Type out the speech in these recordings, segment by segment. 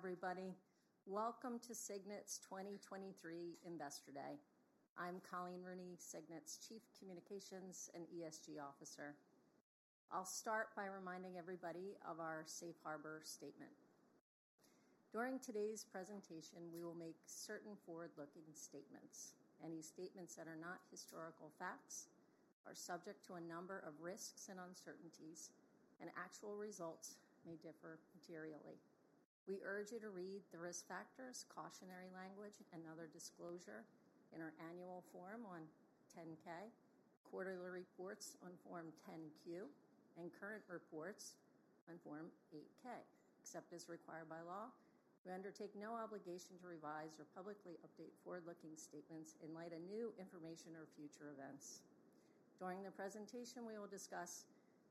Good morning, everybody. Welcome to Signet's 2023 Investor Day. I'm Colleen Rooney, Signet's Chief Communications and ESG Officer. I'll start by reminding everybody of our safe harbor statement. During today's presentation, we will make certain forward-looking statements. Any statements that are not historical facts are subject to a number of risks and uncertainties, and actual results may differ materially. We urge you to read the risk factors, cautionary language, and other disclosure in our annual form on 10-K, quarterly reports on form 10-Q, and current reports on form 8-K. Except as required by law, we undertake no obligation to revise or publicly update forward-looking statements in light of new information or future events. During the presentation, we will discuss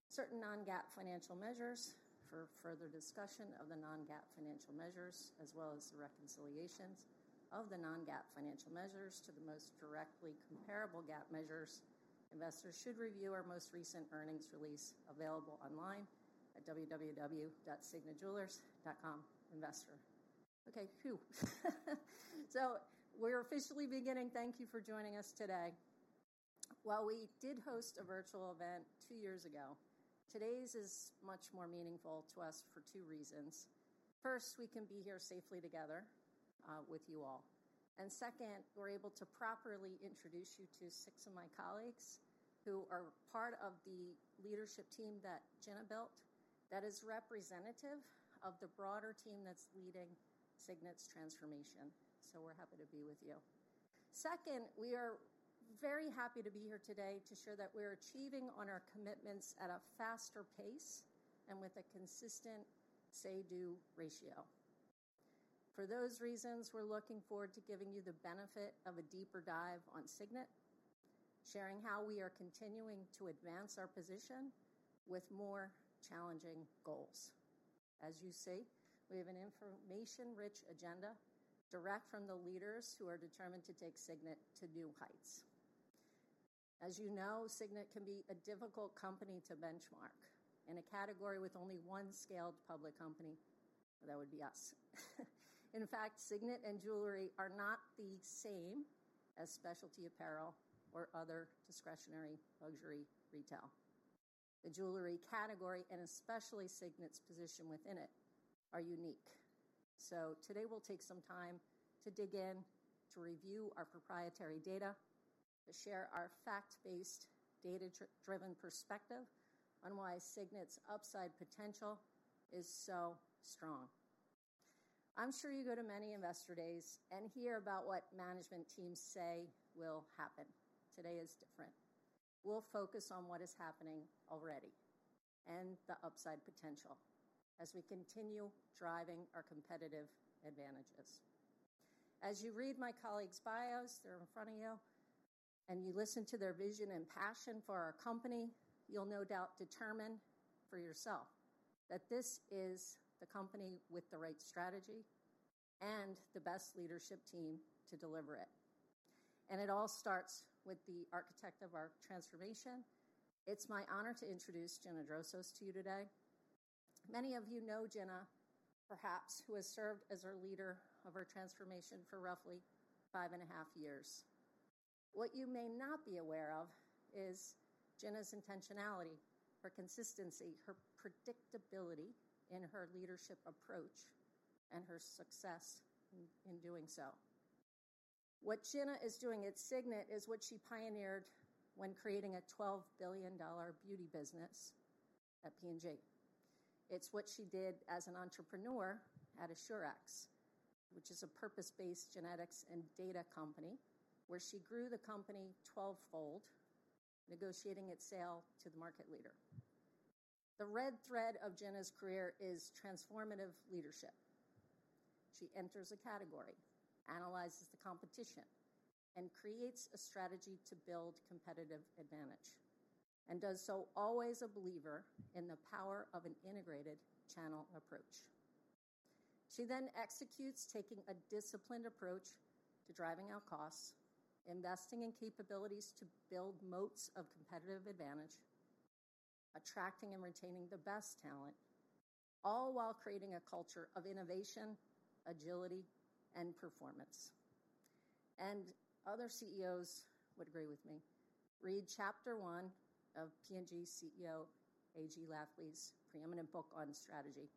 certain non-GAAP financial measures. For further discussion of the non-GAAP financial measures, as well as the reconciliations of the non-GAAP financial measures to the most directly comparable GAAP measures, investors should review our most recent earnings release available online at www.signetjewelers.com/investor. Okay, phew. We're officially beginning. Thank you for joining us today. While we did host a virtual event 2 years ago, today's is much more meaningful to us for 2 reasons. First, we can be here safely together with you all. Second, we're able to properly introduce you to 6 of my colleagues who are part of the leadership team that Gina built that is representative of the broader team that's leading Signet's transformation. We're happy to be with you. Second, we are very happy to be here today to show that we're achieving on our commitments at a faster pace and with a consistent say-do ratio. For those reasons, we're looking forward to giving you the benefit of a deeper dive on Signet, sharing how we are continuing to advance our position with more challenging goals. As you see, we have an information-rich agenda direct from the leaders who are determined to take Signet to new heights. As you know, Signet can be a difficult company to benchmark. In a category with only one scaled public company, that would be us. In fact, Signet and jewelry are not the same as specialty apparel or other discretionary luxury retail. The jewelry category, and especially Signet's position within it, are unique. Today we'll take some time to dig in, to review our proprietary data, to share our fact-based, data-driven perspective on why Signet's upside potential is so strong. I'm sure you go to many investor days and hear about what management teams say will happen. Today is different. We'll focus on what is happening already and the upside potential as we continue driving our competitive advantages. As you read my colleagues' bios, they're in front of you listen to their vision and passion for our company, you'll no doubt determine for yourself that this is the company with the right strategy and the best leadership team to deliver it. It all starts with the architect of our transformation. It's my honor to introduce Gina Drosos to you today. Many of you know Gina, perhaps, who has served as our leader of our transformation for roughly five and a half years. What you may not be aware of is Gina's intentionality, her consistency, her predictability in her leadership approach, and her success in doing so. What Jenna is doing at Signet is what she pioneered when creating a $12 billion beauty business at P&G. It's what she did as an entrepreneur at Assurex, which is a purpose-based genetics and data company, where she grew the company 12-fold, negotiating its sale to the market leader. The red thread of Jenna's career is transformative leadership. She enters a category, analyzes the competition, and creates a strategy to build competitive advantage, and does so always a believer in the power of an integrated channel approach. She then executes, taking a disciplined approach to driving out costs, investing in capabilities to build moats of competitive advantage, attracting and retaining the best talent, all while creating a culture of innovation, agility, and performance. Other CEOs would agree with me. Read chapter 1 of P&G's CEO A.G. Lafley's preeminent book on strategy,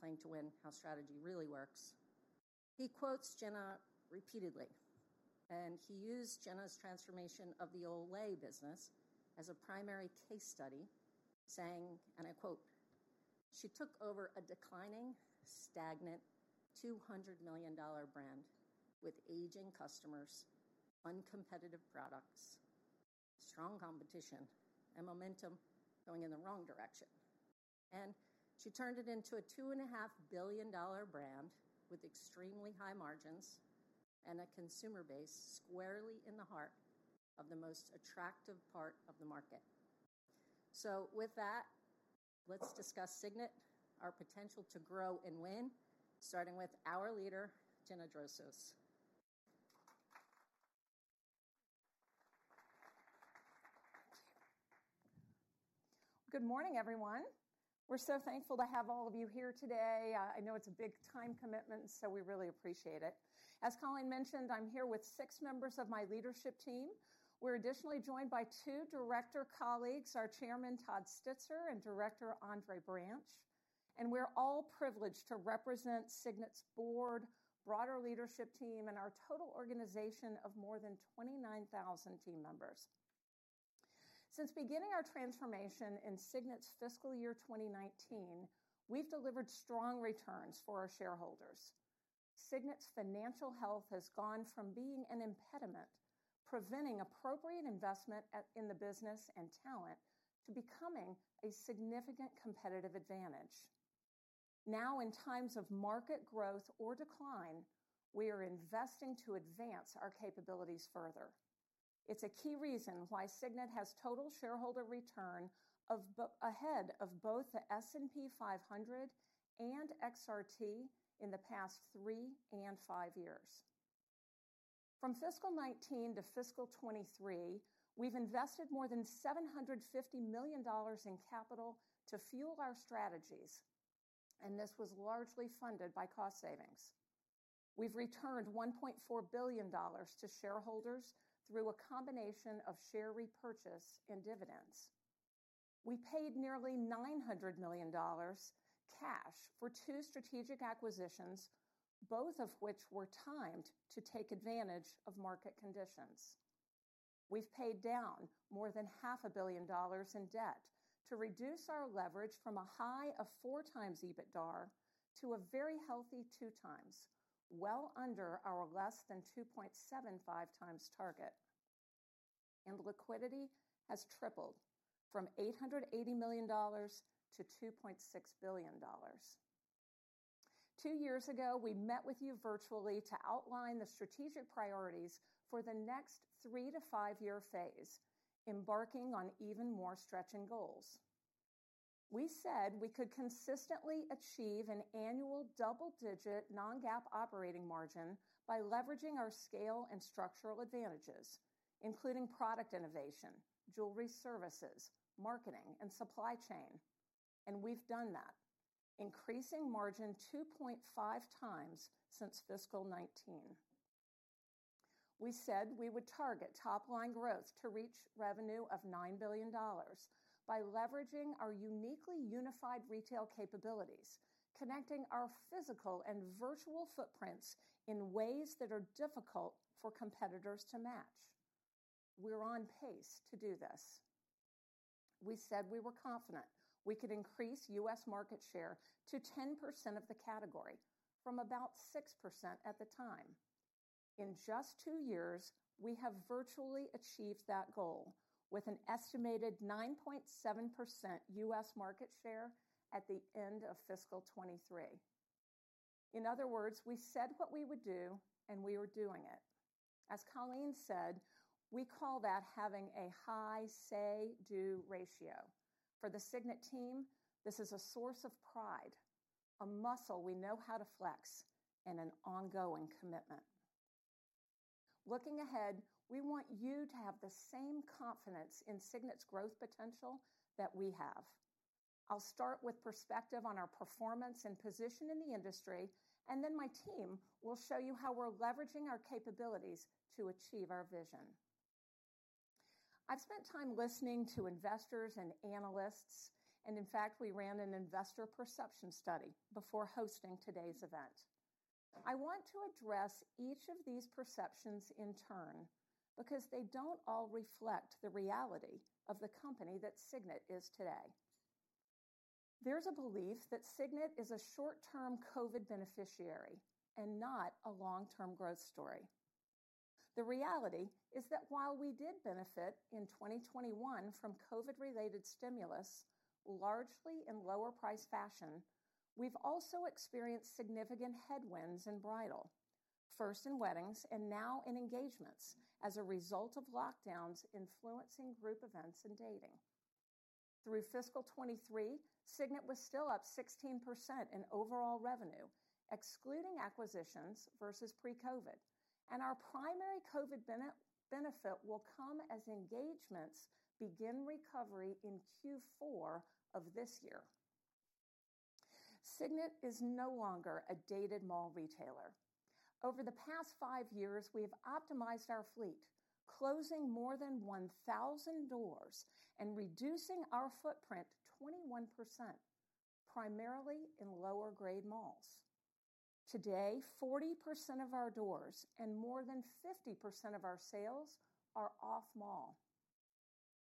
Playing to Win: How Strategy Really Works. He quotes Jenna repeatedly. He used Jenna's transformation of the Olay business as a primary case study, saying, and I quote, "She took over a declining, stagnant, $200 million brand with aging customers, uncompetitive products, strong competition, and momentum going in the wrong direction. She turned it into a $2.5 billion brand with extremely high margins and a consumer base squarely in the heart of the most attractive part of the market." With that, let's discuss Signet, our potential to grow and win, starting with our leader, Jenna Drosos. Good morning, everyone. We're so thankful to have all of you here today. I know it's a big time commitment, so we really appreciate it. As Colleen mentioned, I'm here with six members of my leadership team. We're additionally joined by two director colleagues, our Chairman, Todd Stitzer, and Director Andre Branch. We're all privileged to represent Signet's board, broader leadership team, and our total organization of more than 29,000 team members. Since beginning our transformation in Signet's fiscal year 2019, we've delivered strong returns for our shareholders. Signet's financial health has gone from being an impediment, preventing appropriate investment in the business and talent to becoming a significant competitive advantage. Now, in times of market growth or decline, we are investing to advance our capabilities further. It's a key reason why Signet has total shareholder return ahead of both the S&P 500 and XRT in the past 3 and 5 years. From fiscal 2019 to fiscal 2023, we've invested more than $750 million in capital to fuel our strategies, and this was largely funded by cost savings. We've returned $1.4 billion to shareholders through a combination of share repurchase and dividends. We paid nearly $900 million cash for two strategic acquisitions, both of which were timed to take advantage of market conditions. We've paid down more than half a billion dollars in debt to reduce our leverage from a high of 4 times EBITDA to a very healthy 2 times, well under our less than 2.75 times target. Liquidity has tripled from $880 million to $2.6 billion. Two years ago, we met with you virtually to outline the strategic priorities for the next 3-5-year phase, embarking on even more stretching goals. We said we could consistently achieve an annual double-digit non-GAAP operating margin by leveraging our scale and structural advantages, including product innovation, jewelry services, marketing, and supply chain. We've done that, increasing margin 2.5 times since fiscal 2019. We said we would target top-line growth to reach revenue of $9 billion by leveraging our uniquely unified retail capabilities, connecting our physical and virtual footprints in ways that are difficult for competitors to match. We're on pace to do this. We said we were confident we could increase U.S. market share to 10% of the category from about 6% at the time. In just two years, we have virtually achieved that goal with an estimated 9.7% U.S. market share at the end of fiscal 2023. In other words, we said what we would do, and we are doing it. As Colleen said, we call that having a high say-do ratio. For the Signet team, this is a source of pride, a muscle we know how to flex, and an ongoing commitment. Looking ahead, we want you to have the same confidence in Signet's growth potential that we have. I'll start with perspective on our performance and position in the industry, and then my team will show you how we're leveraging our capabilities to achieve our vision. I've spent time listening to investors and analysts. In fact, we ran an investor perception study before hosting today's event. I want to address each of these perceptions in turn because they don't all reflect the reality of the company that Signet is today. There's a belief that Signet is a short-term COVID beneficiary and not a long-term growth story. The reality is that while we did benefit in 2021 from COVID-related stimulus, largely in lower-priced fashion, we've also experienced significant headwinds in bridal, first in weddings and now in engagements as a result of lockdowns influencing group events and dating. Through fiscal 23, Signet was still up 16% in overall revenue, excluding acquisitions versus pre-COVID, and our primary COVID benefit will come as engagements begin recovery in Q4 of this year. Signet is no longer a dated mall retailer. Over the past five years, we have optimized our fleet, closing more than 1,000 doors and reducing our footprint 21%, primarily in lower-grade malls. Today, 40% of our doors and more than 50% of our sales are off-mall,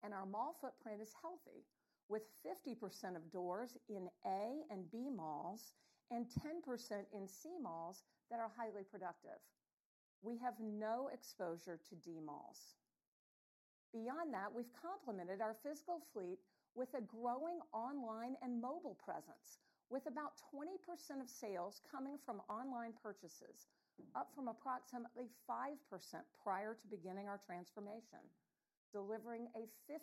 and our mall footprint is healthy with 50% of doors in A and B malls and 10% in C malls that are highly productive. We have no exposure to D malls. Beyond that, we've complemented our physical fleet with a growing online and mobile presence, with about 20% of sales coming from online purchases, up from approximately 5% prior to beginning our transformation, delivering a 50%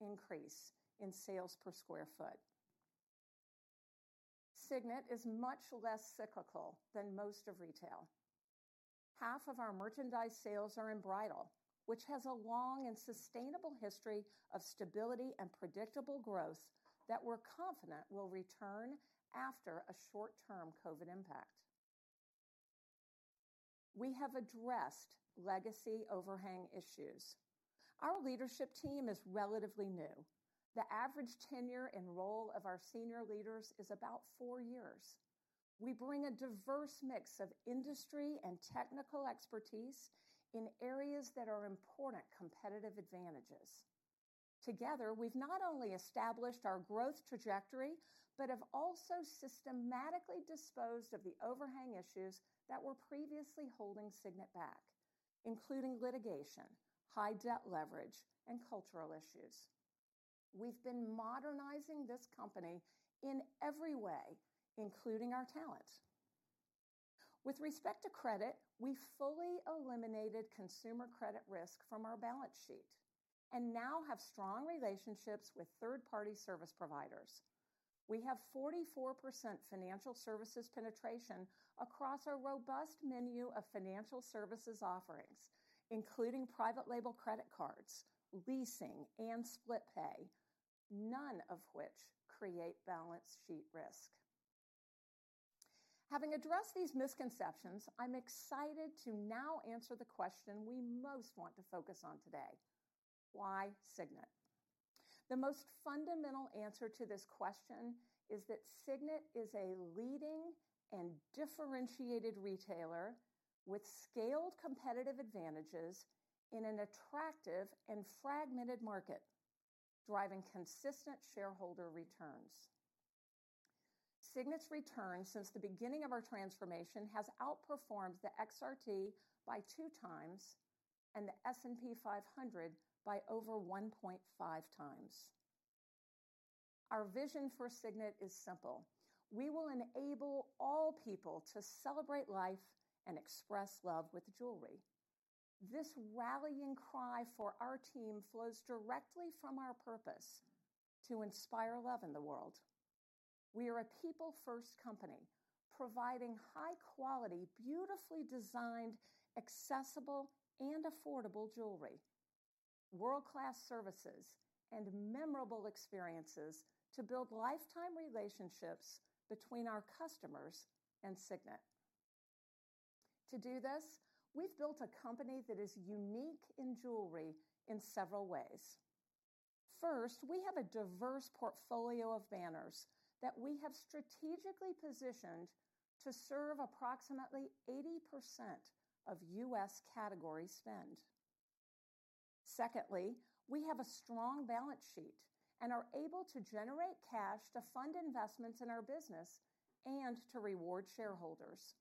increase in sales per sq ft. Signet is much less cyclical than most of retail. Half of our merchandise sales are in bridal, which has a long and sustainable history of stability and predictable growth that we're confident will return after a short-term COVID impact. We have addressed legacy overhang issues. Our leadership team is relatively new. The average tenure and role of our senior leaders is about 4 years. We bring a diverse mix of industry and technical expertise in areas that are important competitive advantages. Together, we've not only established our growth trajectory, but have also systematically disposed of the overhang issues that were previously holding Signet back, including litigation, high debt leverage, and cultural issues. We've been modernizing this company in every way, including our talent. With respect to credit, we fully eliminated consumer credit risk from our balance sheet and now have strong relationships with third-party service providers. We have 44% financial services penetration across our robust menu of financial services offerings, including private label credit cards, leasing, and split pay, none of which create balance sheet risk. Having addressed these misconceptions, I'm excited to now answer the question we most want to focus on today: Why Signet? The most fundamental answer to this question is that Signet is a leading and differentiated retailer with scaled competitive advantages in an attractive and fragmented market, driving consistent shareholder returns. Signet's return since the beginning of our transformation has outperformed the XRT by 2 times and the S&P 500 by over 1.5 times. Our vision for Signet is simple. We will enable all people to celebrate life and express love with jewelry. This rallying cry for our team flows directly from our purpose to inspire love in the world. We are a people-first company providing high quality, beautifully designed, accessible, and affordable jewelry, world-class services, and memorable experiences to build lifetime relationships between our customers and Signet. To do this, we've built a company that is unique in jewelry in several ways. First, we have a diverse portfolio of banners that we have strategically positioned to serve approximately 80% of U.S. category spend. Secondly, we have a strong balance sheet and are able to generate cash to fund investments in our business and to reward shareholders.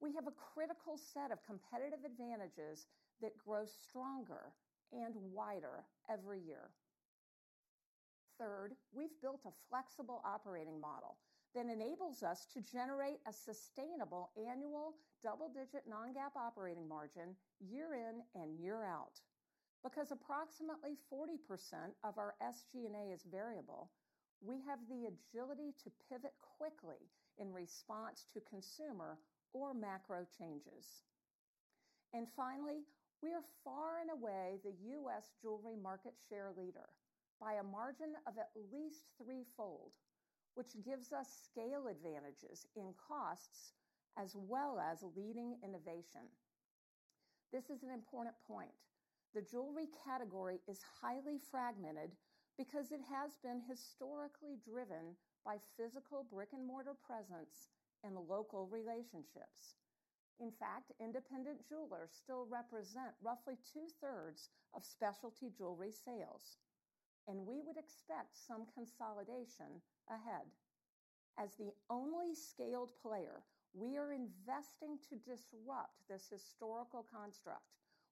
We have a critical set of competitive advantages that grow stronger and wider every year. Third, we've built a flexible operating model that enables us to generate a sustainable annual double-digit non-GAAP operating margin year in and year out. Because approximately 40% of our SG&A is variable, we have the agility to pivot quickly in response to consumer or macro changes. Finally, we are far and away the U.S. jewelry market share leader by a margin of at least threefold, which gives us scale advantages in costs as well as leading innovation. This is an important point. The jewelry category is highly fragmented because it has been historically driven by physical brick-and-mortar presence and local relationships. In fact, independent jewelers still represent roughly 2/3 of specialty jewelry sales, and we would expect some consolidation ahead. As the only scaled player, we are investing to disrupt this historical construct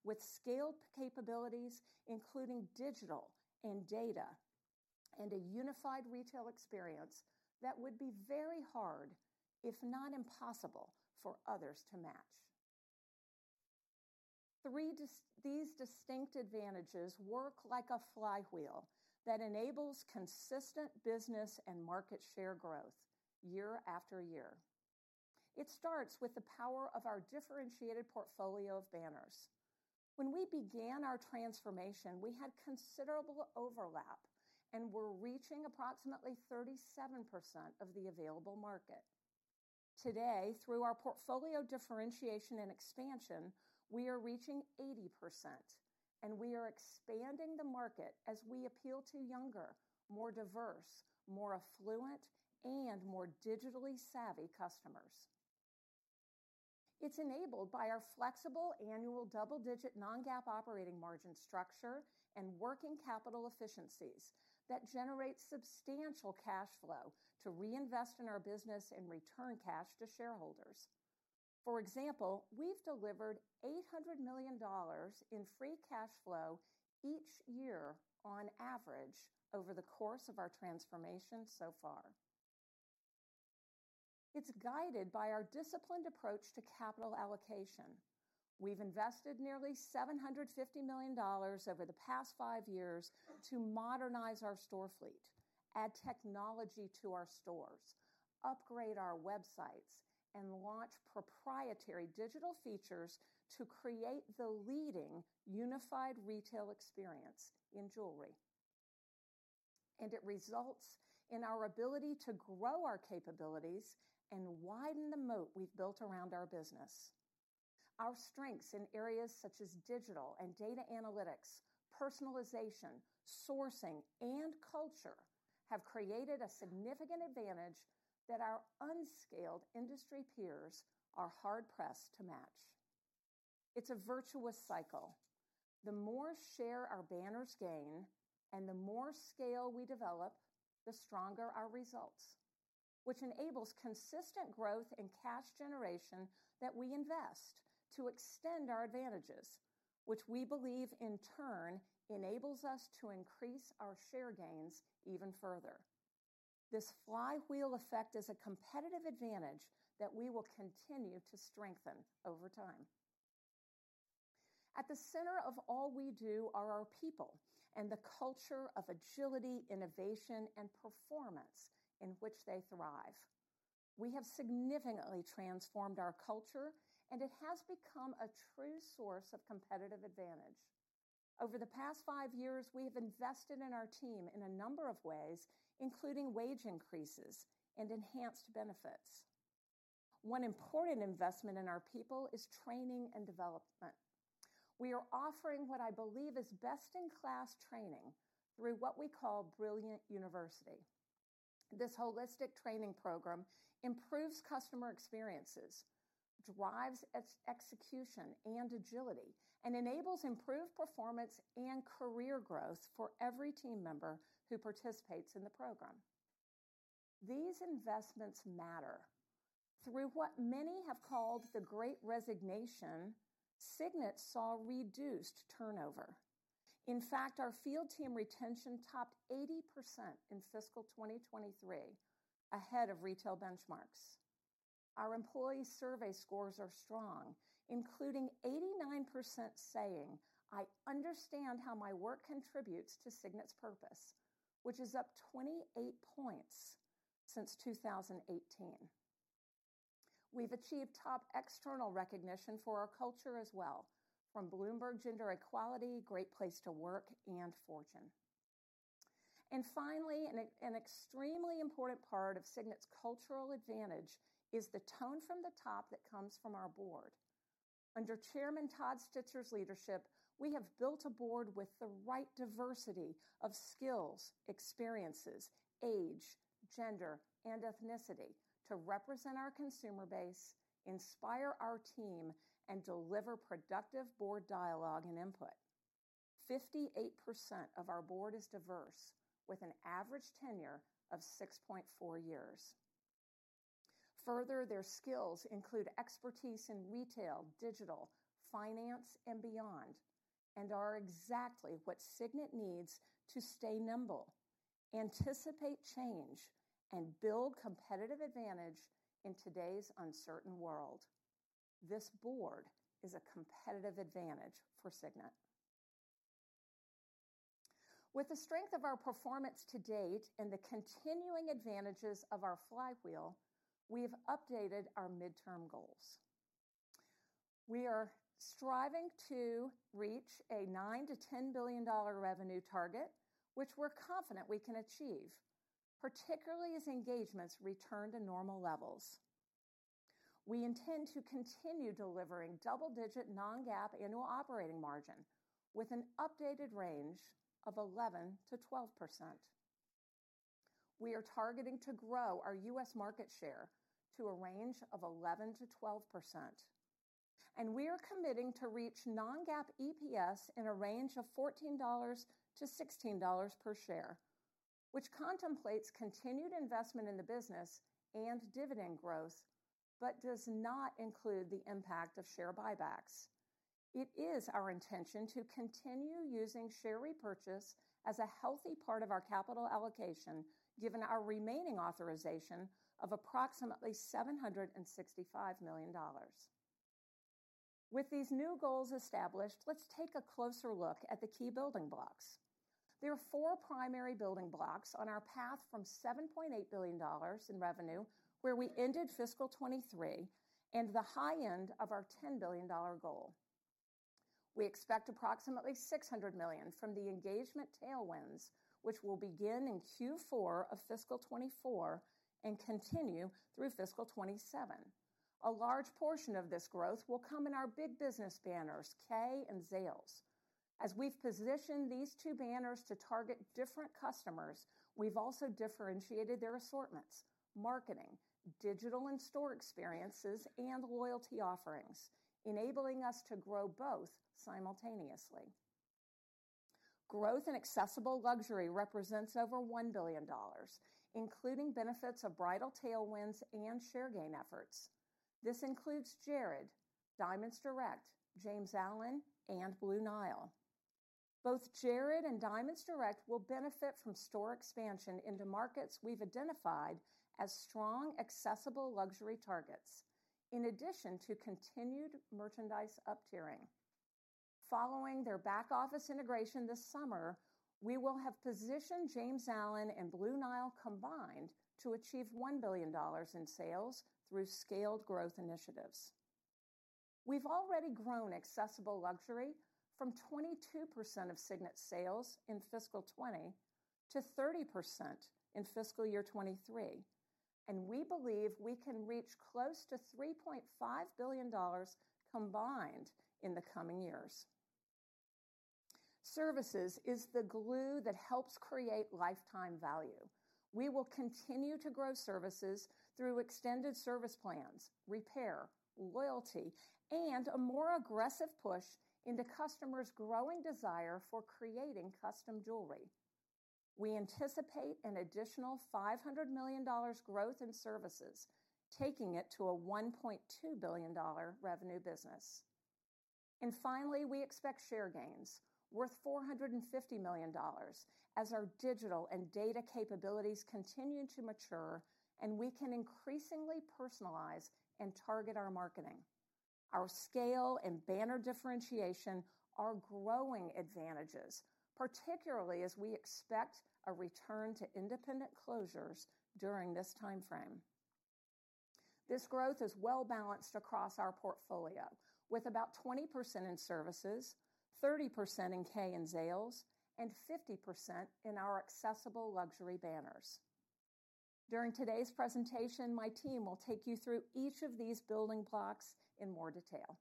with scaled capabilities, including digital and data and a unified retail experience that would be very hard, if not impossible, for others to match. These distinct advantages work like a flywheel that enables consistent business and market share growth year after year. It starts with the power of our differentiated portfolio of banners. When we began our transformation, we had considerable overlap, and were reaching approximately 37% of the available market. Today, through our portfolio differentiation and expansion, we are reaching 80%, We are expanding the market as we appeal to younger, more diverse, more affluent, and more digitally savvy customers. It's enabled by our flexible annual double-digit non-GAAP operating margin structure and working capital efficiencies that generate substantial cash flow to reinvest in our business and return cash to shareholders. For example, we've delivered $800 million in free cash flow each year on average over the course of our transformation so far. It's guided by our disciplined approach to capital allocation. We've invested nearly $750 million over the past 5 years to modernize our store fleet, add technology to our stores, upgrade our websites, and launch proprietary digital features to create the leading unified retail experience in jewelry. It results in our ability to grow our capabilities and widen the moat we've built around our business. Our strengths in areas such as digital and data analytics, personalization, sourcing, and culture have created a significant advantage that our unscaled industry peers are hard-pressed to match. It's a virtuous cycle. The more share our banners gain and the more scale we develop, the stronger our results, which enables consistent growth and cash generation that we invest to extend our advantages, which we believe in turn enables us to increase our share gains even further. This flywheel effect is a competitive advantage that we will continue to strengthen over time. At the center of all we do are our people and the culture of agility, innovation, and performance in which they thrive. We have significantly transformed our culture, and it has become a true source of competitive advantage. Over the past five years, we have invested in our team in a number of ways, including wage increases and enhanced benefits. One important investment in our people is training and development. We are offering what I believe is best-in-class training through what we call Brilliant University. This holistic training program improves customer experiences, drives execution and agility, and enables improved performance and career growth for every team member who participates in the program. These investments matter. Through what many have called the Great Resignation, Signet saw reduced turnover. In fact, our field team retention topped 80% in fiscal 2023, ahead of retail benchmarks. Our employee survey scores are strong, including 89% saying, "I understand how my work contributes to Signet's purpose," which is up 28 points since 2018. We've achieved top external recognition for our culture as well, from Bloomberg Gender Equality, Great Place to Work, and Fortune. Finally, an extremely important part of Signet's cultural advantage is the tone from the top that comes from our board. Under Chairman Todd Stitzer's leadership, we have built a board with the right diversity of skills, experiences, age, gender, and ethnicity to represent our consumer base, inspire our team, and deliver productive board dialogue and input. 58% of our board is diverse, with an average tenure of 6.4 years. Further, their skills include expertise in retail, digital, finance, and beyond, and are exactly what Signet needs to stay nimble, anticipate change, and build competitive advantage in today's uncertain world. This board is a competitive advantage for Signet. With the strength of our performance to date and the continuing advantages of our flywheel, we've updated our midterm goals. We are striving to reach a $9 billion-$10 billion revenue target, which we're confident we can achieve, particularly as engagements return to normal levels. We intend to continue delivering double-digit non-GAAP annual operating margin with an updated range of 11%-12%. We are targeting to grow our US market share to a range of 11%-12%, we are committing to reach non-GAAP EPS in a range of $14-$16 per share, which contemplates continued investment in the business and dividend growth, does not include the impact of share buybacks. It is our intention to continue using share repurchase as a healthy part of our capital allocation, given our remaining authorization of approximately $765 million. With these new goals established, let's take a closer look at the key building blocks. There are 4 primary building blocks on our path from $7.8 billion in revenue, where we ended fiscal 2023, and the high end of our $10 billion goal. We expect approximately $600 million from the engagement tailwinds, which will begin in Q4 of fiscal 2024 and continue through fiscal 2027. A large portion of this growth will come in our big business banners, Kay and Zales. As we've positioned these two banners to target different customers, we've also differentiated their assortments, marketing, digital and store experiences, and loyalty offerings, enabling us to grow both simultaneously. Growth in accessible luxury represents over $1 billion, including benefits of bridal tailwinds and share gain efforts. This includes Jared, Diamonds Direct, James Allen, and Blue Nile. Both Jared and Diamonds Direct will benefit from store expansion into markets we've identified as strong, accessible luxury targets, in addition to continued merchandise uptiering. Following their back office integration this summer, we will have positioned James Allen and Blue Nile combined to achieve $1 billion in sales through scaled growth initiatives. We've already grown accessible luxury from 22% of Signet sales in fiscal 20 to 30% in fiscal year 2023. We believe we can reach close to $3.5 billion combined in the coming years. Services is the glue that helps create lifetime value. We will continue to grow services through extended service plans, repair, loyalty, and a more aggressive push into customers' growing desire for creating custom jewelry. We anticipate an additional $500 million growth in services, taking it to a $1.2 billion revenue business. Finally, we expect share gains worth $450 million as our digital and data capabilities continue to mature and we can increasingly personalize and target our marketing. Our scale and banner differentiation are growing advantages, particularly as we expect a return to independent closures during this timeframe. This growth is well-balanced across our portfolio, with about 20% in services, 30% in Kay and Zales, and 50% in our accessible luxury banners. During today's presentation, my team will take you through each of these building blocks in more detail.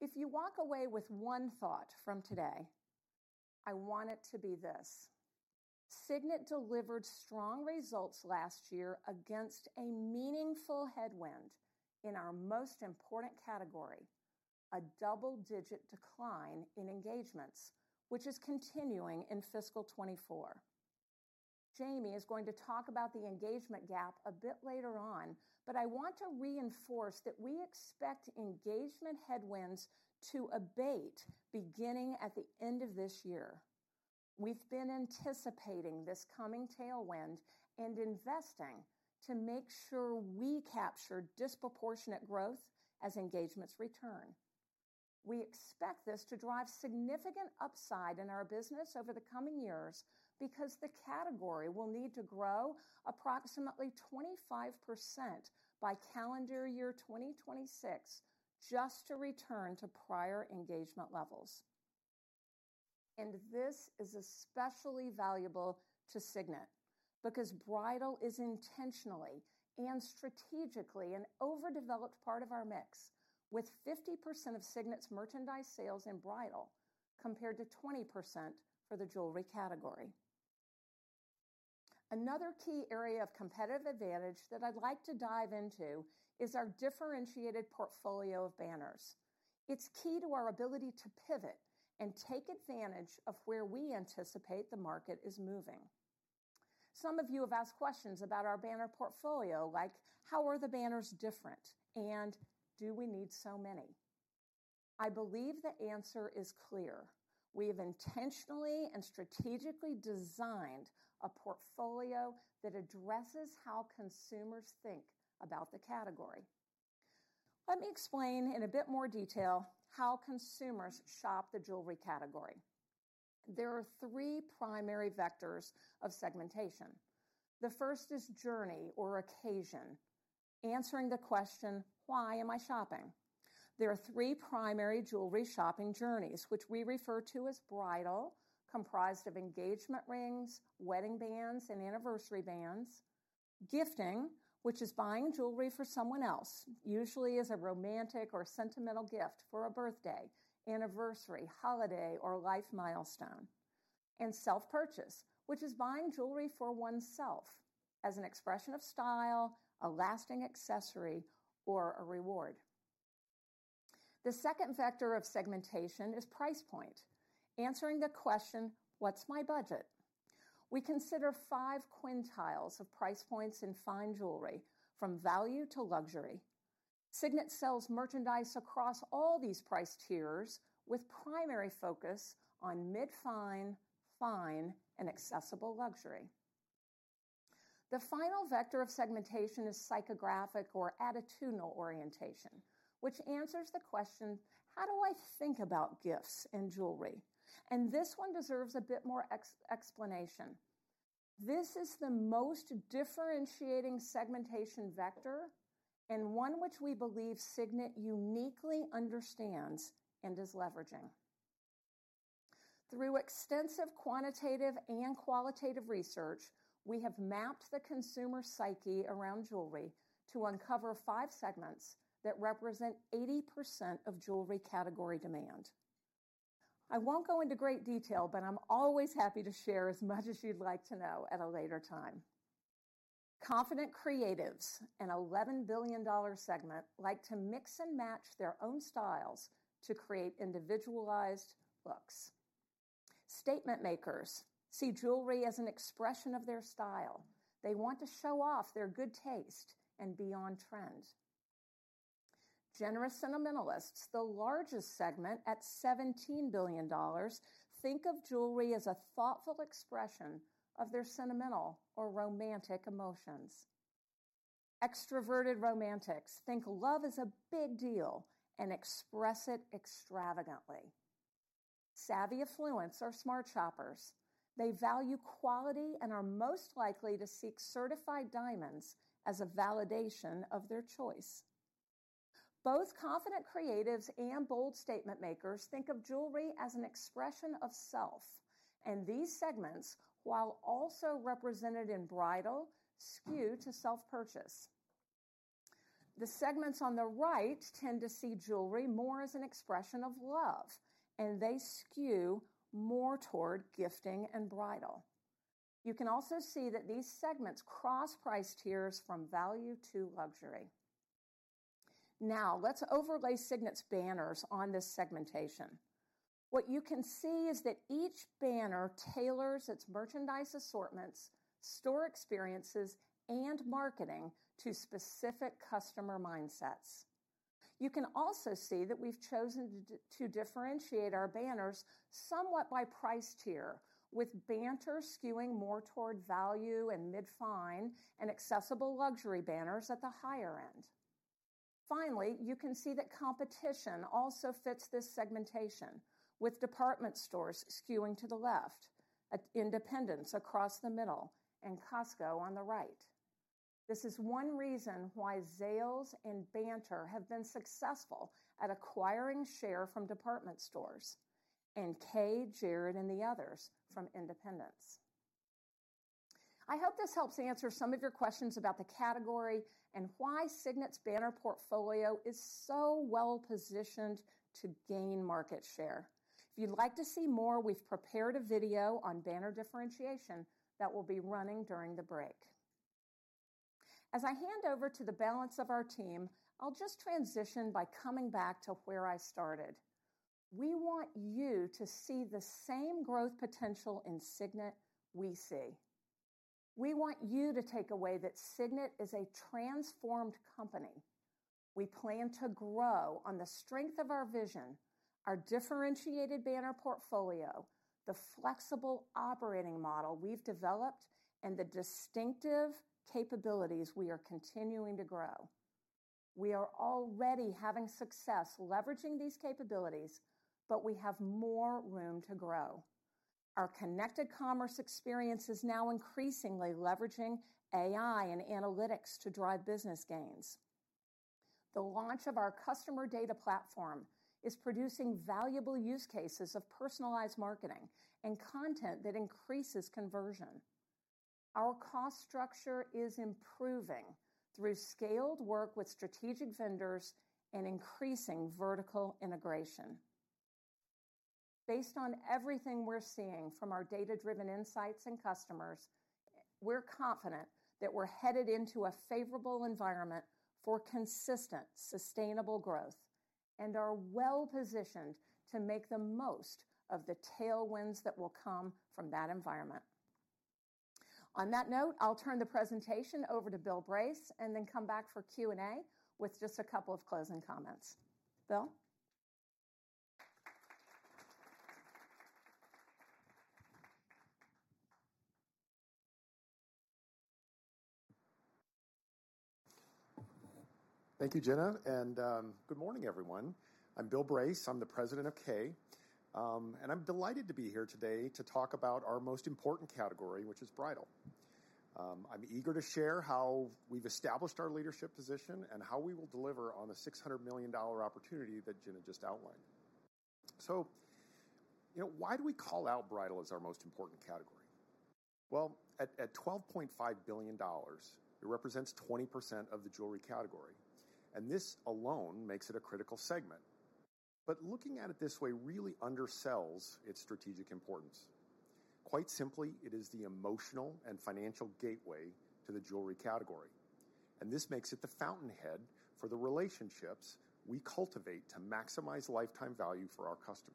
If you walk away with one thought from today, I want it to be this: Signet delivered strong results last year against a meaningful headwind in our most important category, a double-digit decline in engagements, which is continuing in fiscal 2024. Jamie is going to talk about the engagement gap a bit later on, but I want to reinforce that we expect engagement headwinds to abate beginning at the end of this year. We've been anticipating this coming tailwind and investing to make sure we capture disproportionate growth as engagements return. We expect this to drive significant upside in our business over the coming years because the category will need to grow approximately 25% by calendar year 2026 just to return to prior engagement levels. This is especially valuable to Signet because bridal is intentionally and strategically an overdeveloped part of our mix, with 50% of Signet's merchandise sales in bridal, compared to 20% for the jewelry category. Another key area of competitive advantage that I'd like to dive into is our differentiated portfolio of banners. It's key to our ability to pivot and take advantage of where we anticipate the market is moving. Some of you have asked questions about our banner portfolio, like, "How are the banners different?" "Do we need so many?" I believe the answer is clear. We have intentionally and strategically designed a portfolio that addresses how consumers think about the category. Let me explain in a bit more detail how consumers shop the jewelry category. There are 3 primary vectors of segmentation. The first is journey or occasion, answering the question, "Why am I shopping?" There are 3 primary jewelry shopping journeys, which we refer to as bridal, comprised of engagement rings, wedding bands, and anniversary bands. Gifting, which is buying jewelry for someone else, usually as a romantic or sentimental gift for a birthday, anniversary, holiday, or life milestone. Self-purchase, which is buying jewelry for oneself as an expression of style, a lasting accessory, or a reward. The second vector of segmentation is price point, answering the question, "What's my budget?" We consider 5 quintiles of price points in fine jewelry, from value to luxury. Signet sells merchandise across all these price tiers with primary focus on mid-fine, fine, and accessible luxury. The final vector of segmentation is psychographic or attitudinal orientation, which answers the question, "How do I think about gifts and jewelry?" This one deserves a bit more explanation. This is the most differentiating segmentation vector and one which we believe Signet uniquely understands and is leveraging. Through extensive quantitative and qualitative research, we have mapped the consumer psyche around jewelry to uncover 5 segments that represent 80% of jewelry category demand. I won't go into great detail, but I'm always happy to share as much as you'd like to know at a later time. Confident creatives, an $11 billion segment, like to mix and match their own styles to create individualized looks. Statement makers see jewelry as an expression of their style. They want to show off their good taste and be on trend. Generous sentimentalists, the largest segment at $17 billion, think of jewelry as a thoughtful expression of their sentimental or romantic emotions. Extroverted romantics think love is a big deal and express it extravagantly. Savvy affluents are smart shoppers. They value quality and are most likely to seek certified diamonds as a validation of their choice. Both confident creatives and bold statement makers think of jewelry as an expression of self, and these segments, while also represented in bridal, skew to self-purchase. The segments on the right tend to see jewelry more as an expression of love, and they skew more toward gifting and bridal. You can also see that these segments cross price tiers from value to luxury. Let's overlay Signet's banners on this segmentation. What you can see is that each banner tailors its merchandise assortments, store experiences, and marketing to specific customer mindsets. You can also see that we've chosen to differentiate our banners somewhat by price tier, with Banter skewing more toward value and mid-fine and accessible luxury banners at the higher end. Finally, you can see that competition also fits this segmentation, with department stores skewing to the left, at independents across the middle, and Costco on the right. This is one reason why Zales and Banter have been successful at acquiring share from department stores, and Kay, Jared, and the others from independents. I hope this helps answer some of your questions about the category and why Signet's banner portfolio is so well-positioned to gain market share. If you'd like to see more, we've prepared a video on banner differentiation that will be running during the break. As I hand over to the balance of our team, I'll just transition by coming back to where I started. We want you to see the same growth potential in Signet we see. We want you to take away that Signet is a transformed company. We plan to grow on the strength of our vision, our differentiated banner portfolio, the flexible operating model we've developed, and the distinctive capabilities we are continuing to grow. We are already having success leveraging these capabilities, but we have more room to grow. Our connected commerce experience is now increasingly leveraging AI and analytics to drive business gains. The launch of our customer data platform is producing valuable use cases of personalized marketing and content that increases conversion. Our cost structure is improving through scaled work with strategic vendors and increasing vertical integration. Based on everything we're seeing from our data-driven insights and customers, we're confident that we're headed into a favorable environment for consistent, sustainable growth and are well-positioned to make the most of the tailwinds that will come from that environment. On that note, I'll turn the presentation over to Bill Brace and then come back for Q&A with just a couple of closing comments. Bill? Thank you, Jenna. Good morning, everyone. I'm Bill Brace. I'm the president of Kay. I'm delighted to be here today to talk about our most important category, which is bridal. I'm eager to share how we've established our leadership position and how we will deliver on the $600 million opportunity that Jenna just outlined. You know, why do we call out bridal as our most important category? At $12.5 billion, it represents 20% of the jewelry category. This alone makes it a critical segment. Looking at it this way really undersells its strategic importance. Quite simply, it is the emotional and financial gateway to the jewelry category. This makes it the fountainhead for the relationships we cultivate to maximize lifetime value for our customers.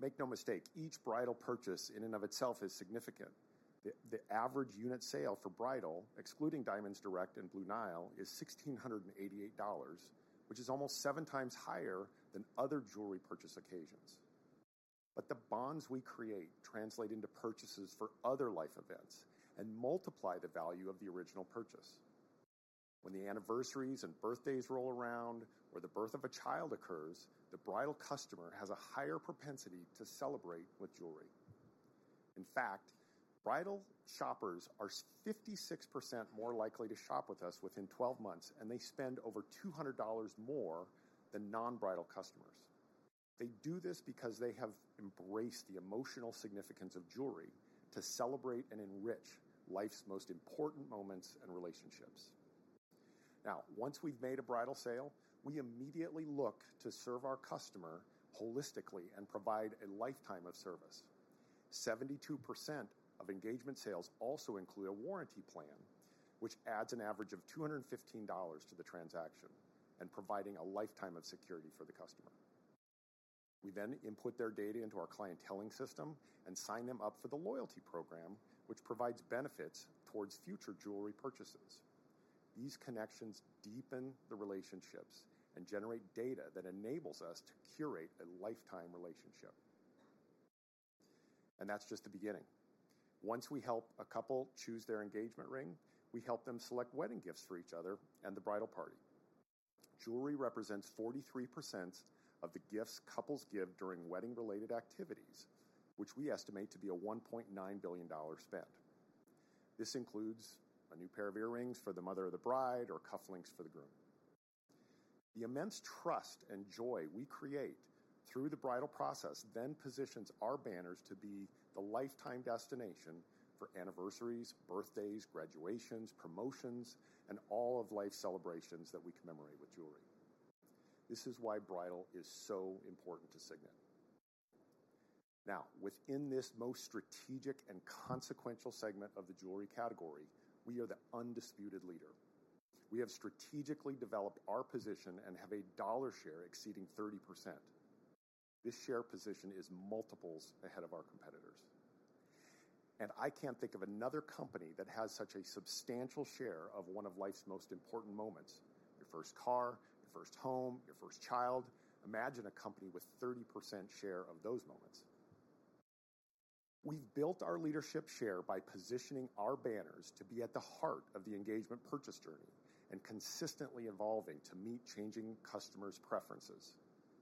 Make no mistake, each bridal purchase in and of itself is significant. The average unit sale for bridal, excluding Diamonds Direct and Blue Nile, is $1,688, which is almost 7 times higher than other jewelry purchase occasions. The bonds we create translate into purchases for other life events and multiply the value of the original purchase. When the anniversaries and birthdays roll around or the birth of a child occurs, the bridal customer has a higher propensity to celebrate with jewelry. In fact, bridal shoppers are 56% more likely to shop with us within 12 months, and they spend over $200 more than non-bridal customers. They do this because they have embraced the emotional significance of jewelry to celebrate and enrich life's most important moments and relationships. Once we've made a bridal sale, we immediately look to serve our customer holistically and provide a lifetime of service. 72% of engagement sales also include a warranty plan, which adds an average of $215 to the transaction and providing a lifetime of security for the customer. We input their data into our clienteling system and sign them up for the loyalty program, which provides benefits towards future jewelry purchases. These connections deepen the relationships and generate data that enables us to curate a lifetime relationship. That's just the beginning. Once we help a couple choose their engagement ring, we help them select wedding gifts for each other and the bridal party. Jewelry represents 43% of the gifts couples give during wedding-related activities, which we estimate to be a $1.9 billion spend. This includes a new pair of earrings for the mother of the bride or cufflinks for the groom. The immense trust and joy we create through the bridal process positions our banners to be the lifetime destination for anniversaries, birthdays, graduations, promotions, and all of life's celebrations that we commemorate with jewelry. This is why bridal is so important to Signet. Within this most strategic and consequential segment of the jewelry category, we are the undisputed leader. We have strategically developed our position and have a dollar share exceeding 30%. This share position is multiples ahead of our competitors, I can't think of another company that has such a substantial share of one of life's most important moments. Your first car, your first home, your first child. Imagine a company with 30% share of those moments. We've built our leadership share by positioning our banners to be at the heart of the engagement purchase journey and consistently evolving to meet changing customers' preferences.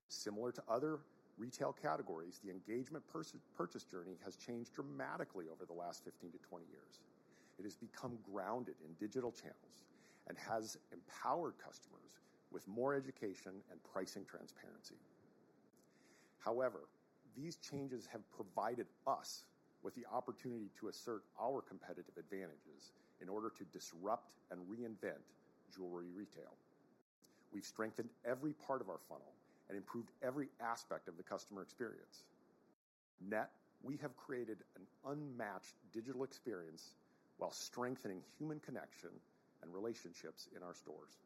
Similar to other retail categories, the engagement purchase journey has changed dramatically over the last 15 to 20 years. It has become grounded in digital channels and has empowered customers with more education and pricing transparency. These changes have provided us with the opportunity to assert our competitive advantages in order to disrupt and reinvent jewelry retail. We've strengthened every part of our funnel and improved every aspect of the customer experience. We have created an unmatched digital experience while strengthening human connection and relationships in our stores.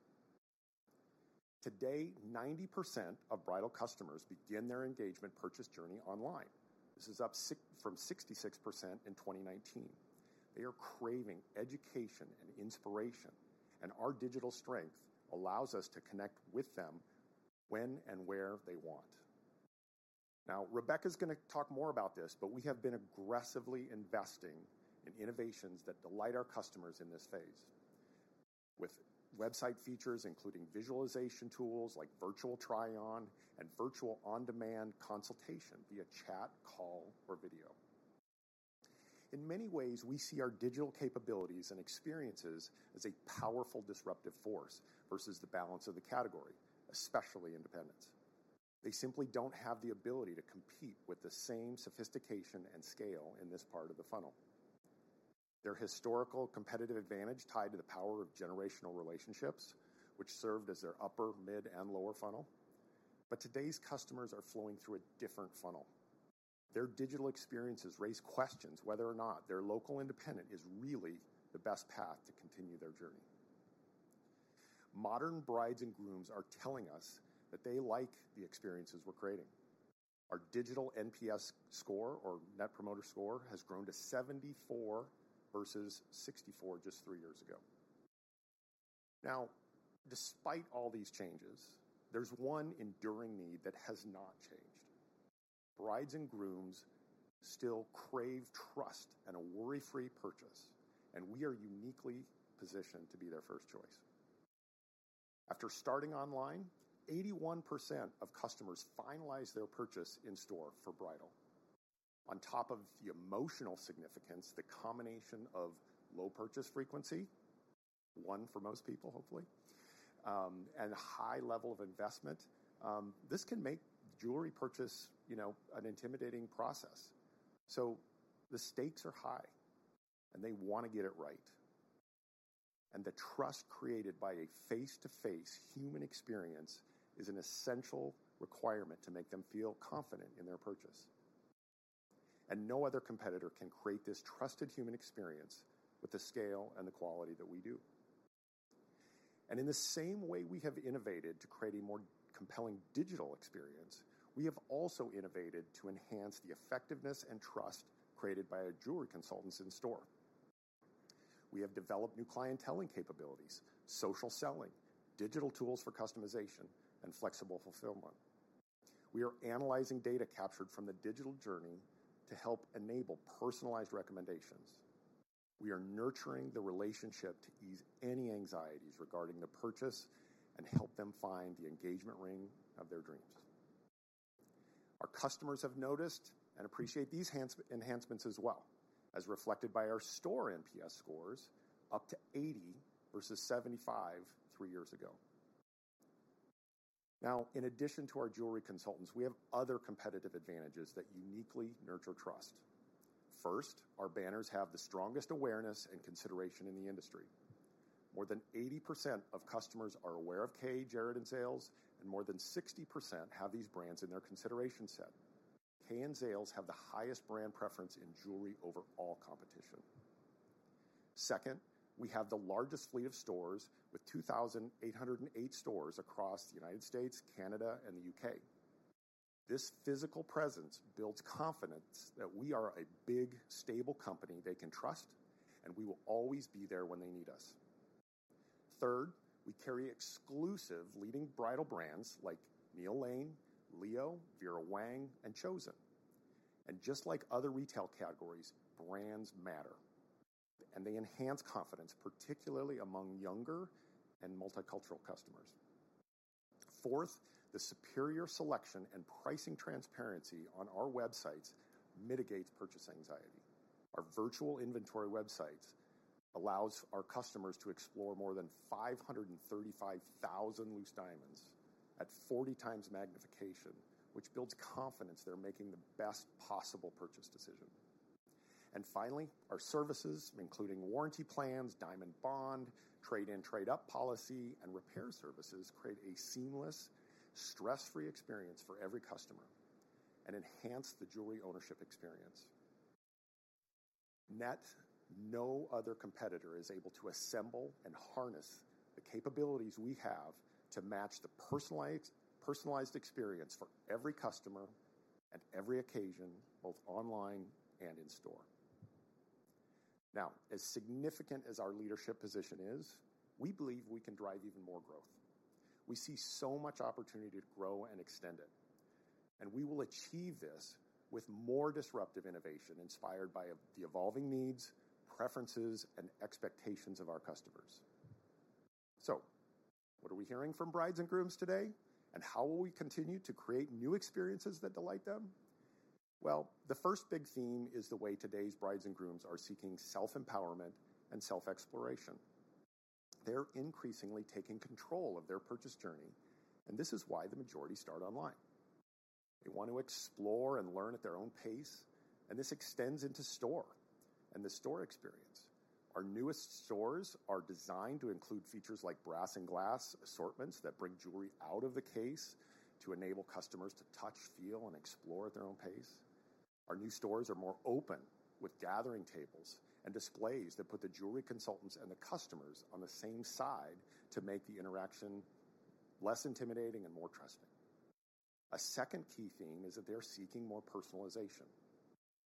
Today, 90% of bridal customers begin their engagement purchase journey online. This is up from 66% in 2019. They are craving education and inspiration. Our digital strength allows us to connect with them when and where they want. Now Rebecca's gonna talk more about this. We have been aggressively investing in innovations that delight our customers in this phase. With website features including visualization tools like virtual try-on and virtual on-demand consultation via chat, call, or video. In many ways, we see our digital capabilities and experiences as a powerful disruptive force versus the balance of the category, especially independents. They simply don't have the ability to compete with the same sophistication and scale in this part of the funnel. Their historical competitive advantage tied to the power of generational relationships, which served as their upper, mid, and lower funnel. Today's customers are flowing through a different funnel. Their digital experiences raise questions whether or not their local independent is really the best path to continue their journey. Modern brides and grooms are telling us that they like the experiences we're creating. Our digital NPS score or Net Promoter Score has grown to 74 versus 64 just 3 years ago. Despite all these changes, there's one enduring need that has not changed. Brides and grooms still crave trust and a worry-free purchase, and we are uniquely positioned to be their first choice. After starting online, 81% of customers finalize their purchase in store for bridal. On top of the emotional significance, the combination of low purchase frequency, one for most people, hopefully, and high level of investment, this can make jewelry purchase, you know, an intimidating process. The stakes are high, and they wanna get it right. The trust created by a face-to-face human experience is an essential requirement to make them feel confident in their purchase. No other competitor can create this trusted human experience with the scale and the quality that we do. In the same way we have innovated to create a more compelling digital experience, we have also innovated to enhance the effectiveness and trust created by our jewelry consultants in store. We have developed new clienteling capabilities, social selling, digital tools for customization, and flexible fulfillment. We are analyzing data captured from the digital journey to help enable personalized recommendations. We are nurturing the relationship to ease any anxieties regarding the purchase and help them find the engagement ring of their dreams. Our customers have noticed and appreciate these enhancements as well, as reflected by our store NPS scores, up to 80 versus 75 3 years ago. In addition to our jewelry consultants, we have other competitive advantages that uniquely nurture trust. First, our banners have the strongest awareness and consideration in the industry. More than 80% of customers are aware of Kay, Jared, and Zales, and more than 60% have these brands in their consideration set. Kay and Zales have the highest brand preference in jewelry over all competition. Second, we have the largest fleet of stores with 2,808 stores across the U.S., Canada, and the U.K. This physical presence builds confidence that we are a big, stable company they can trust, we will always be there when they need us. Third, we carry exclusive leading bridal brands like Neil Lane, Leo, Vera Wang, and Chosen. Just like other retail categories, brands matter, and they enhance confidence, particularly among younger and multicultural customers. Fourth, the superior selection and pricing transparency on our websites mitigates purchase anxiety. Our virtual inventory websites allows our customers to explore more than 535,000 loose diamonds at 40 times magnification, which builds confidence they're making the best possible purchase decision. Finally, our services, including warranty plans, Diamond Bond, trade-in-trade-up policy, and repair services create a seamless, stress-free experience for every customer and enhance the jewelry ownership experience. Net, no other competitor is able to assemble and harness the capabilities we have to match the personalized experience for every customer at every occasion, both online and in store. As significant as our leadership position is, we believe we can drive even more growth. We see so much opportunity to grow and extend it, and we will achieve this with more disruptive innovation inspired by the evolving needs, preferences, and expectations of our customers. What are we hearing from brides and grooms today, and how will we continue to create new experiences that delight them? The first big theme is the way today's brides and grooms are seeking self-empowerment and self-exploration. They're increasingly taking control of their purchase journey, and this is why the majority start online. They want to explore and learn at their own pace, and this extends into store and the store experience. Our newest stores are designed to include features like brass and glass assortments that bring jewelry out of the case to enable customers to touch, feel, and explore at their own pace. Our new stores are more open with gathering tables and displays that put the jewelry consultants and the customers on the same side to make the interaction less intimidating and more trusting. A second key theme is that they're seeking more personalization.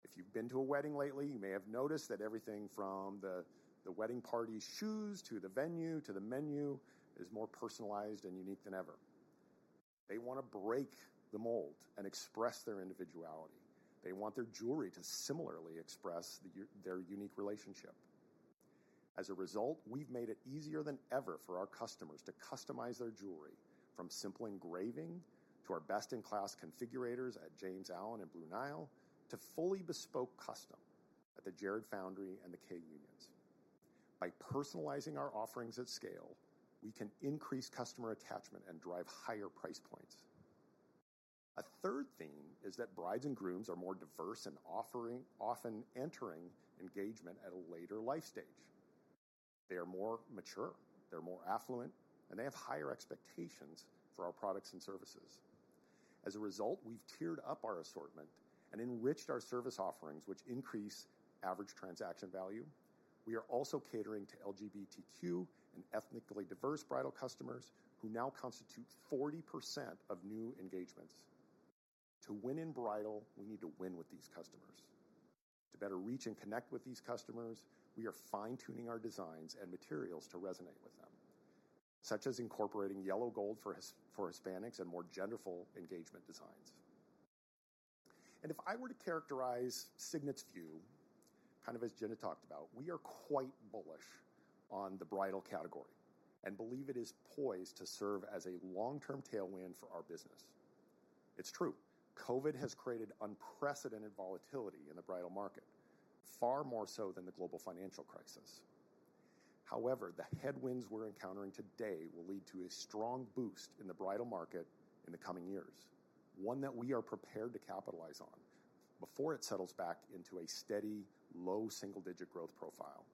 If you've been to a wedding lately, you may have noticed that everything from the wedding party's shoes to the venue to the menu is more personalized and unique than ever. They wanna break the mold and express their individuality. They want their jewelry to similarly express their unique relationship. As a result, we've made it easier than ever for our customers to customize their jewelry from simple engraving to our best-in-class configurators at James Allen and Blue Nile to fully bespoke custom at The Jared Foundry and the Kay Unites. By personalizing our offerings at scale, we can increase customer attachment and drive higher price points. A third theme is that brides and grooms are more diverse often entering engagement at a later life stage. They are more mature, they're more affluent, and they have higher expectations for our products and services. We've tiered up our assortment and enriched our service offerings which increase average transaction value. We are also catering to LGBTQ and ethnically diverse bridal customers who now constitute 40% of new engagements. To win in bridal, we need to win with these customers. To better reach and connect with these customers, we are fine-tuning our designs and materials to resonate with them, such as incorporating yellow gold for Hispanics and more genderful engagement designs. If I were to characterize Signet's view, kind of as Jenna talked about, we are quite bullish on the bridal category and believe it is poised to serve as a long-term tailwind for our business. It's true, COVID has created unprecedented volatility in the bridal market, far more so than the global financial crisis. However, the headwinds we're encountering today will lead to a strong boost in the bridal market in the coming years, one that we are prepared to capitalize on before it settles back into a steady low single-digit growth profile.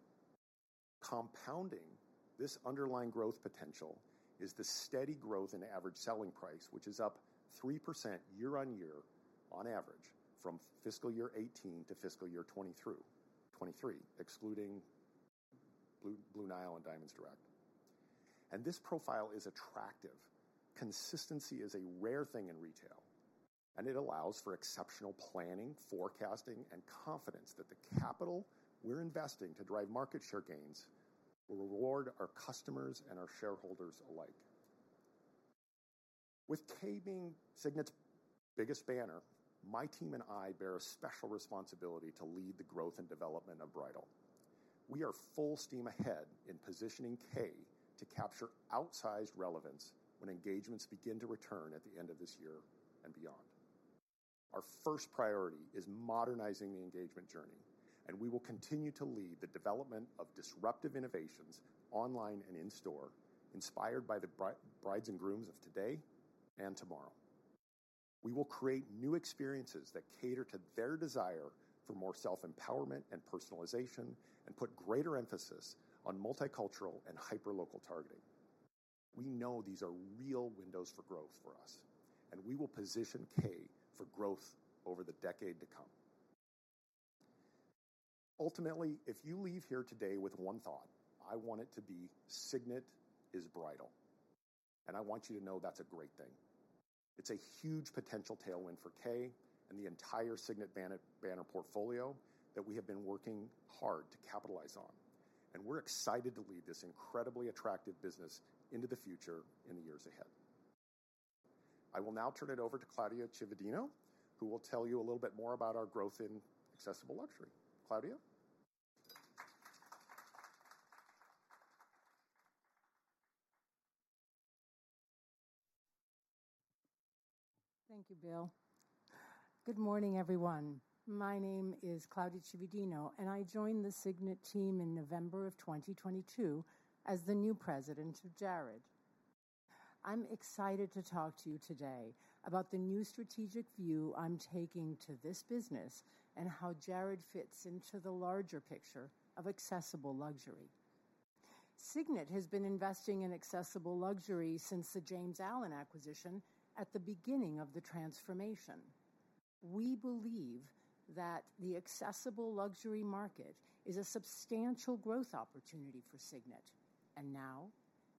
Compounding this underlying growth potential is the steady growth in average selling price, which is up 3% year-on-year on average from fiscal year 18 to fiscal year 20-23, excluding Blue Nile and Diamonds Direct. This profile is attractive. Consistency is a rare thing in retail, and it allows for exceptional planning, forecasting, and confidence that the capital we're investing to drive market share gains will reward our customers and our shareholders alike. With Kay being Signet's biggest banner, my team and I bear a special responsibility to lead the growth and development of bridal. We are full steam ahead in positioning Kay to capture outsized relevance when engagements begin to return at the end of this year and beyond. Our first priority is modernizing the engagement journey, and we will continue to lead the development of disruptive innovations online and in-store inspired by the brides and grooms of today and tomorrow. We will create new experiences that cater to their desire for more self-empowerment and personalization and put greater emphasis on multicultural and hyperlocal targeting. We know these are real windows for growth for us, and we will position Kay for growth over the decade to come. Ultimately, if you leave here today with one thought, I want it to be Signet is bridal, and I want you to know that's a great thing. It's a huge potential tailwind for Kay and the entire Signet banner portfolio that we have been working hard to capitalize on. We're excited to lead this incredibly attractive business into the future in the years ahead. I will now turn it over to Claudia Cividino, who will tell you a little bit more about our growth in accessible luxury. Claudia. Thank you, Bill. Good morning, everyone. My name is Claudia Cividino. I joined the Signet team in November 2022 as the new President of Jared. I'm excited to talk to you today about the new strategic view I'm taking to this business and how Jared fits into the larger picture of accessible luxury. Signet has been investing in accessible luxury since the James Allen acquisition at the beginning of the transformation. We believe that the accessible luxury market is a substantial growth opportunity for Signet. Now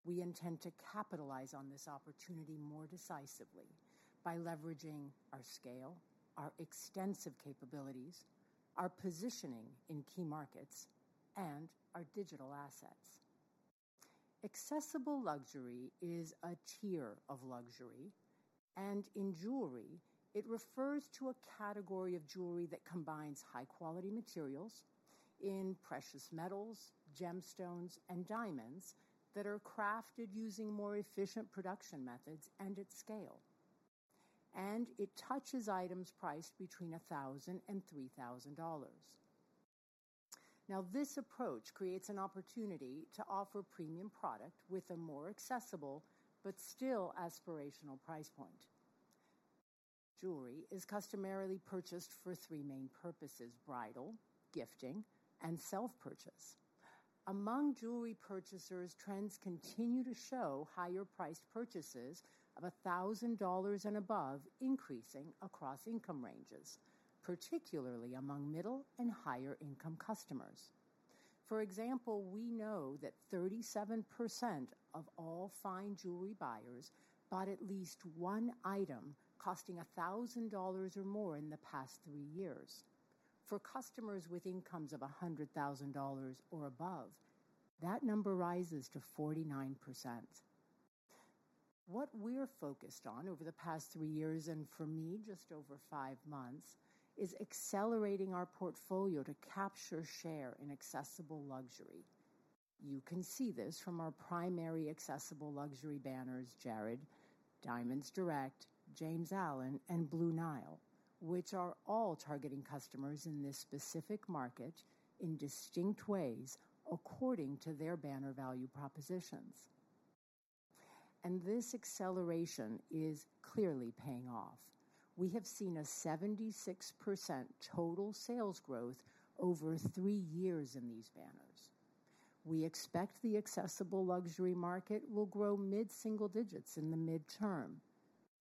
we intend to capitalize on this opportunity more decisively by leveraging our scale, our extensive capabilities, our positioning in key markets, and our digital assets. Accessible luxury is a tier of luxury, and in jewelry, it refers to a category of jewelry that combines high-quality materials in precious metals, gemstones, and diamonds that are crafted using more efficient production methods and at scale. It touches items priced between $1,000 and $3,000. Now, this approach creates an opportunity to offer premium product with a more accessible but still aspirational price point. Jewelry is customarily purchased for three main purposes bridal, gifting, and self-purchase. Among jewelry purchasers, trends continue to show higher-priced purchases of $1,000 and above increasing across income ranges, particularly among middle and higher-income customers. For example, we know that 37% of all fine jewelry buyers bought at least one item costing $1,000 or more in the past three years. For customers with incomes of $100,000 or above, that number rises to 49%. What we're focused on over the past 3 years, and for me, just over 5 months, is accelerating our portfolio to capture share in accessible luxury. You can see this from our primary accessible luxury banners, Jared, Diamonds Direct, James Allen, and Blue Nile, which are all targeting customers in this specific market in distinct ways according to their banner value propositions. This acceleration is clearly paying off. We have seen a 76% total sales growth over 3 years in these banners. We expect the accessible luxury market will grow mid-single digits in the midterm.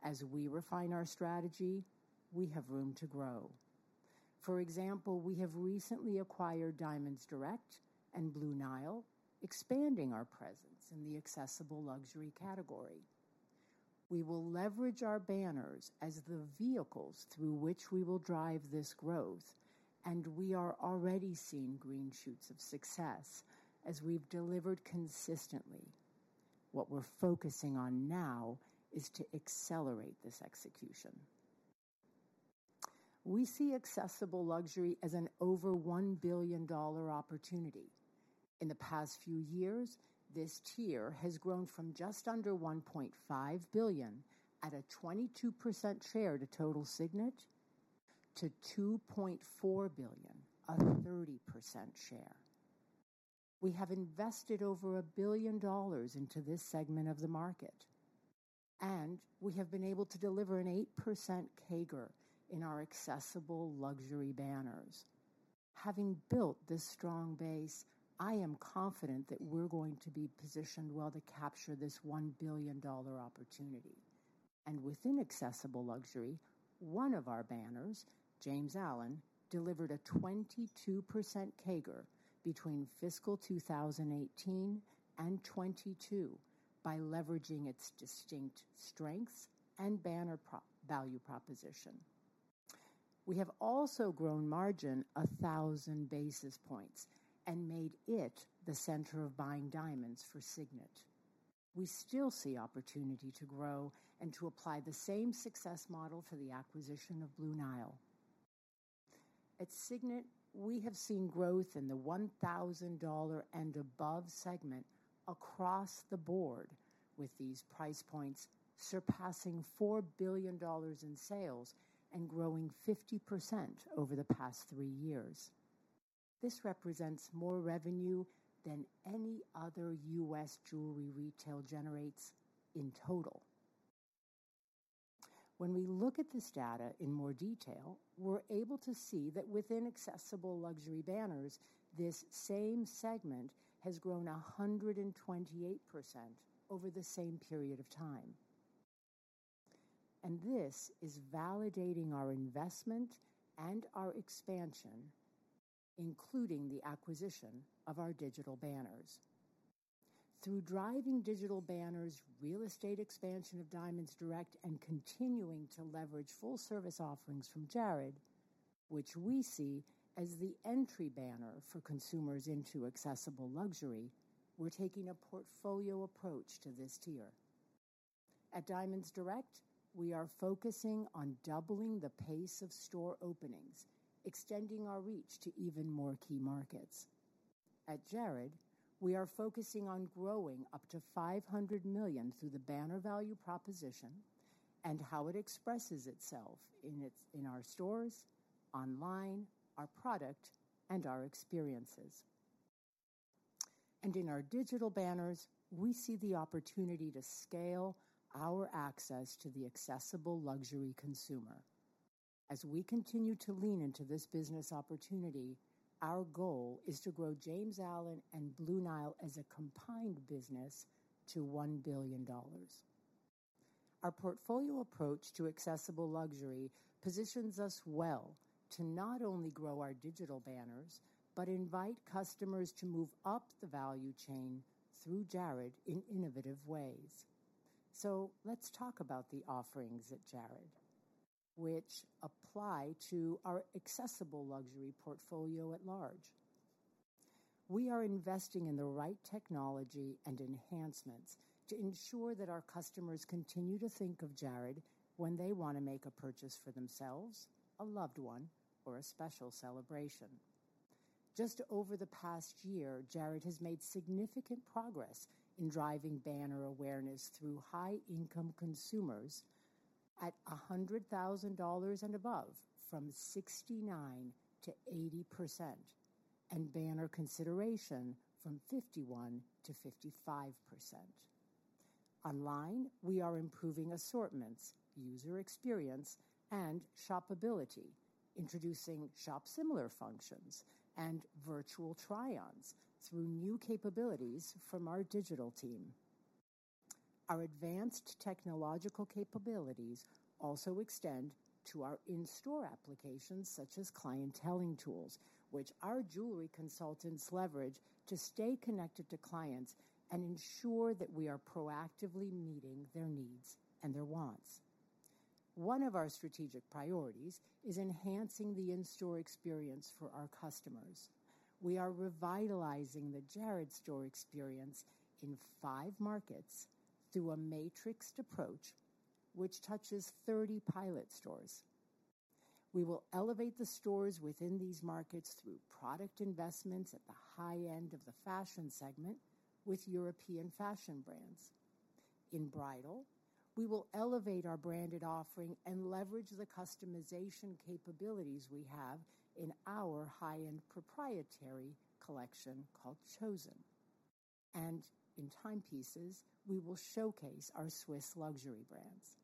As we refine our strategy, we have room to grow. For example, we have recently acquired Diamonds Direct and Blue Nile, expanding our presence in the accessible luxury category. We will leverage our banners as the vehicles through which we will drive this growth, we are already seeing green shoots of success as we've delivered consistently. What we're focusing on now is to accelerate this execution. We see accessible luxury as an over $1 billion opportunity. In the past few years, this tier has grown from just under $1.5 billion at a 22% share to total Signet to $2.4 billion, a 30% share. We have invested over $1 billion into this segment of the market, we have been able to deliver an 8% CAGR in our accessible luxury banners. Having built this strong base, I am confident that we're going to be positioned well to capture this $1 billion opportunity. Within accessible luxury, one of our banners, James Allen, delivered a 22% CAGR between fiscal 2018 and 2022 by leveraging its distinct strengths and banner value proposition. We have also grown margin 1,000 basis points and made it the center of buying diamonds for Signet. We still see opportunity to grow and to apply the same success model to the acquisition of Blue Nile. At Signet, we have seen growth in the $1,000 and above segment across the board with these price points surpassing $4 billion in sales and growing 50% over the past 3 years. This represents more revenue than any other U.S. jewelry retail generates in total. When we look at this data in more detail, we're able to see that within accessible luxury banners, this same segment has grown 128% over the same period of time. This is validating our investment and our expansion, including the acquisition of our digital banners. Through driving digital banners, real estate expansion of Diamonds Direct, and continuing to leverage full service offerings from Jared, which we see as the entry banner for consumers into accessible luxury, we're taking a portfolio approach to this tier. At Diamonds Direct, we are focusing on doubling the pace of store openings, extending our reach to even more key markets. At Jared, we are focusing on growing up to $500 million through the banner value proposition and how it expresses itself in our stores, online, our product, and our experiences. In our digital banners, we see the opportunity to scale our access to the accessible luxury consumer. As we continue to lean into this business opportunity, our goal is to grow James Allen and Blue Nile as a combined business to $1 billion. Our portfolio approach to accessible luxury positions us well to not only grow our digital banners, but invite customers to move up the value chain through Jared in innovative ways. Let's talk about the offerings at Jared which apply to our accessible luxury portfolio at large. We are investing in the right technology and enhancements to ensure that our customers continue to think of Jared when they wanna make a purchase for themselves, a loved one, or a special celebration. Just over the past year, Jared has made significant progress in driving banner awareness through high-income consumers at $100,000 and above from 69%-80% and banner consideration from 51%-55%. Online, we are improving assortments, user experience, and shopability, introducing shop similar functions and virtual try-ons through new capabilities from our digital team. Our advanced technological capabilities also extend to our in-store applications such as clienteling tools, which our jewelry consultants leverage to stay connected to clients and ensure that we are proactively meeting their needs and their wants. One of our strategic priorities is enhancing the in-store experience for our customers. We are revitalizing the Jared store experience in five markets through a matrixed approach which touches 30 pilot stores. We will elevate the stores within these markets through product investments at the high-end of the fashion segment with European fashion brands. In bridal, we will elevate our branded offering and leverage the customization capabilities we have in our high-end proprietary collection called Chosen. In timepieces, we will showcase our Swiss luxury brands.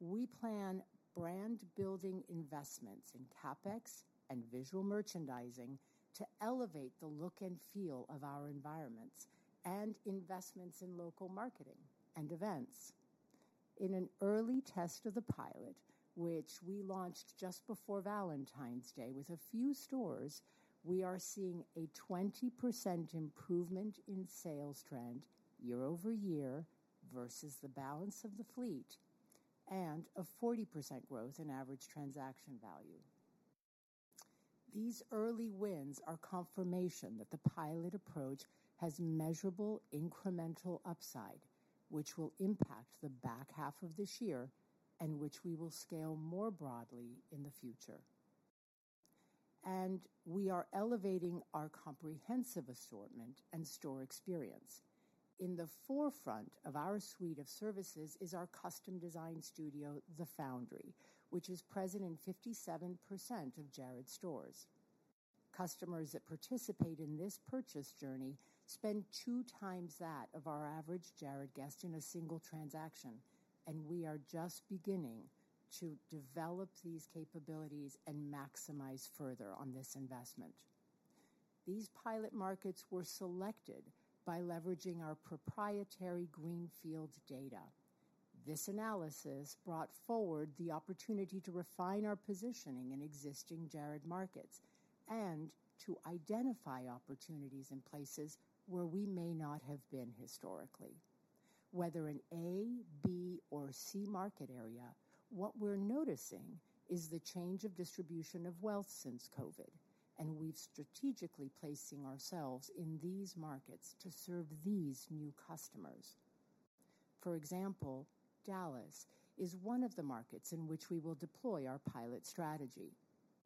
We plan brand-building investments in CapEx and visual merchandising to elevate the look and feel of our environments and investments in local marketing and events. In an early test of the pilot, which we launched just before Valentine's Day with a few stores, we are seeing a 20% improvement in sales trend year-over-year versus the balance of the fleet, and a 40% growth in average transaction value. These early wins are confirmation that the pilot approach has measurable incremental upside, which will impact the back half of this year and which we will scale more broadly in the future. We are elevating our comprehensive assortment and store experience. In the forefront of our suite of services is our custom design studio, The Foundry, which is present in 57% of Jared stores. Customers that participate in this purchase journey spend 2 times that of our average Jared guest in a single transaction. We are just beginning to develop these capabilities and maximize further on this investment. These pilot markets were selected by leveraging our proprietary greenfield data. This analysis brought forward the opportunity to refine our positioning in existing Jared markets and to identify opportunities in places where we may not have been historically. Whether an A, B, or C market area, what we're noticing is the change of distribution of wealth since COVID. We're strategically placing ourselves in these markets to serve these new customers. For example, Dallas is one of the markets in which we will deploy our pilot strategy.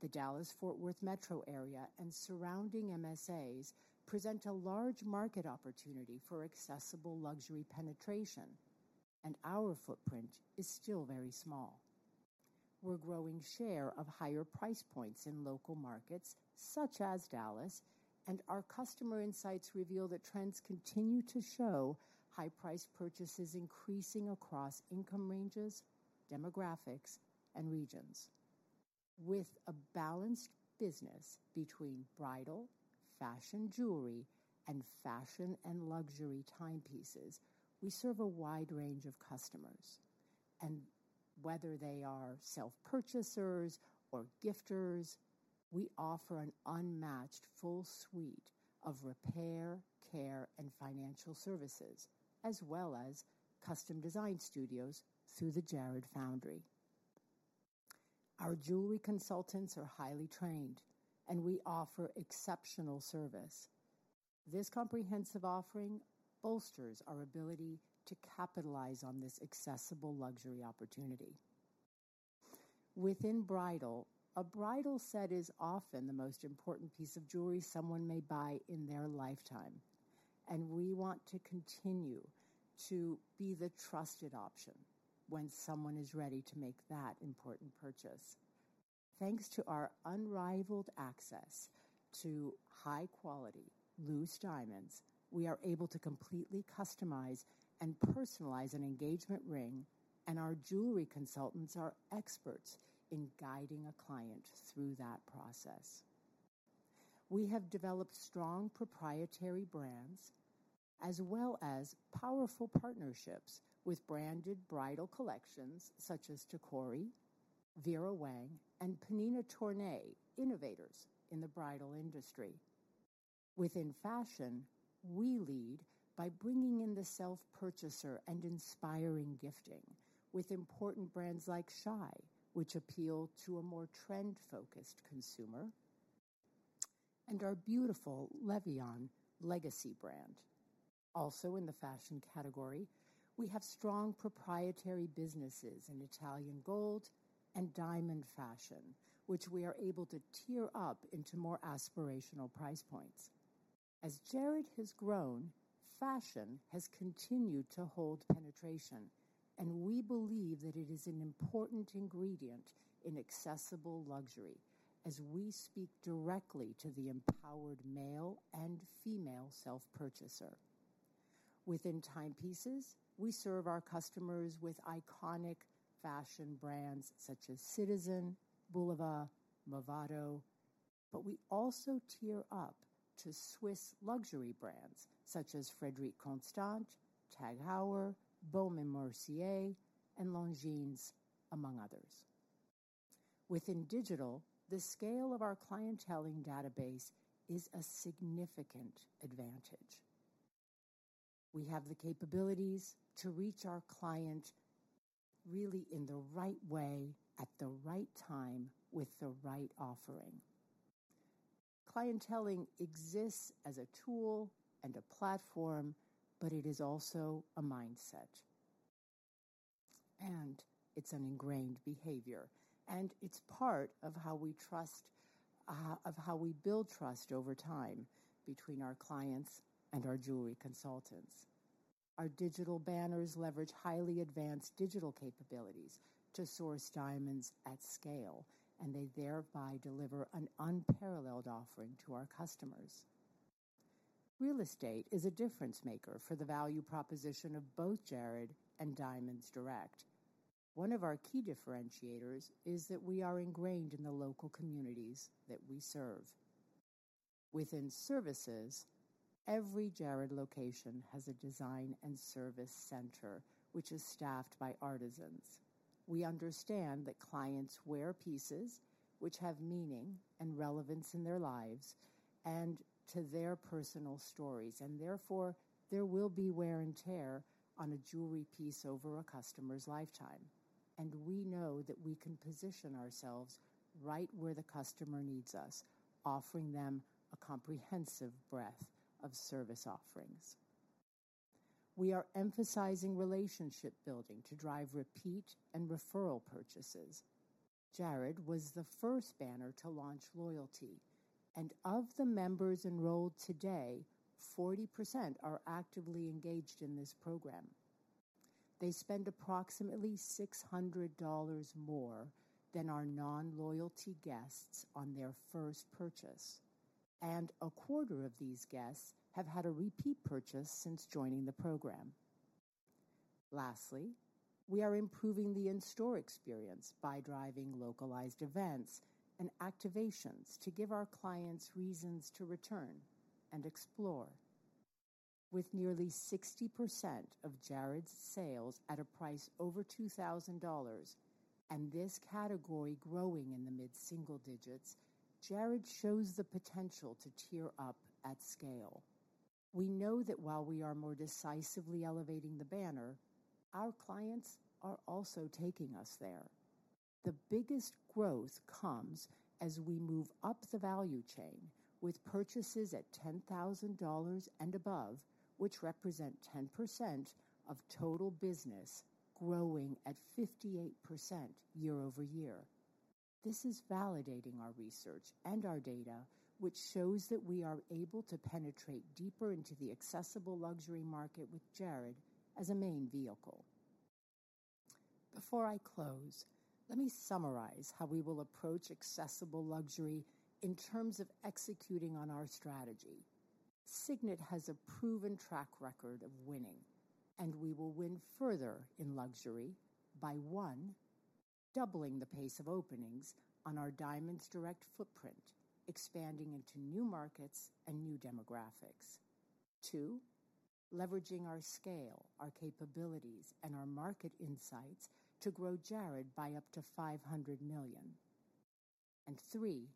The Dallas-Fort Worth metro area and surrounding MSAs present a large market opportunity for accessible luxury penetration. Our footprint is still very small. We're growing share of higher price points in local markets such as Dallas, and our customer insights reveal that trends continue to show high price purchases increasing across income ranges, demographics, and regions. With a balanced business between bridal, fashion jewelry, and fashion and luxury timepieces, we serve a wide range of customers. Whether they are self-purchasers or gifters, we offer an unmatched full suite of repair, care, and financial services, as well as custom design studios through The Jared Foundry. Our jewelry consultants are highly trained, and we offer exceptional service. This comprehensive offering bolsters our ability to capitalize on this accessible luxury opportunity. Within bridal, a bridal set is often the most important piece of jewelry someone may buy in their lifetime. We want to continue to be the trusted option when someone is ready to make that important purchase. Thanks to our unrivaled access to high quality loose diamonds, we are able to completely customize and personalize an engagement ring. Our jewelry consultants are experts in guiding a client through that process. We have developed strong proprietary brands as well as powerful partnerships with branded bridal collections such as TACORI, Vera Wang, and Pnina Tornai, innovators in the bridal industry. Within fashion, we lead by bringing in the self-purchaser and inspiring gifting with important brands like Shy, which appeal to a more trend-focused consumer, and our beautiful Le Vian legacy brand. In the fashion category, we have strong proprietary businesses in Italian gold and diamond fashion, which we are able to tier up into more aspirational price points. As Jared has grown, fashion has continued to hold penetration. We believe that it is an important ingredient in accessible luxury as we speak directly to the empowered male and female self-purchaser. Within timepieces, we serve our customers with iconic fashion brands such as Citizen, Bulova, Movado. We also tier up to Swiss luxury brands such as Frederique Constant, TAG Heuer, Baume & Mercier, and Longines, among others. Within digital, the scale of our clienteling database is a significant advantage. We have the capabilities to reach our client really in the right way at the right time with the right offering. Clienteling exists as a tool and a platform. It is also a mindset, and it's an ingrained behavior, and it's part of how we build trust over time between our clients and our jewelry consultants. Our digital banners leverage highly advanced digital capabilities to source diamonds at scale. They thereby deliver an unparalleled offering to our customers. Real estate is a difference maker for the value proposition of both Jared and Diamonds Direct. One of our key differentiators is that we are ingrained in the local communities that we serve. Within services, every Jared location has a design and service center which is staffed by artisans. We understand that clients wear pieces which have meaning and relevance in their lives and to their personal stories. Therefore, there will be wear and tear on a jewelry piece over a customer's lifetime. We know that we can position ourselves right where the customer needs us, offering them a comprehensive breadth of service offerings. We are emphasizing relationship building to drive repeat and referral purchases. Jared was the first banner to launch loyalty, and of the members enrolled today, 40% are actively engaged in this program. They spend approximately $600 more than our non-loyalty guests on their first purchase, and a quarter of these guests have had a repeat purchase since joining the program. Lastly, we are improving the in-store experience by driving localized events and activations to give our clients reasons to return and explore. With nearly 60% of Jared's sales at a price over $2,000 and this category growing in the mid-single digits, Jared shows the potential to tier up at scale. We know that while we are more decisively elevating the banner, our clients are also taking us there. The biggest growth comes as we move up the value chain with purchases at $10,000 and above, which represent 10% of total business growing at 58% year-over-year. This is validating our research and our data, which shows that we are able to penetrate deeper into the accessible luxury market with Jared as a main vehicle. Before I close, let me summarize how we will approach accessible luxury in terms of executing on our strategy. Signet has a proven track record of winning. We will win further in luxury by one: doubling the pace of openings on our Diamonds Direct footprint, expanding into new markets and new demographics. Two: leveraging our scale, our capabilities, and our market insights to grow Jared by up to $500 million. Three,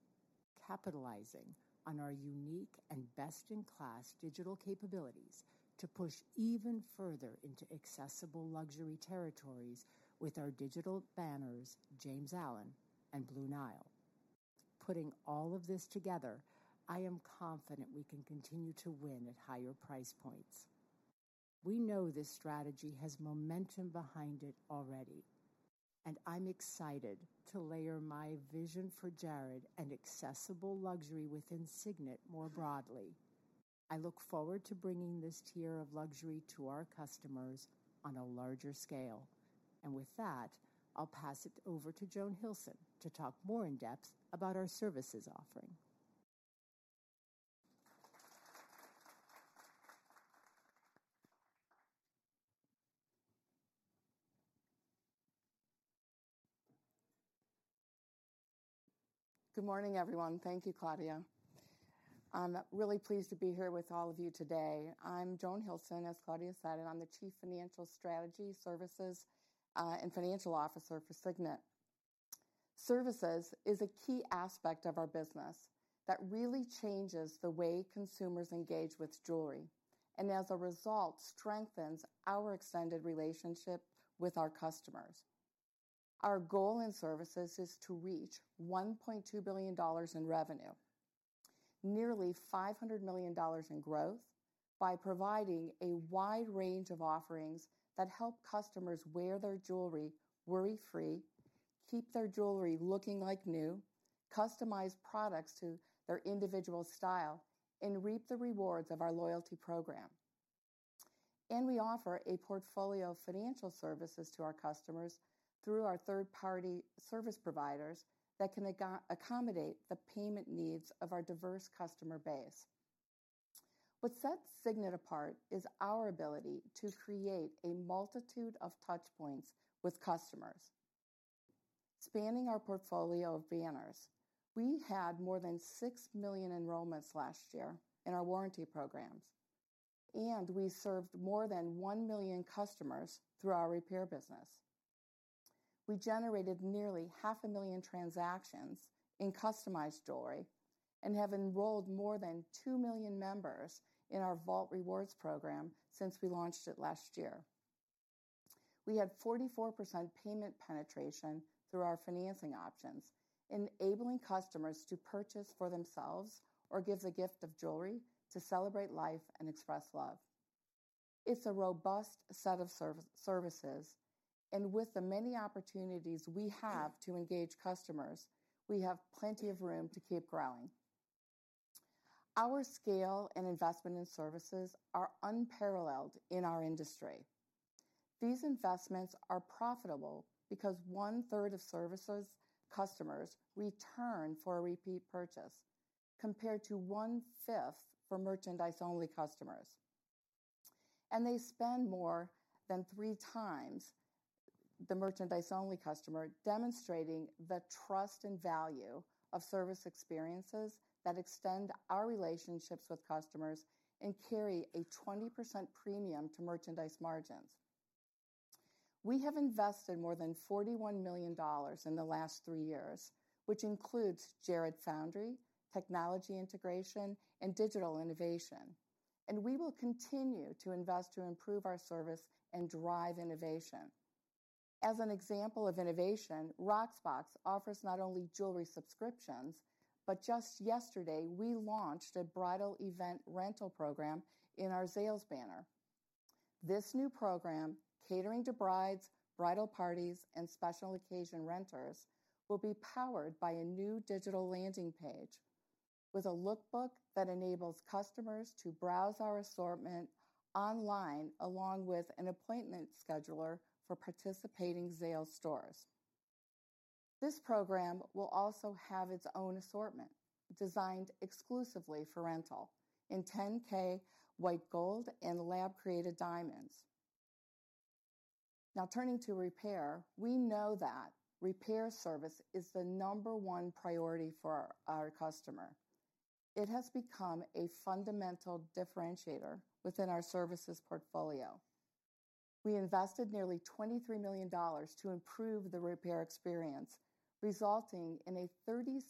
capitalizing on our unique and best-in-class digital capabilities to push even further into accessible luxury territories with our digital banners, James Allen and Blue Nile. Putting all of this together, I am confident we can continue to win at higher price points. We know this strategy has momentum behind it already, and I'm excited to layer my vision for Jared and accessible luxury within Signet more broadly. I look forward to bringing this tier of luxury to our customers on a larger scale. With that, I'll pass it over to Joan Hilson to talk more in depth about our services offering. Good morning, everyone. Thank you, Claudia. I'm really pleased to be here with all of you today. I'm Joan Hilson, as Claudia said, and I'm the Chief Financial Strategy Services and Financial Officer for Signet. Services is a key aspect of our business that really changes the way consumers engage with jewelry, and as a result, strengthens our extended relationship with our customers. Our goal in services is to reach $1.2 billion in revenue, nearly $500 million in growth by providing a wide range of offerings that help customers wear their jewelry worry-free, keep their jewelry looking like new, customize products to their individual style, and reap the rewards of our loyalty program. We offer a portfolio of financial services to our customers through our third-party service providers that can accommodate the payment needs of our diverse customer base. What sets Signet apart is our ability to create a multitude of touch points with customers. Spanning our portfolio of banners, we had more than 6 million enrollments last year in our warranty programs, and we served more than 1 million customers through our repair business. We generated nearly half a million transactions in customized jewelry and have enrolled more than 2 million members in our Vault Rewards program since we launched it last year. We had 44% payment penetration through our financing options, enabling customers to purchase for themselves or give the gift of jewelry to celebrate life and express love. It's a robust set of services, and with the many opportunities we have to engage customers, we have plenty of room to keep growing. Our scale and investment in services are unparalleled in our industry. These investments are profitable because one-third of services customers return for a repeat purchase, compared to one-fifth for merchandise-only customers. They spend more than three times the merchandise-only customer, demonstrating the trust and value of service experiences that extend our relationships with customers and carry a 20% premium to merchandise margins. We have invested more than $41 million in the last 3 years, which includes Jared Foundry, technology integration, and digital innovation. We will continue to invest to improve our service and drive innovation. As an example of innovation, Rocksbox offers not only jewelry subscriptions, but just yesterday, we launched a bridal event rental program in our Zales banner. This new program, catering to brides, bridal parties, and special occasion renters, will be powered by a new digital landing page with a lookbook that enables customers to browse our assortment online along with an appointment scheduler for participating Zales stores. This program will also have its own assortment designed exclusively for rental in 10K white gold and lab-created diamonds. Turning to repair. We know that repair service is the number one priority for our customer. It has become a fundamental differentiator within our services portfolio. We invested nearly $23 million to improve the repair experience, resulting in a 37%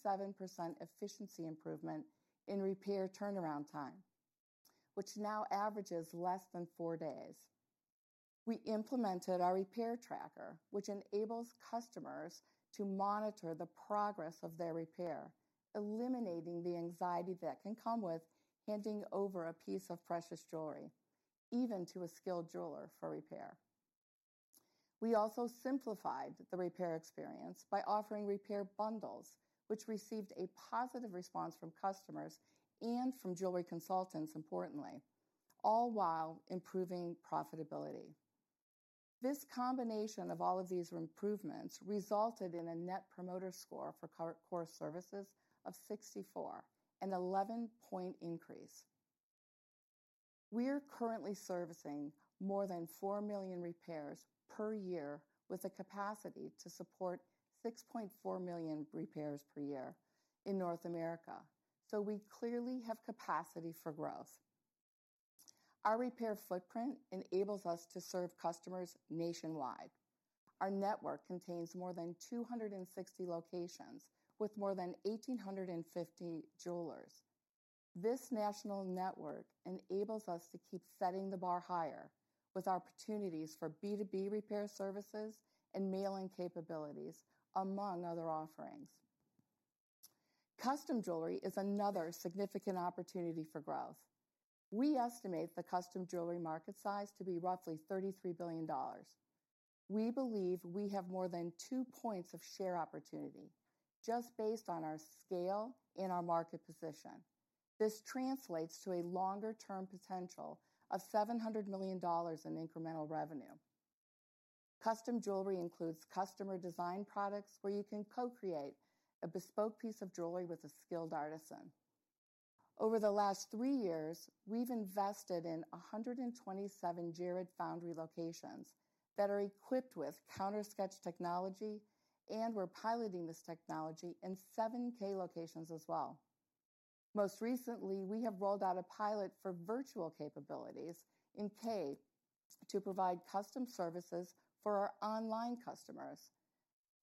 efficiency improvement in repair turnaround time, which now averages less than four days. We implemented our repair tracker, which enables customers to monitor the progress of their repair, eliminating the anxiety that can come with handing over a piece of precious jewelry, even to a skilled jeweler for repair. We also simplified the repair experience by offering repair bundles, which received a positive response from customers and from jewelry consultants importantly, all while improving profitability. This combination of all of these improvements resulted in a Net Promoter Score for core services of 64, an 11-point increase. We are currently servicing more than 4 million repairs per year with a capacity to support 6.4 million repairs per year in North America. We clearly have capacity for growth. Our repair footprint enables us to serve customers nationwide. Our network contains more than 260 locations with more than 1,850 jewelers. This national network enables us to keep setting the bar higher with opportunities for B2B repair services and mailing capabilities, among other offerings. Custom jewelry is another significant opportunity for growth. We estimate the custom jewelry market size to be roughly $33 billion. We believe we have more than 2 points of share opportunity just based on our scale and our market position. This translates to a longer-term potential of $700 million in incremental revenue. Custom jewelry includes customer design products where you can co-create a bespoke piece of jewelry with a skilled artisan. Over the last three years, we've invested in 127 Jared Foundry locations that are equipped with CounterSketch technology, and we're piloting this technology in 7 Kay locations as well. Most recently, we have rolled out a pilot for virtual capabilities in Kay to provide custom services for our online customers.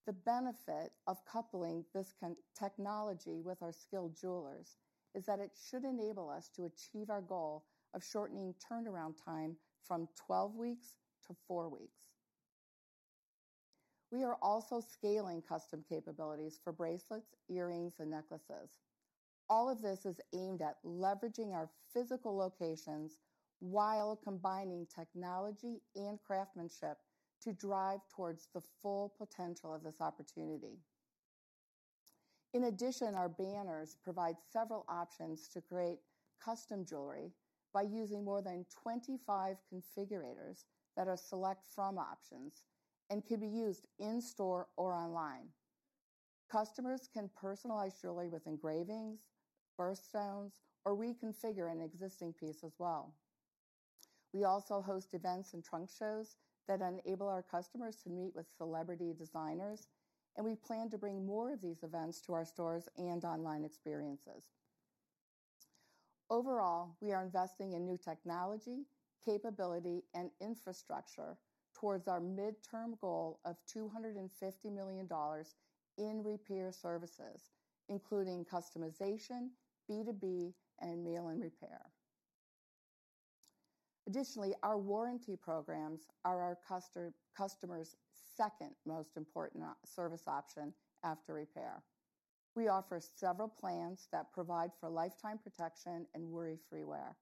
The benefit of coupling this technology with our skilled jewelers is that it should enable us to achieve our goal of shortening turnaround time from 12 weeks to 4 weeks. We are also scaling custom capabilities for bracelets, earrings, and necklaces. All of this is aimed at leveraging our physical locations while combining technology and craftsmanship to drive towards the full potential of this opportunity. In addition, our banners provide several options to create custom jewelry by using more than 25 configurators that are select from options and can be used in-store or online. Customers can personalize jewelry with engravings, birthstones, or reconfigure an existing piece as well. We also host events and trunk shows that enable our customers to meet with celebrity designers. We plan to bring more of these events to our stores and online experiences. Overall, we are investing in new technology, capability, and infrastructure towards our midterm goal of $250 million in repair services, including customization, B2B, and mail and repair. Our warranty programs are our customers' second most important service option after repair. We offer several plans that provide for lifetime protection and worry-free wear.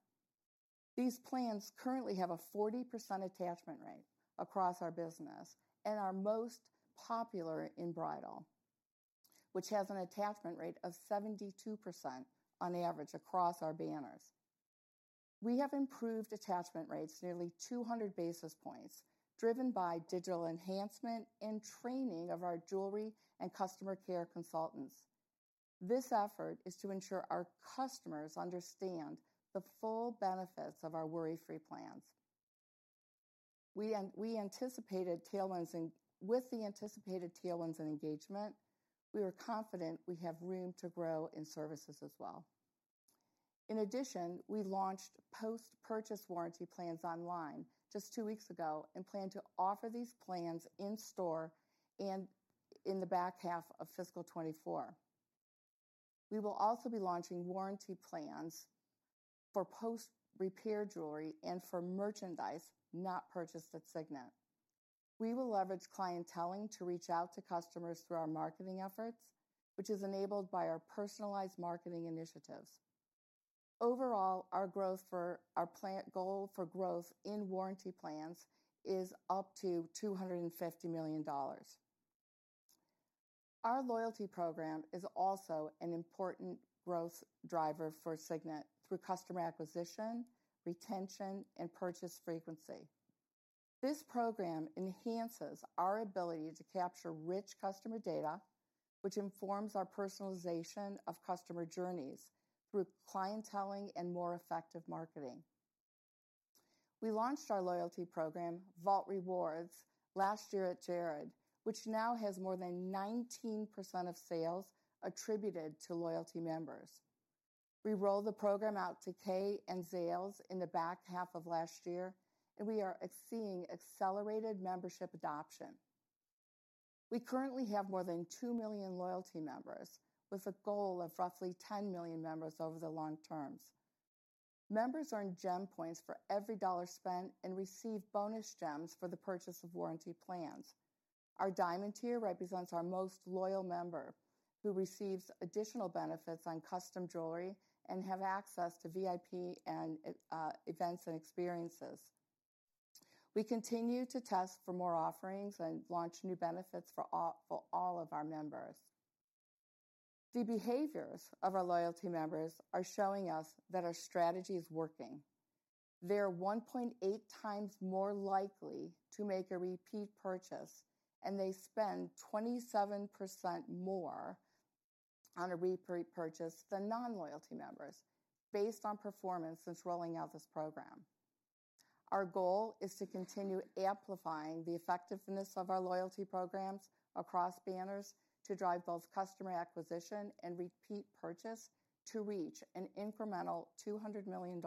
These plans currently have a 40% attachment rate across our business and are most popular in bridal, which has an attachment rate of 72% on average across our banners. We have improved attachment rates nearly 200 basis points, driven by digital enhancement and training of our jewelry and customer care consultants. This effort is to ensure our customers understand the full benefits of our worry-free plans. With the anticipated tailwinds and engagement, we are confident we have room to grow in services as well. In addition, we launched post-purchase warranty plans online just two weeks ago and plan to offer these plans in store in the back half of fiscal 2024. We will also be launching warranty plans for post-repair jewelry and for merchandise not purchased at Signet. We will leverage clienteling to reach out to customers through our marketing efforts, which is enabled by our personalized marketing initiatives. Overall, our goal for growth in warranty plans is up to $250 million. Our loyalty program is also an important growth driver for Signet through customer acquisition, retention, and purchase frequency. This program enhances our ability to capture rich customer data, which informs our personalization of customer journeys through clienteling and more effective marketing. We launched our loyalty program, Vault Rewards, last year at Jared, which now has more than 19% of sales attributed to loyalty members. We rolled the program out to Kay and Zales in the back half of last year. We are exceeding accelerated membership adoption. We currently have more than 2 million loyalty members with a goal of roughly 10 million members over the long terms. Members earn gem points for every dollar spent and receive bonus gems for the purchase of warranty plans. Our diamond tier represents our most loyal member who receives additional benefits on custom jewelry and have access to VIP and events and experiences. We continue to test for more offerings and launch new benefits for all of our members. The behaviors of our loyalty members are showing us that our strategy is working. They are 1.8 times more likely to make a repeat purchase, and they spend 27% more on a purchase than non-loyalty members based on performance since rolling out this program. Our goal is to continue amplifying the effectiveness of our loyalty programs across banners to drive both customer acquisition and repeat purchase to reach an incremental $200 million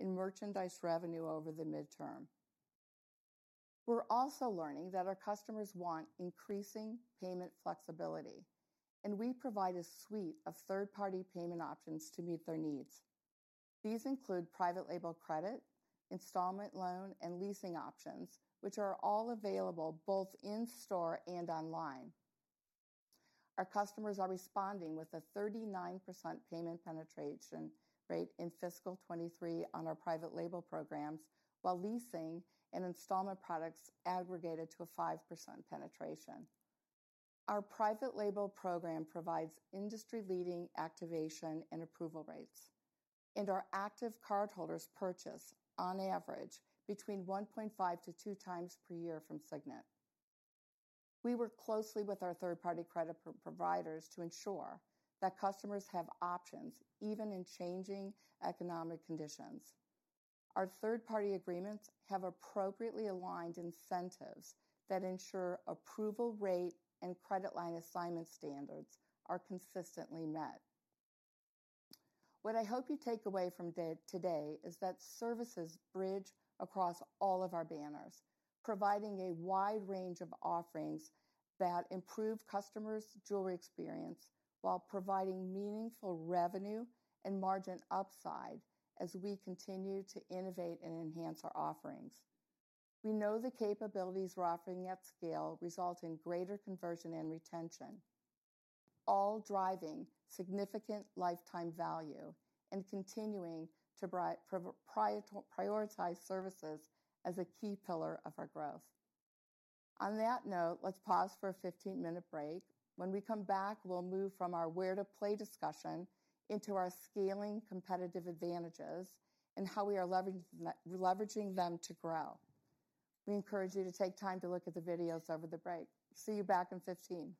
in merchandise revenue over the midterm. We're also learning that our customers want increasing payment flexibility, and we provide a suite of third-party payment options to meet their needs. These include private label credit, installment loan, and leasing options, which are all available both in-store and online. Our customers are responding with a 39% payment penetration rate in fiscal 2023 on our private label programs, while leasing and installment products aggregated to a 5% penetration. Our private label program provides industry-leading activation and approval rates. Our active cardholders purchase on average between 1.5 to 2 times per year from Signet. We work closely with our third-party credit pro-providers to ensure that customers have options even in changing economic conditions. Our third-party agreements have appropriately aligned incentives that ensure approval rate and credit line assignment standards are consistently met. What I hope you take away from today is that services bridge across all of our banners, providing a wide range of offerings that improve customers' jewelry experience while providing meaningful revenue and margin upside as we continue to innovate and enhance our offerings. We know the capabilities we're offering at scale result in greater conversion and retention, all driving significant lifetime value and continuing to prioritize services as a key pillar of our growth. On that note, let's pause for a 15-minute break. When we come back, we'll move from our where to play discussion into our scaling competitive advantages and how we are leveraging them to grow. We encourage you to take time to look at the videos over the break. See you back in 15.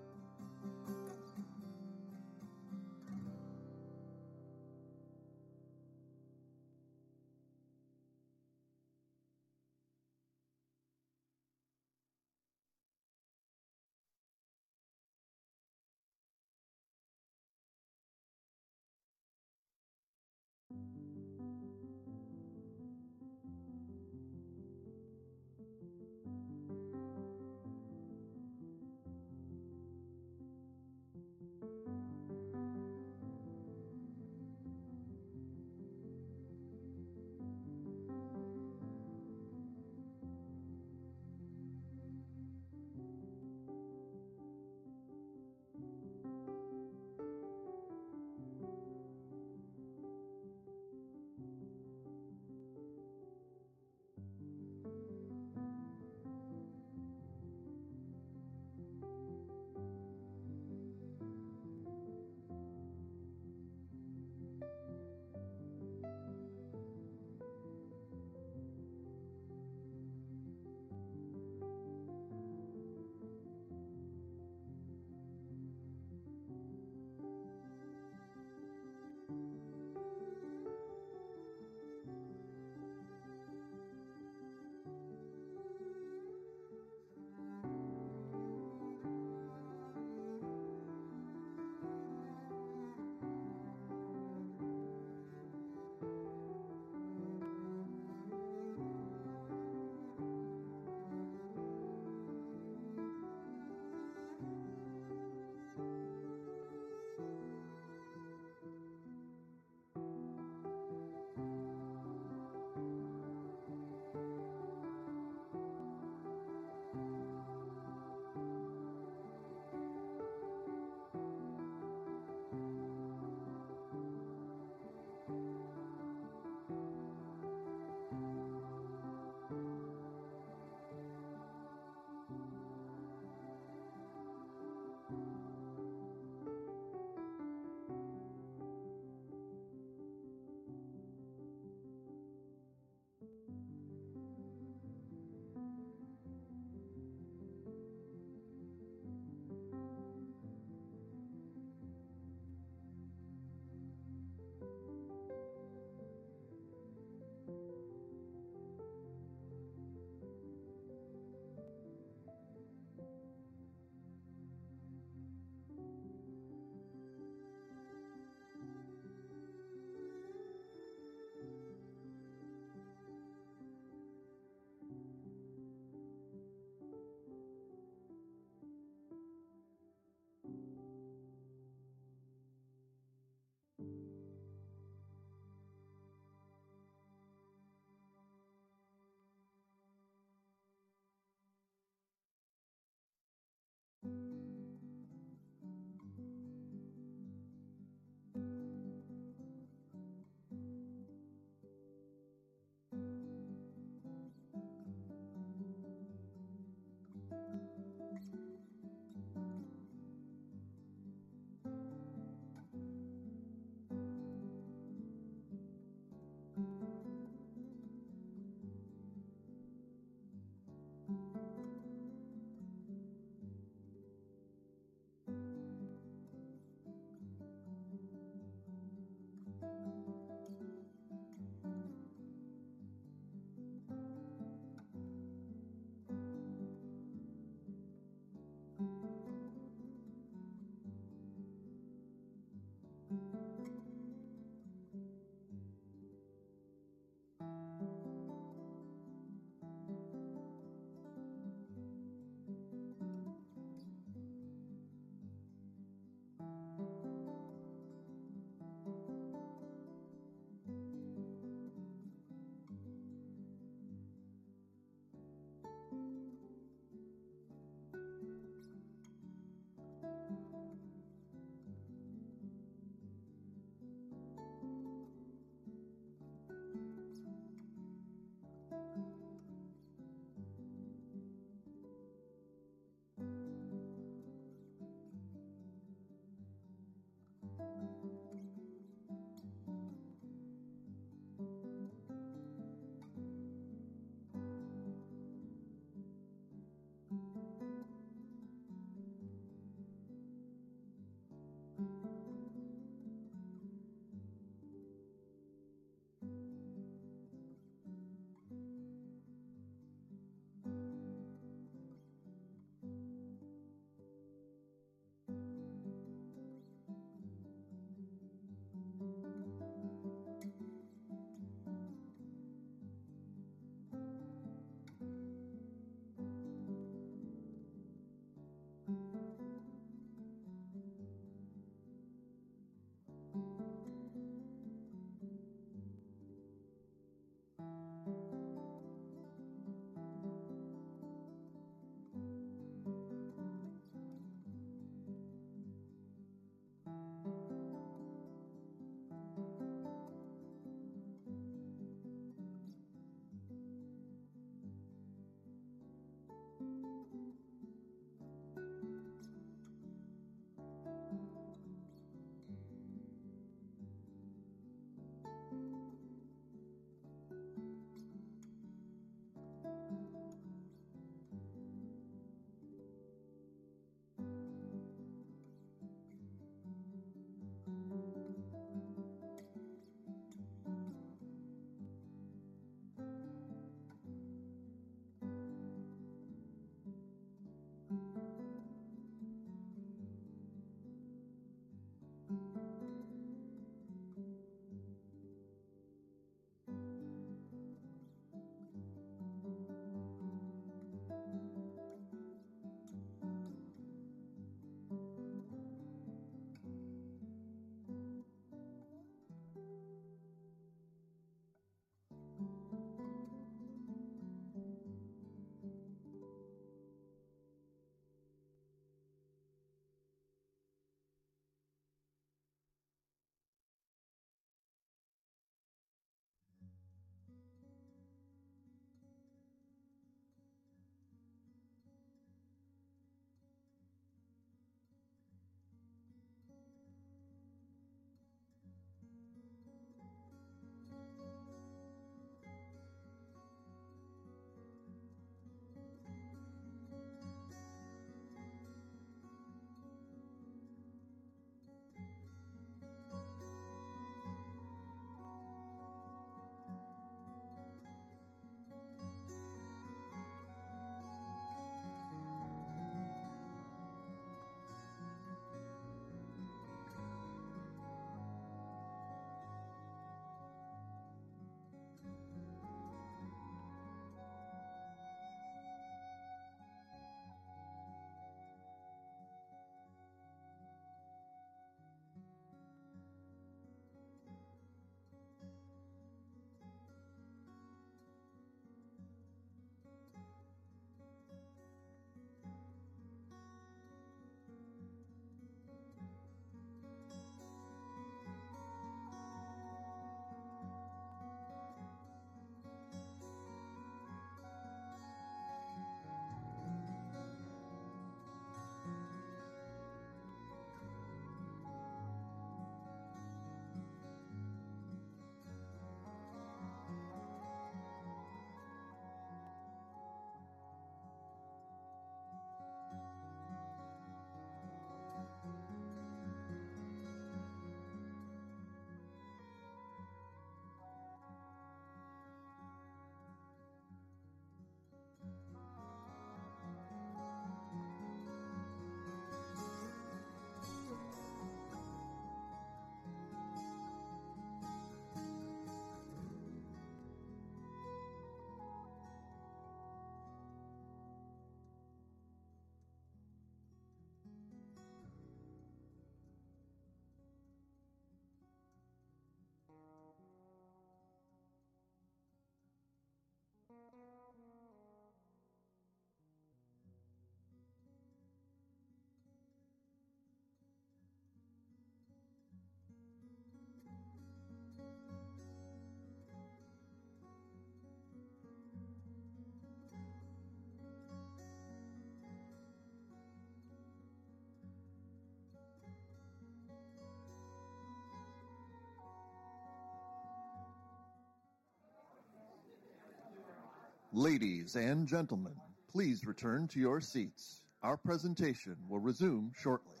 Ladies and gentlemen, please return to your seats. Our presentation will resume shortly.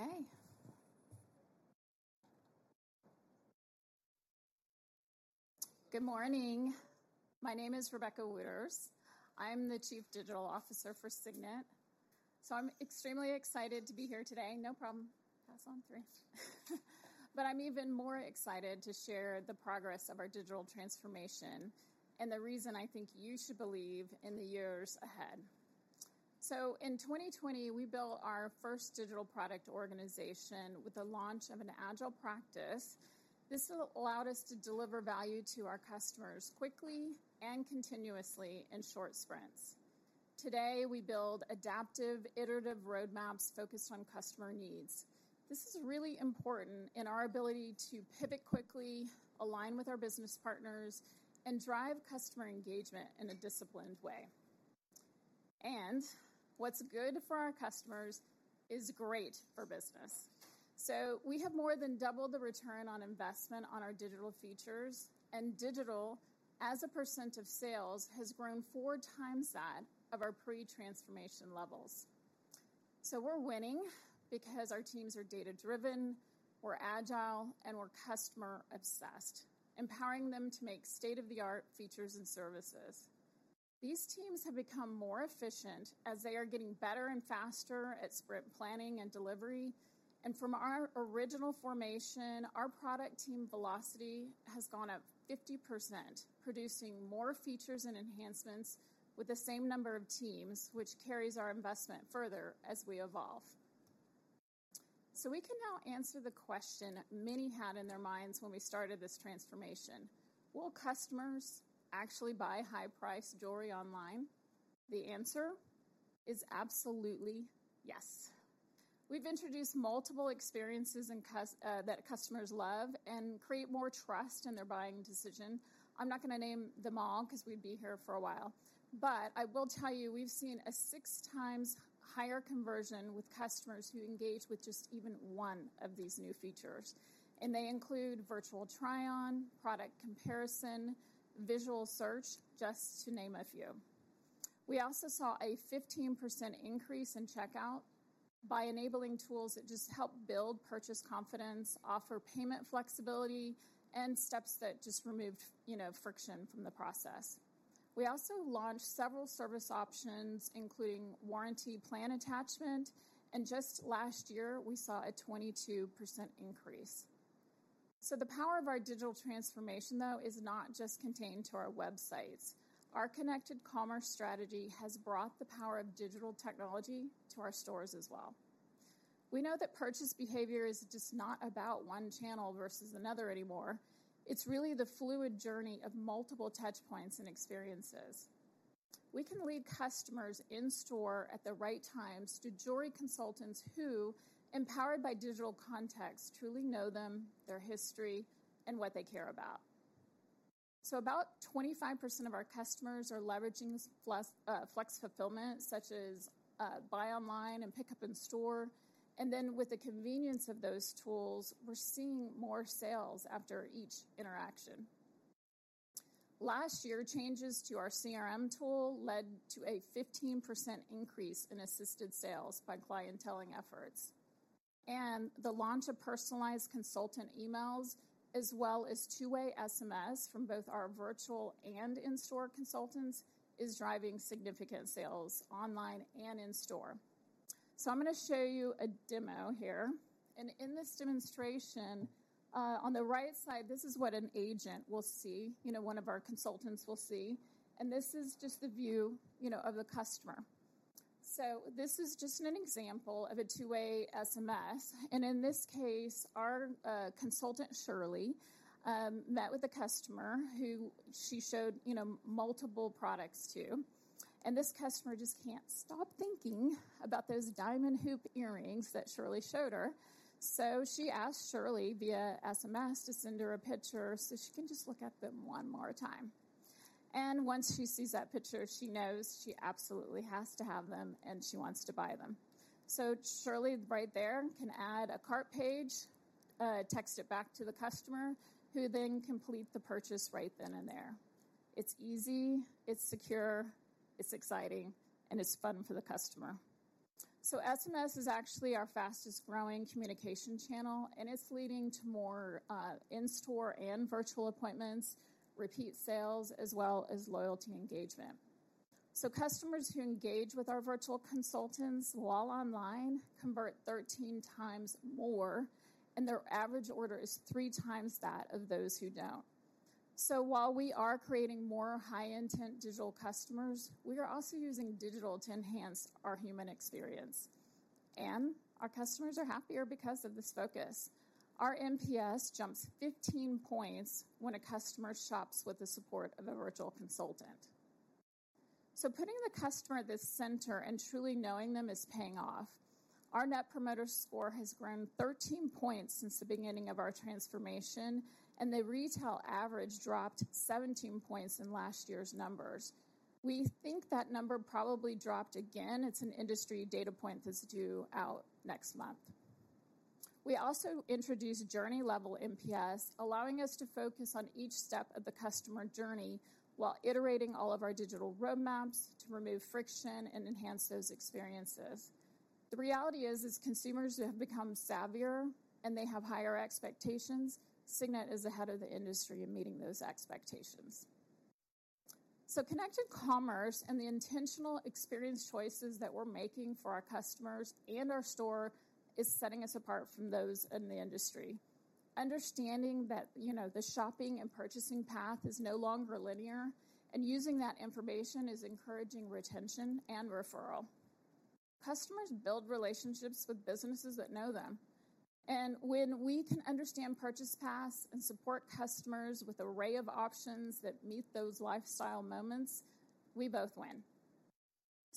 Okay. Good morning. My name is Rebecca Wooters. I'm the chief digital officer for Signet. I'm extremely excited to be here today. No problem. Pass on through. I'm even more excited to share the progress of our digital transformation and the reason I think you should believe in the years ahead. In 2020, we built our first digital product organization with the launch of an agile practice. This allowed us to deliver value to our customers quickly and continuously in short sprints. Today, we build adaptive, iterative roadmaps focused on customer needs. This is really important in our ability to pivot quickly, align with our business partners, and drive customer engagement in a disciplined way. What's good for our customers is great for business. We have more than doubled the ROI on our digital features. Digital, as a % of sales, has grown 4 times that of our pre-transformation levels. We're winning because our teams are data-driven, we're agile, and we're customer-obsessed, empowering them to make state-of-the-art features and services. These teams have become more efficient as they are getting better and faster at sprint planning and delivery. From our original formation, our product team velocity has gone up 50%, producing more features and enhancements with the same number of teams, which carries our investment further as we evolve. We can now answer the question many had in their minds when we started this transformation. Will customers actually buy high-priced jewelry online? The answer is absolutely yes. We've introduced multiple experiences and that customers love and create more trust in their buying decision. I'm not gonna name them all because we'd be here for a while, but I will tell you we've seen a six times higher conversion with customers who engage with just even one of these new features, and they include virtual try-on, product comparison, visual search, just to name a few. We also saw a 15% increase in checkout by enabling tools that just help build purchase confidence, offer payment flexibility, and steps that just removed, you know, friction from the process. We also launched several service options, including warranty plan attachment, and just last year we saw a 22% increase. The power of our digital transformation, though, is not just contained to our websites. Our connected commerce strategy has brought the power of digital technology to our stores as well. We know that purchase behavior is just not about one channel versus another anymore. It's really the fluid journey of multiple touch points and experiences. We can lead customers in-store at the right times to jewelry consultants who, empowered by digital context, truly know them, their history, and what they care about. About 25% of our customers are leveraging flex fulfillment, such as buy online and pickup in store. With the convenience of those tools, we're seeing more sales after each interaction. Last year, changes to our CRM tool led to a 15% increase in assisted sales by clienteling efforts. The launch of personalized consultant emails as well as two-way SMS from both our virtual and in-store consultants is driving significant sales online and in-store. I'm gonna show you a demo here. In this demonstration, on the right side, this is what an agent will see, you know, one of our consultants will see. This is just the view, you know, of the customer. This is just an example of a two-way SMS, and in this case, our consultant, Shirley, met with a customer who she showed, you know, multiple products to. This customer just can't stop thinking about those diamond hoop earrings that Shirley showed her. She asked Shirley via SMS to send her a picture so she can just look at them one more time. Once she sees that picture, she knows she absolutely has to have them and she wants to buy them. Shirley right there can add a cart page, text it back to the customer who then complete the purchase right then and there. It's easy, it's secure, it's exciting, and it's fun for the customer. SMS is actually our fastest-growing communication channel, and it's leading to more in-store and virtual appointments, repeat sales, as well as loyalty engagement. Customers who engage with our virtual consultants while online convert 13 times more, and their average order is 3 times that of those who don't. While we are creating more high-intent digital customers, we are also using digital to enhance our human experience, and our customers are happier because of this focus. Our NPS jumps 15 points when a customer shops with the support of a virtual consultant. Putting the customer at the center and truly knowing them is paying off. Our Net Promoter Score has grown 13 points since the beginning of our transformation, and the retail average dropped 17 points in last year's numbers. We think that number probably dropped again. It's an industry data point that's due out next month. We also introduced journey-level NPS, allowing us to focus on each step of the customer journey while iterating all of our digital roadmaps to remove friction and enhance those experiences. The reality is, as consumers have become savvier and they have higher expectations, Signet is ahead of the industry in meeting those expectations. Connected commerce and the intentional experience choices that we're making for our customers and our store is setting us apart from those in the industry. Understanding that, you know, the shopping and purchasing path is no longer linear, and using that information is encouraging retention and referral. Customers build relationships with businesses that know them, and when we can understand purchase paths and support customers with array of options that meet those lifestyle moments, we both win.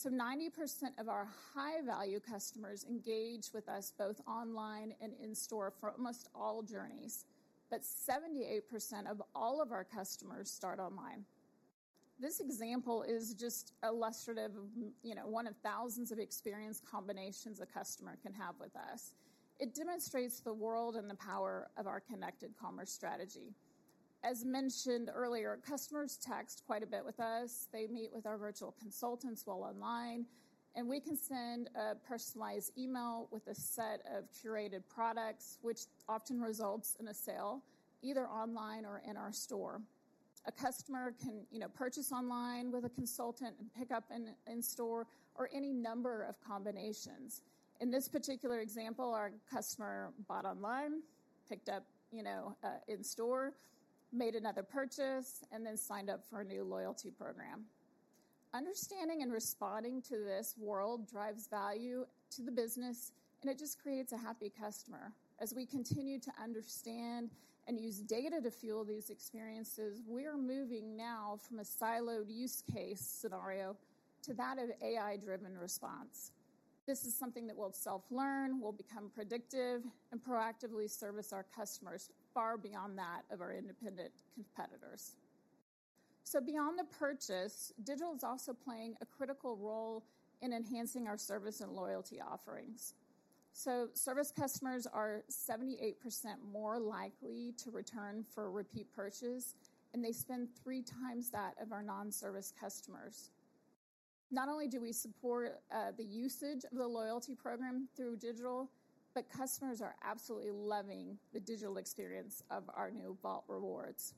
90% of our high-value customers engage with us both online and in-store for almost all journeys. 78% of all of our customers start online. This example is just illustrative of, you know, one of thousands of experience combinations a customer can have with us. It demonstrates the world and the power of our connected commerce strategy. As mentioned earlier, customers text quite a bit with us. They meet with our virtual consultants while online, and we can send a personalized email with a set of curated products, which often results in a sale, either online or in our store. A customer can, you know, purchase online with a consultant and pick up in store or any number of combinations. In this particular example, our customer bought online, picked up, you know, in store, made another purchase, and then signed up for a new loyalty program. Understanding and responding to this world drives value to the business, and it just creates a happy customer. As we continue to understand and use data to fuel these experiences, we are moving now from a siloed use case scenario to that of AI-driven response. This is something that will self-learn, will become predictive, and proactively service our customers far beyond that of our independent competitors. Beyond the purchase, digital is also playing a critical role in enhancing our service and loyalty offerings. Service customers are 78% more likely to return for repeat purchase, and they spend 3 times that of our non-service customers. Not only do we support the usage of the loyalty program through digital, but customers are absolutely loving the digital experience of our new Vault Rewards.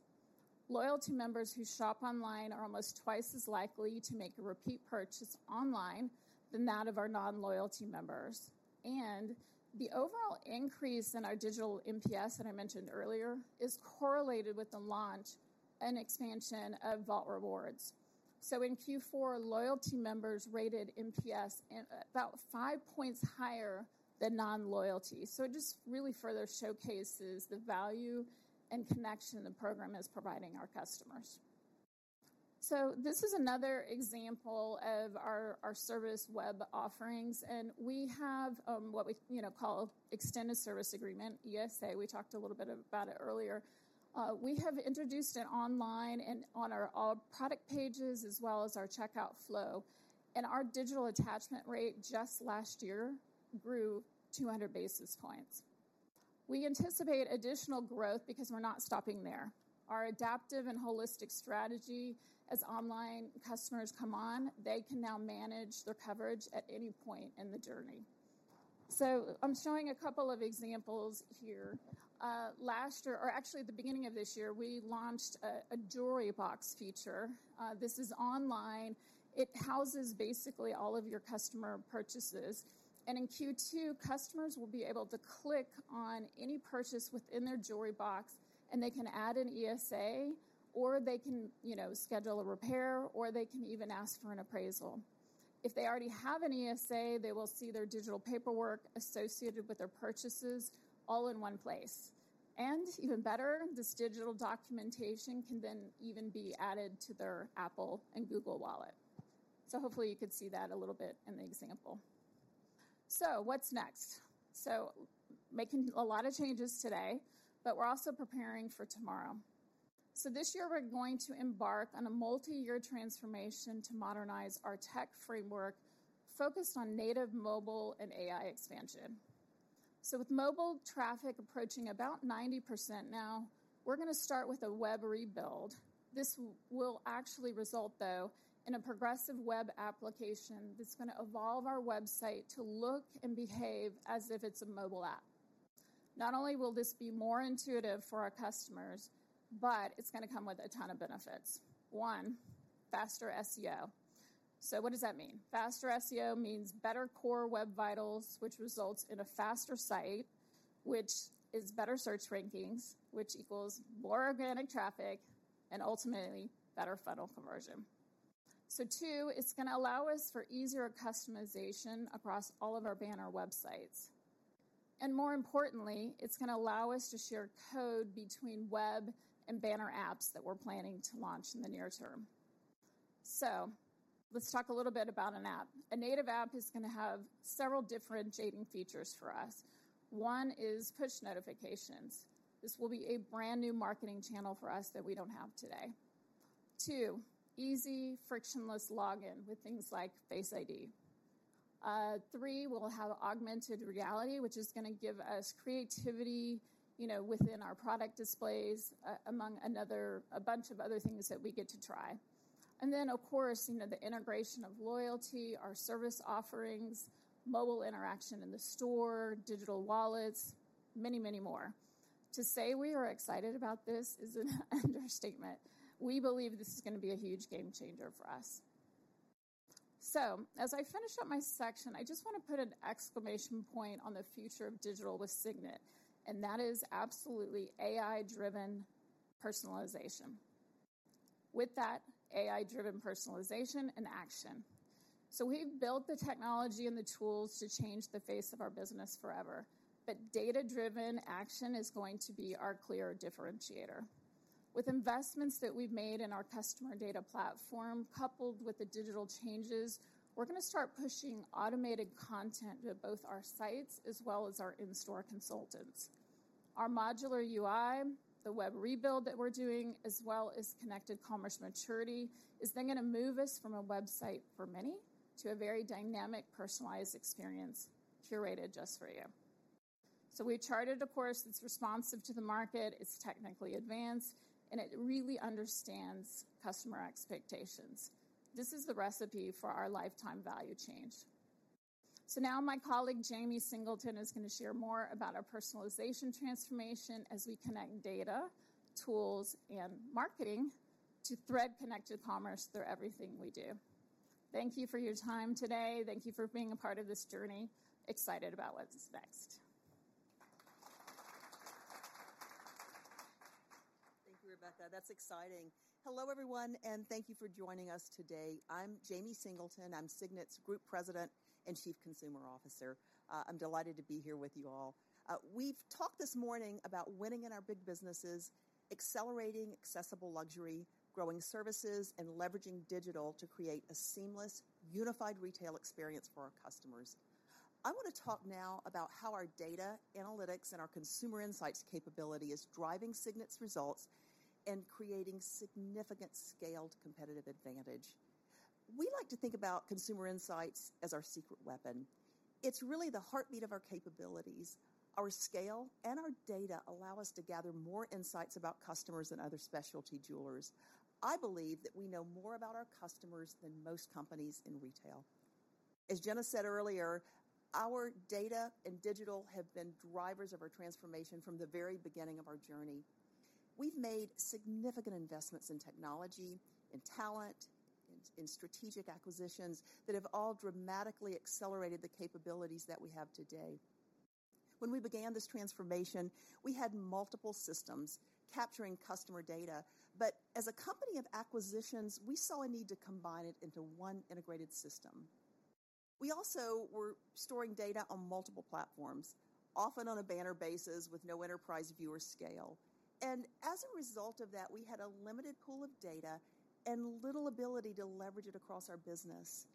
Loyalty members who shop online are almost twice as likely to make a repeat purchase online than that of our non-loyalty members. The overall increase in our digital NPS that I mentioned earlier is correlated with the launch and expansion of Vault Rewards. In Q4, loyalty members rated NPS at about 5 points higher than non-loyalty. It just really further showcases the value and connection the program is providing our customers. This is another example of our service web offerings, and we have, you know, what we call Extended Service Agreement, ESA. We talked a little bit about it earlier. We have introduced it online and on our, all product pages as well as our checkout flow. Our digital attachment rate just last year grew 200 basis points. We anticipate additional growth because we're not stopping there. Our adaptive and holistic strategy, as online customers come on, they can now manage their coverage at any point in the journey. I'm showing a couple of examples here. Last year, or actually at the beginning of this year, we launched a jewelry box feature. This is online. It houses basically all of your customer purchases. In Q2, customers will be able to click on any purchase within their jewelry box, and they can add an ESA, or they can, you know, schedule a repair, or they can even ask for an appraisal. If they already have an ESA, they will see their digital paperwork associated with their purchases all in one place. Even better, this digital documentation can then even be added to their Apple and Google Wallet. Hopefully, you could see that a little bit in the example. What's next? Making a lot of changes today, but we're also preparing for tomorrow. This year we're going to embark on a multi-year transformation to modernize our tech framework focused on native mobile and AI expansion. With mobile traffic approaching about 90% now, we're going to start with a web rebuild. This will actually result, though, in a progressive web application that's going to evolve our website to look and behave as if it's a mobile app. Not only will this be more intuitive for our customers, but it's going to come with a ton of benefits.1, faster SEO. What does that mean? Faster SEO means better core web vitals, which results in a faster site, which is better search rankings, which equals more organic traffic and ultimately better funnel conversion. 2, it's going to allow us for easier customization across all of our banner websites. More importantly, it's going to allow us to share code between web and banner apps that we're planning to launch in the near term. Let's talk a little bit about an app. A native app is going to have several differentiating features for us. 1 is push notifications. This will be a brand-new marketing channel for us that we don't have today. 2, easy frictionless login with things like face ID. 3, we'll have augmented reality, which is going to give us creativity, you know, within our product displays, a bunch of other things that we get to try. Then, of course, you know, the integration of loyalty, our service offerings, mobile interaction in the store, digital wallets, many, many more. To say we are excited about this is an understatement. We believe this is gonna be a huge game changer for us. As I finish up my section, I just wanna put an exclamation point on the future of digital with Signet, and that is absolutely AI-driven personalization. With that, AI-driven personalization and action. We've built the technology and the tools to change the face of our business forever, but data-driven action is going to be our clear differentiator. With investments that we've made in our customer data platform, coupled with the digital changes, we're gonna start pushing automated content to both our sites as well as our in-store consultants. Our modular UI, the web rebuild that we're doing, as well as connected commerce maturity, is then gonna move us from a website for many to a very dynamic, personalized experience curated just for you. We charted a course that's responsive to the market, it's technically advanced, and it really understands customer expectations. This is the recipe for our lifetime value change. Now my colleague Jamie Singleton is gonna share more about our personalization transformation as we connect data, tools, and marketing to thread connected commerce through everything we do. Thank you for your time today. Thank you for being a part of this journey. Excited about what is next. Thank you, Rebecca. That's exciting. Hello, everyone. Thank you for joining us today. I'm Jamie Singleton. I'm Signet's Group President and Chief Consumer Officer. I'm delighted to be here with you all. We've talked this morning about winning in our big businesses, accelerating accessible luxury, growing services, and leveraging digital to create a seamless, unified retail experience for our customers. I wanna talk now about how our data analytics and our consumer insights capability is driving Signet's results and creating significant scaled competitive advantage. We like to think about consumer insights as our secret weapon. It's really the heartbeat of our capabilities. Our scale and our data allow us to gather more insights about customers than other specialty jewelers. I believe that we know more about our customers than most companies in retail. As Jenna said earlier, our data and digital have been drivers of our transformation from the very beginning of our journey. We've made significant investments in technology, in talent, in strategic acquisitions that have all dramatically accelerated the capabilities that we have today. When we began this transformation, we had multiple systems capturing customer data. As a company of acquisitions, we saw a need to combine it into one integrated system. We also were storing data on multiple platforms, often on a banner basis with no enterprise view or scale. As a result of that, we had a limited pool of data and little ability to leverage it across our business.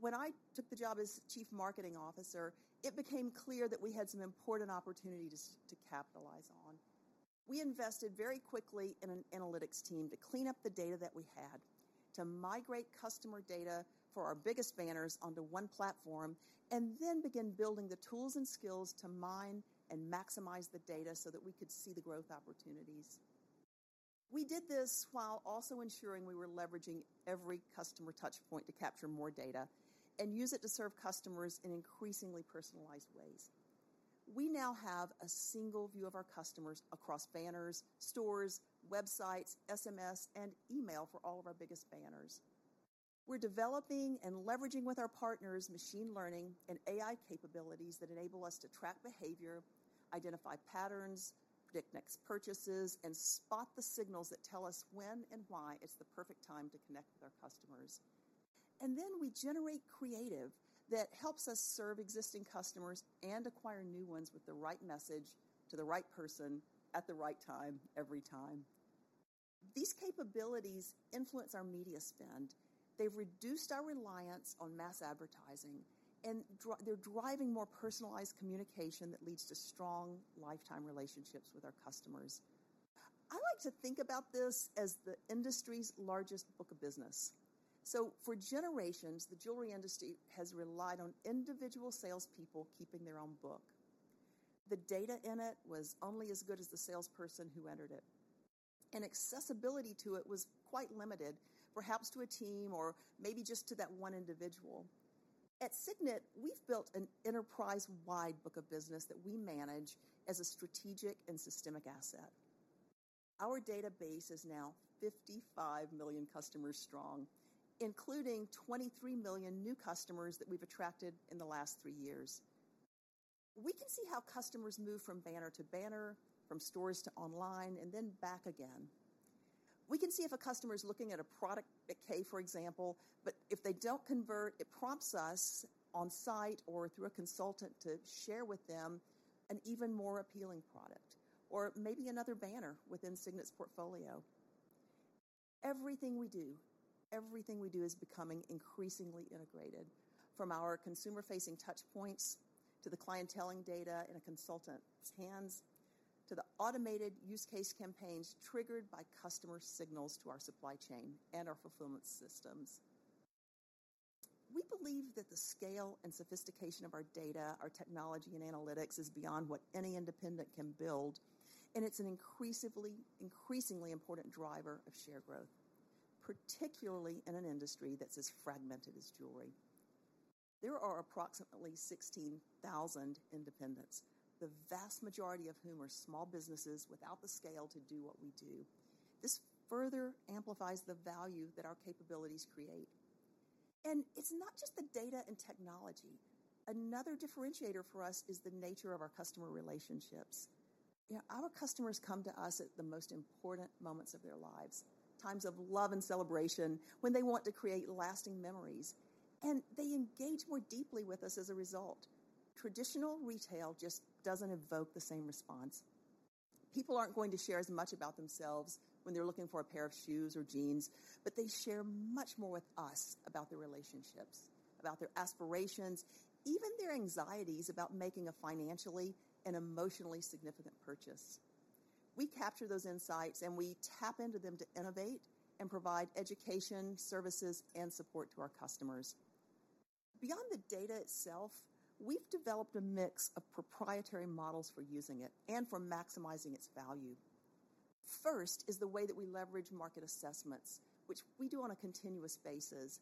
When I took the job as Chief Marketing Officer, it became clear that we had some important opportunities to capitalize on. We invested very quickly in an analytics team to clean up the data that we had, to migrate customer data for our biggest banners onto one platform, and then begin building the tools and skills to mine and maximize the data so that we could see the growth opportunities. We did this while also ensuring we were leveraging every customer touch point to capture more data and use it to serve customers in increasingly personalized ways. We now have a single view of our customers across banners, stores, websites, SMS, and email for all of our biggest banners. We're developing and leveraging with our partners machine learning and AI capabilities that enable us to track behavior, identify patterns, predict next purchases, and spot the signals that tell us when and why it's the perfect time to connect with our customers. Then we generate creative that helps us serve existing customers and acquire new ones with the right message to the right person at the right time, every time. These capabilities influence our media spend. They've reduced our reliance on mass advertising, and they're driving more personalized communication that leads to strong lifetime relationships with our customers. I like to think about this as the industry's largest book of business. For generations, the jewelry industry has relied on individual salespeople keeping their own book. The data in it was only as good as the salesperson who entered it, and accessibility to it was quite limited, perhaps to a team or maybe just to that one individual. At Signet, we've built an enterprise-wide book of business that we manage as a strategic and systemic asset. Our database is now 55 million customers strong, including 23 million new customers that we've attracted in the last 3 years. We can see how customers move from banner to banner, from stores to online, and then back again. We can see if a customer is looking at a product at Kay, for example, but if they don't convert, it prompts us on-site or through a consultant to share with them an even more appealing product or maybe another banner within Signet's portfolio. Everything we do is becoming increasingly integrated. From our consumer-facing touchpoints to the clienteling data in a consultant's hands, to the automated use case campaigns triggered by customer signals to our supply chain and our fulfillment systems. We believe that the scale and sophistication of our data, our technology and analytics is beyond what any independent can build, and it's an increasingly important driver of share growth, particularly in an industry that's as fragmented as jewelry. There are approximately 16,000 independents, the vast majority of whom are small businesses without the scale to do what we do. This further amplifies the value that our capabilities create. It's not just the data and technology. Another differentiator for us is the nature of our customer relationships. You know, our customers come to us at the most important moments of their lives, times of love and celebration, when they want to create lasting memories, and they engage more deeply with us as a result. Traditional retail just doesn't evoke the same response. People aren't going to share as much about themselves when they're looking for a pair of shoes or jeans. They share much more with us about their relationships, about their aspirations, even their anxieties about making a financially and emotionally significant purchase. We capture those insights. We tap into them to innovate and provide education, services, and support to our customers. Beyond the data itself, we've developed a mix of proprietary models for using it and for maximizing its value. First is the way that we leverage market assessments, which we do on a continuous basis.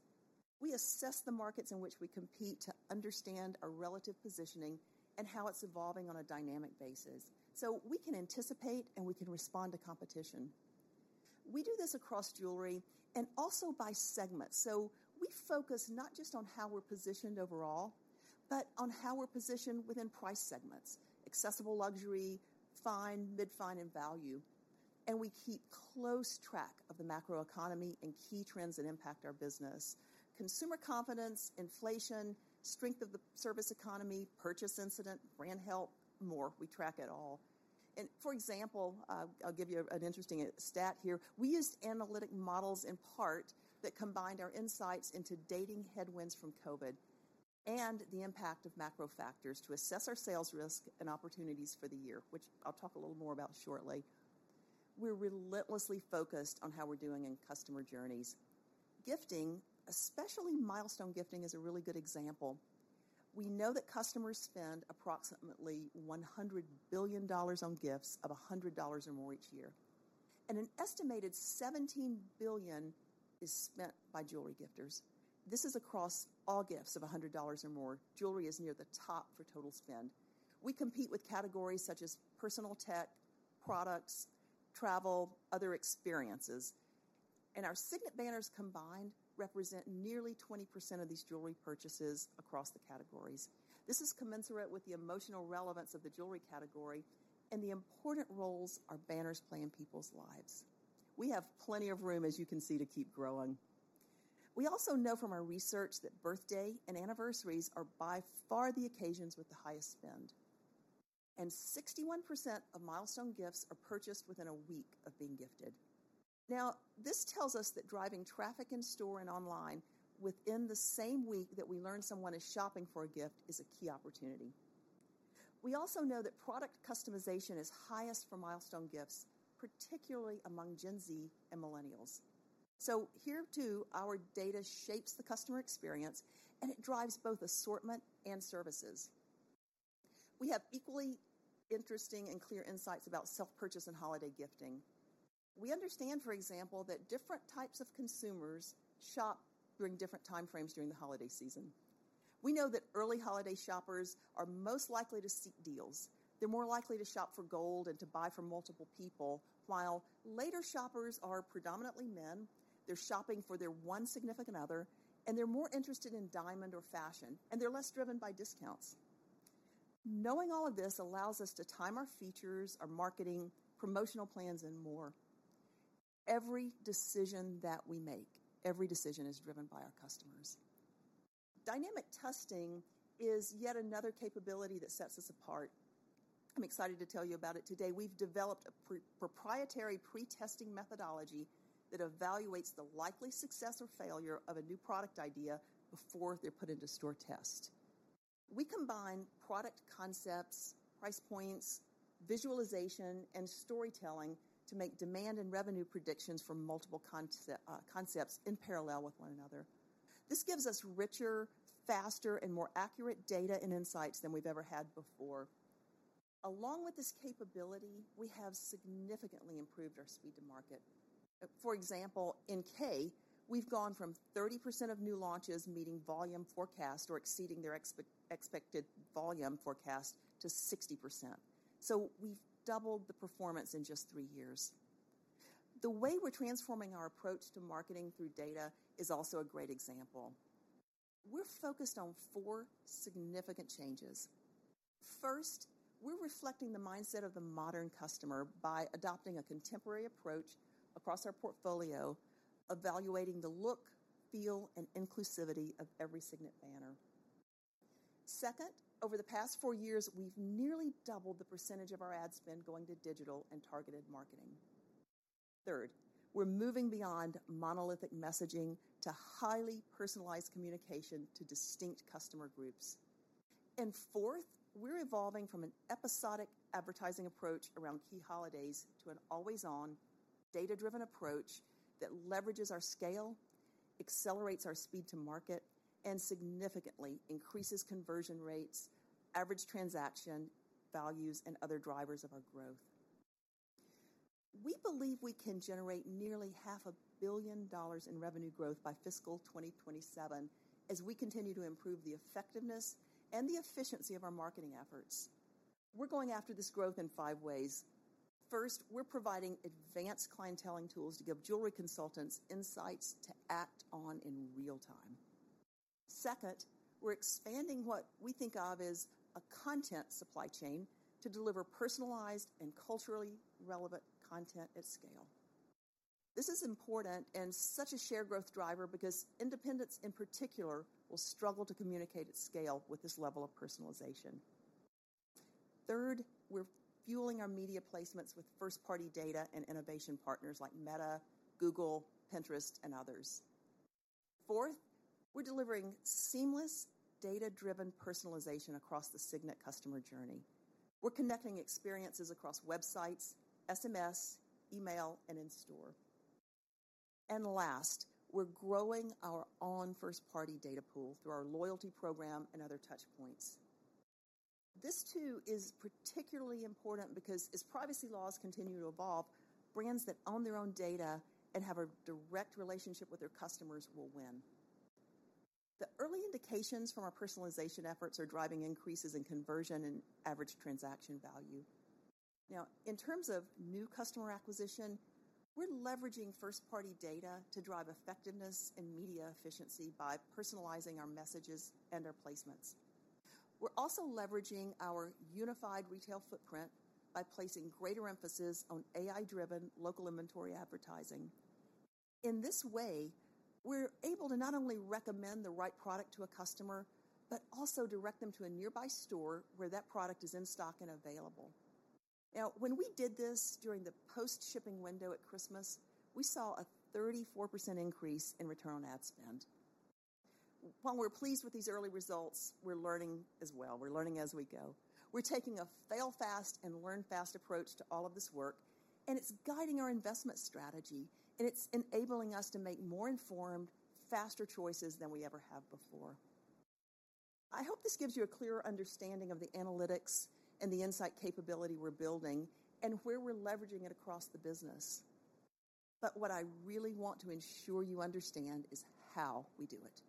We assess the markets in which we compete to understand our relative positioning and how it's evolving on a dynamic basis. We can anticipate and we can respond to competition. We do this across jewelry and also by segment. We focus not just on how we're positioned overall, but on how we're positioned within price segments: accessible luxury, fine, mid-fine, and value. We keep close track of the macroeconomy and key trends that impact our business. Consumer confidence, inflation, strength of the service economy, purchase incident, brand health, more. We track it all. For example, I'll give you an interesting stat here. We used analytic models in part that combined our insights into dating headwinds from COVID and the impact of macro factors to assess our sales risk and opportunities for the year, which I'll talk a little more about shortly. We're relentlessly focused on how we're doing in customer journeys. Gifting, especially milestone gifting, is a really good example. We know that customers spend approximately $100 billion on gifts of $100 or more each year, and an estimated $17 billion is spent by jewelry gifters. This is across all gifts of $100 or more. Jewelry is near the top for total spend. We compete with categories such as personal tech, products, travel, other experiences. Our Signet banners combined represent nearly 20% of these jewelry purchases across the categories. This is commensurate with the emotional relevance of the jewelry category and the important roles our banners play in people's lives. We have plenty of room, as you can see, to keep growing. We also know from our research that birthday and anniversaries are by far the occasions with the highest spend, and 61% of milestone gifts are purchased within a week of being gifted. This tells us that driving traffic in store and online within the same week that we learn someone is shopping for a gift is a key opportunity. We also know that product customization is highest for milestone gifts, particularly among Gen Z and millennials. Here too, our data shapes the customer experience, and it drives both assortment and services. We have equally interesting and clear insights about self-purchase and holiday gifting. We understand, for example, that different types of consumers shop during different time frames during the holiday season. We know that early holiday shoppers are most likely to seek deals. They're more likely to shop for gold and to buy from multiple people. While later shoppers are predominantly men, they're shopping for their one significant other, and they're more interested in diamond or fashion, and they're less driven by discounts. Knowing all of this allows us to time our features, our marketing, promotional plans, and more. Every decision that we make, every decision is driven by our customers. Dynamic testing is yet another capability that sets us apart. I'm excited to tell you about it today. We've developed a proprietary pre-testing methodology that evaluates the likely success or failure of a new product idea before they're put into store test. We combine product concepts, price points, visualization, and storytelling to make demand and revenue predictions from multiple concepts in parallel with one another. This gives us richer, faster, and more accurate data and insights than we've ever had before. Along with this capability, we have significantly improved our speed to market. For example, in Kay, we've gone from 30% of new launches meeting volume forecast or exceeding their expected volume forecast to 60%. We've doubled the performance in just three years. The way we're transforming our approach to marketing through data is also a great example. We're focused on four significant changes. First, we're reflecting the mindset of the modern customer by adopting a contemporary approach across our portfolio, evaluating the look, feel, and inclusivity of every Signet banner. Second, over the past four years, we've nearly doubled the percentage of our ad spend going to digital and targeted marketing. Third, we're moving beyond monolithic messaging to highly personalized communication to distinct customer groups. Fourth, we're evolving from an episodic advertising approach around key holidays to an always-on, data-driven approach that leverages our scale, accelerates our speed to market, and significantly increases conversion rates, average transaction values, and other drivers of our growth. We believe we can generate nearly half a billion dollars in revenue growth by fiscal 2027 as we continue to improve the effectiveness and the efficiency of our marketing efforts. We're going after this growth in five ways. First, we're providing advanced clienteling tools to give jewelry consultants insights to act on in real time. Second, we're expanding what we think of as a content supply chain to deliver personalized and culturally relevant content at scale. This is important and such a shared growth driver because independents in particular will struggle to communicate at scale with this level of personalization. Third, we're fueling our media placements with first-party data and innovation partners like Meta, Google, Pinterest, and others. Fourth, we're delivering seamless data-driven personalization across the Signet customer journey. We're connecting experiences across websites, SMS, email, and in store. Last, we're growing our own first-party data pool through our loyalty program and other touchpoints. This too is particularly important because as privacy laws continue to evolve, brands that own their own data and have a direct relationship with their customers will win. The early indications from our personalization efforts are driving increases in conversion and average transaction value. In terms of new customer acquisition, we're leveraging first-party data to drive effectiveness and media efficiency by personalizing our messages and our placements. We're also leveraging our unified retail footprint by placing greater emphasis on AI-driven local inventory advertising. In this way, we're able to not only recommend the right product to a customer, but also direct them to a nearby store where that product is in stock and available. When we did this during the post-shipping window at Christmas, we saw a 34% increase in return on ad spend. While we're pleased with these early results, we're learning as well. We're learning as we go. We're taking a fail fast and learn fast approach to all of this work, and it's guiding our investment strategy, and it's enabling us to make more informed, faster choices than we ever have before. I hope this gives you a clearer understanding of the analytics and the insight capability we're building and where we're leveraging it across the business. What I really want to ensure you understand is how we do it.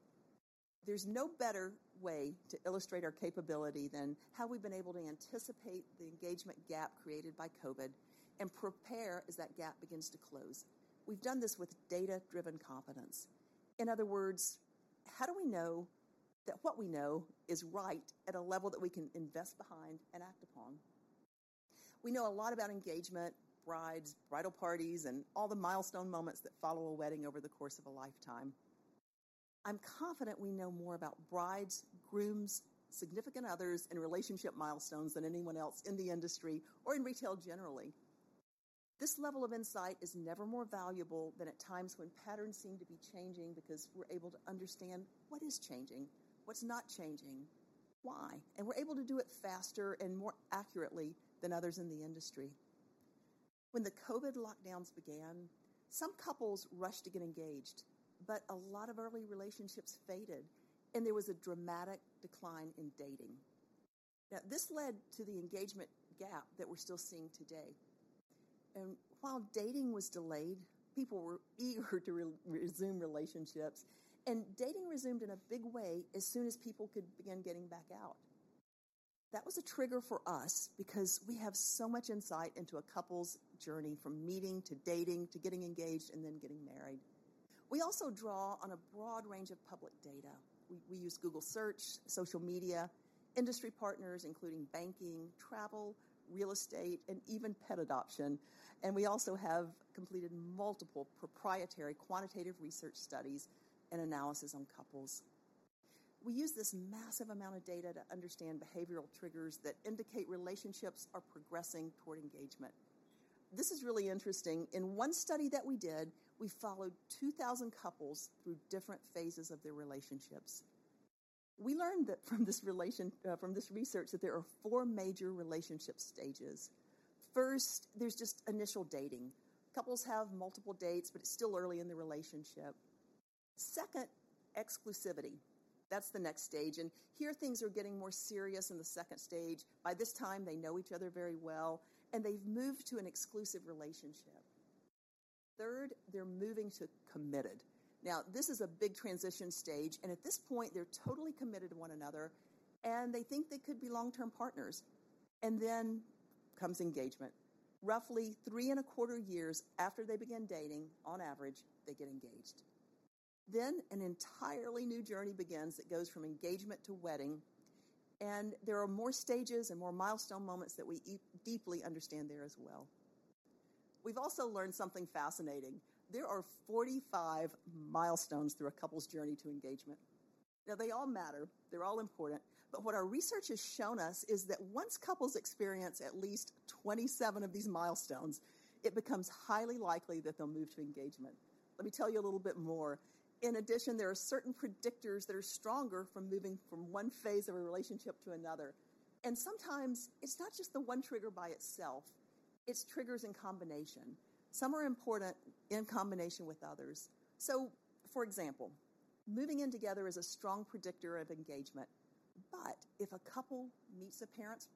There's no better way to illustrate our capability than how we've been able to anticipate the engagement gap created by COVID and prepare as that gap begins to close. We've done this with data-driven confidence. In other words, how do we know that what we know is right at a level that we can invest behind and act upon? We know a lot about engagement, brides, bridal parties, and all the milestone moments that follow a wedding over the course of a lifetime. I'm confident we know more about brides, grooms, significant others, and relationship milestones than anyone else in the industry or in retail generally. This level of insight is never more valuable than at times when patterns seem to be changing because we're able to understand what is changing, what's not changing, why? We're able to do it faster and more accurately than others in the industry. When the COVID lockdowns began, some couples rushed to get engaged, but a lot of early relationships faded, and there was a dramatic decline in dating. This led to the engagement gap that we're still seeing today. While dating was delayed, people were eager to re-resume relationships, and dating resumed in a big way as soon as people could begin getting back out. That was a trigger for us because we have so much insight into a couple's journey from meeting to dating, to getting engaged, and then getting married. We also draw on a broad range of public data. We use Google search, social media, industry partners, including banking, travel, real estate, and even pet adoption. We also have completed multiple proprietary quantitative research studies and analysis on couples. We use this massive amount of data to understand behavioral triggers that indicate relationships are progressing toward engagement. This is really interesting. In one study that we did, we followed 2,000 couples through different phases of their relationships. We learned that from this research that there are four major relationship stages. First, there's just initial dating. Couples have multiple dates, but it's still early in the relationship. Second, exclusivity. That's the next stage, and here things are getting more serious in the second stage. By this time, they know each other very well, and they've moved to an exclusive relationship. Third, they're moving to committed. This is a big transition stage, and at this point, they're totally committed to one another, and they think they could be long-term partners. Then comes engagement. Roughly 3 and a quarter years after they begin dating, on average, they get engaged. An entirely new journey begins that goes from engagement to wedding, and there are more stages and more milestone moments that we deeply understand there as well. We've also learned something fascinating. There are 45 milestones through a couple's journey to engagement. They all matter. They're all important. What our research has shown us is that once couples experience at least 27 of these milestones, it becomes highly likely that they'll move to engagement. Let me tell you a little bit more. In addition, there are certain predictors that are stronger from moving from one phase of a relationship to another. Sometimes it's not just the one trigger by itself, it's triggers in combination. Some are important in combination with others. For example, moving in together is a strong predictor of engagement. If a couple meets the parents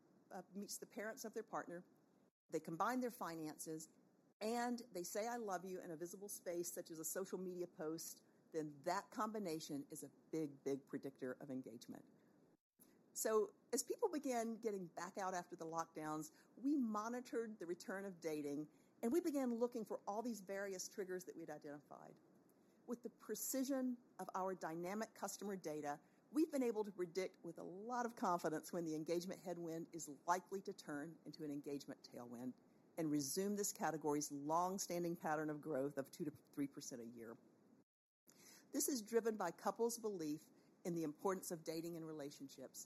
of their partner, they combine their finances, and they say, "I love you," in a visible space such as a social media post, then that combination is a big, big predictor of engagement. As people began getting back out after the lockdowns, we monitored the return of dating, and we began looking for all these various triggers that we'd identified. With the precision of our dynamic customer data, we've been able to predict with a lot of confidence when the engagement headwind is likely to turn into an engagement tailwind and resume this category's long-standing pattern of growth of 2% to 3% a year. This is driven by couples' belief in the importance of dating and relationships.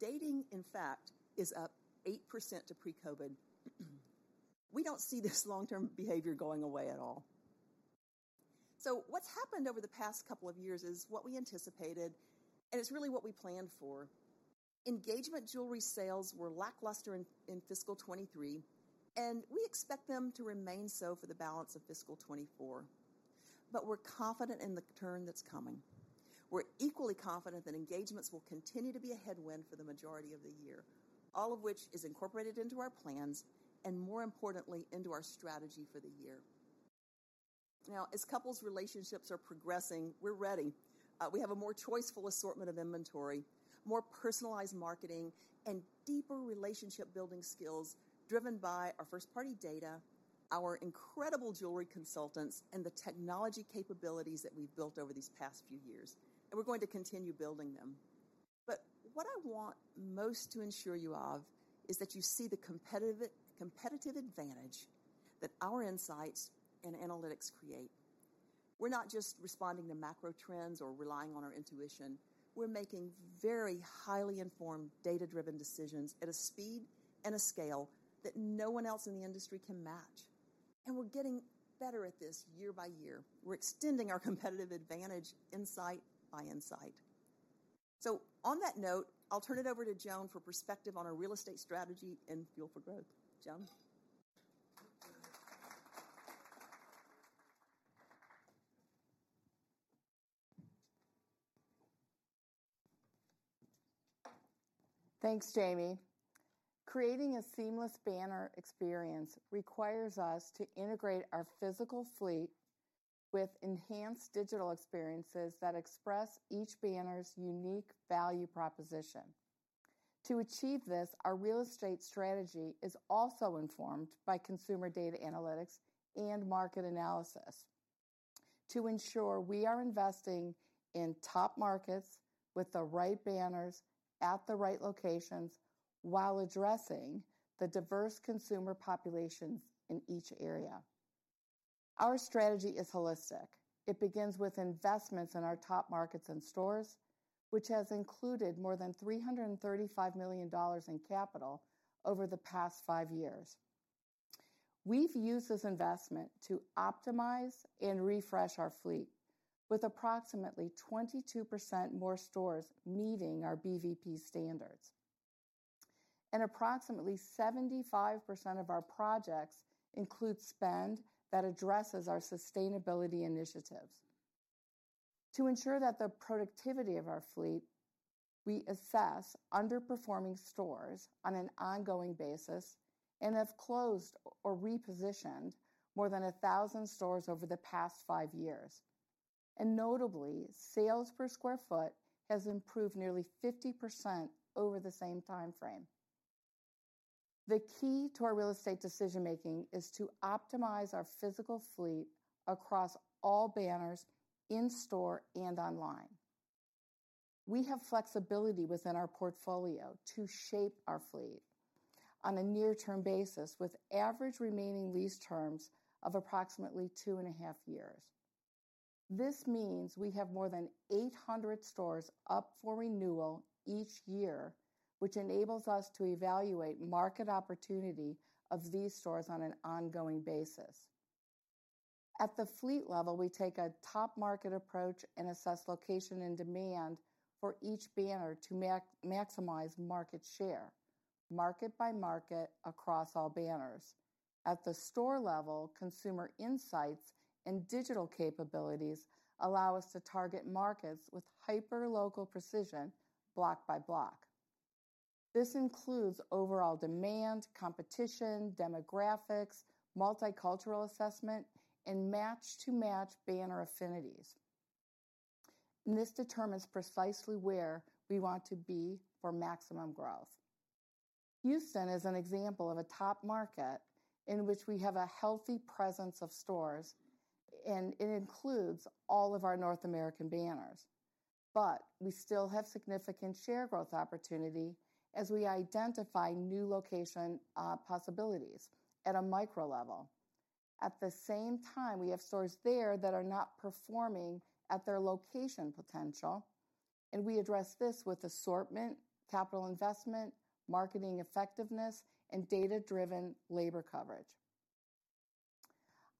Dating, in fact, is up 8% to pre-COVID. We don't see this long-term behavior going away at all. What's happened over the past couple of years is what we anticipated, and it's really what we planned for. Engagement jewelry sales were lackluster in fiscal 23, and we expect them to remain so for the balance of fiscal 24. We're confident in the turn that's coming. We're equally confident that engagements will continue to be a headwind for the majority of the year, all of which is incorporated into our plans and more importantly, into our strategy for the year. As couples' relationships are progressing, we're ready. We have a more choiceful assortment of inventory, more personalized marketing, and deeper relationship building skills driven by our first-party data, our incredible jewelry consultants, and the technology capabilities that we've built over these past few years, and we're going to continue building them. What I want most to ensure you of is that you see the competitive advantage that our insights and analytics create. We're not just responding to macro trends or relying on our intuition. We're making very highly informed, data-driven decisions at a speed and a scale that no one else in the industry can match. We're getting better at this year by year. We're extending our competitive advantage insight by insight. On that note, I'll turn it over to Joan for perspective on our real estate strategy and fuel for growth. Joan. Thanks, Jamie. Creating a seamless banner experience requires us to integrate our physical fleet with enhanced digital experiences that express each banner's unique value proposition. To achieve this, our real estate strategy is also informed by consumer data analytics and market analysis to ensure we are investing in top markets with the right banners at the right locations while addressing the diverse consumer populations in each area. Our strategy is holistic. It begins with investments in our top markets and stores, which has included more than $335 million in capital over the past five years. We've used this investment to optimize and refresh our fleet with approximately 22% more stores meeting our BVP standards. Approximately 75% of our projects include spend that addresses our sustainability initiatives. To ensure that the productivity of our fleet, we assess underperforming stores on an ongoing basis and have closed or repositioned more than 1,000 stores over the past 5 years. Notably, sales per square foot has improved nearly 50% over the same timeframe. The key to our real estate decision-making is to optimize our physical fleet across all banners in store and online. We have flexibility within our portfolio to shape our fleet. On a near-term basis with average remaining lease terms of approximately 2 and a half years. This means we have more than 800 stores up for renewal each year, which enables us to evaluate market opportunity of these stores on an ongoing basis. At the fleet level, we take a top market approach and assess location and demand for each banner to maximize market share, market by market across all banners. At the store level, consumer insights and digital capabilities allow us to target markets with hyperlocal precision block by block. This includes overall demand, competition, demographics, multicultural assessment, and match-to-match banner affinities. This determines precisely where we want to be for maximum growth. Houston is an example of a top market in which we have a healthy presence of stores, and it includes all of our North American banners. We still have significant share growth opportunity as we identify new location possibilities at a micro level. At the same time, we have stores there that are not performing at their location potential, and we address this with assortment, capital investment, marketing effectiveness, and data-driven labor coverage.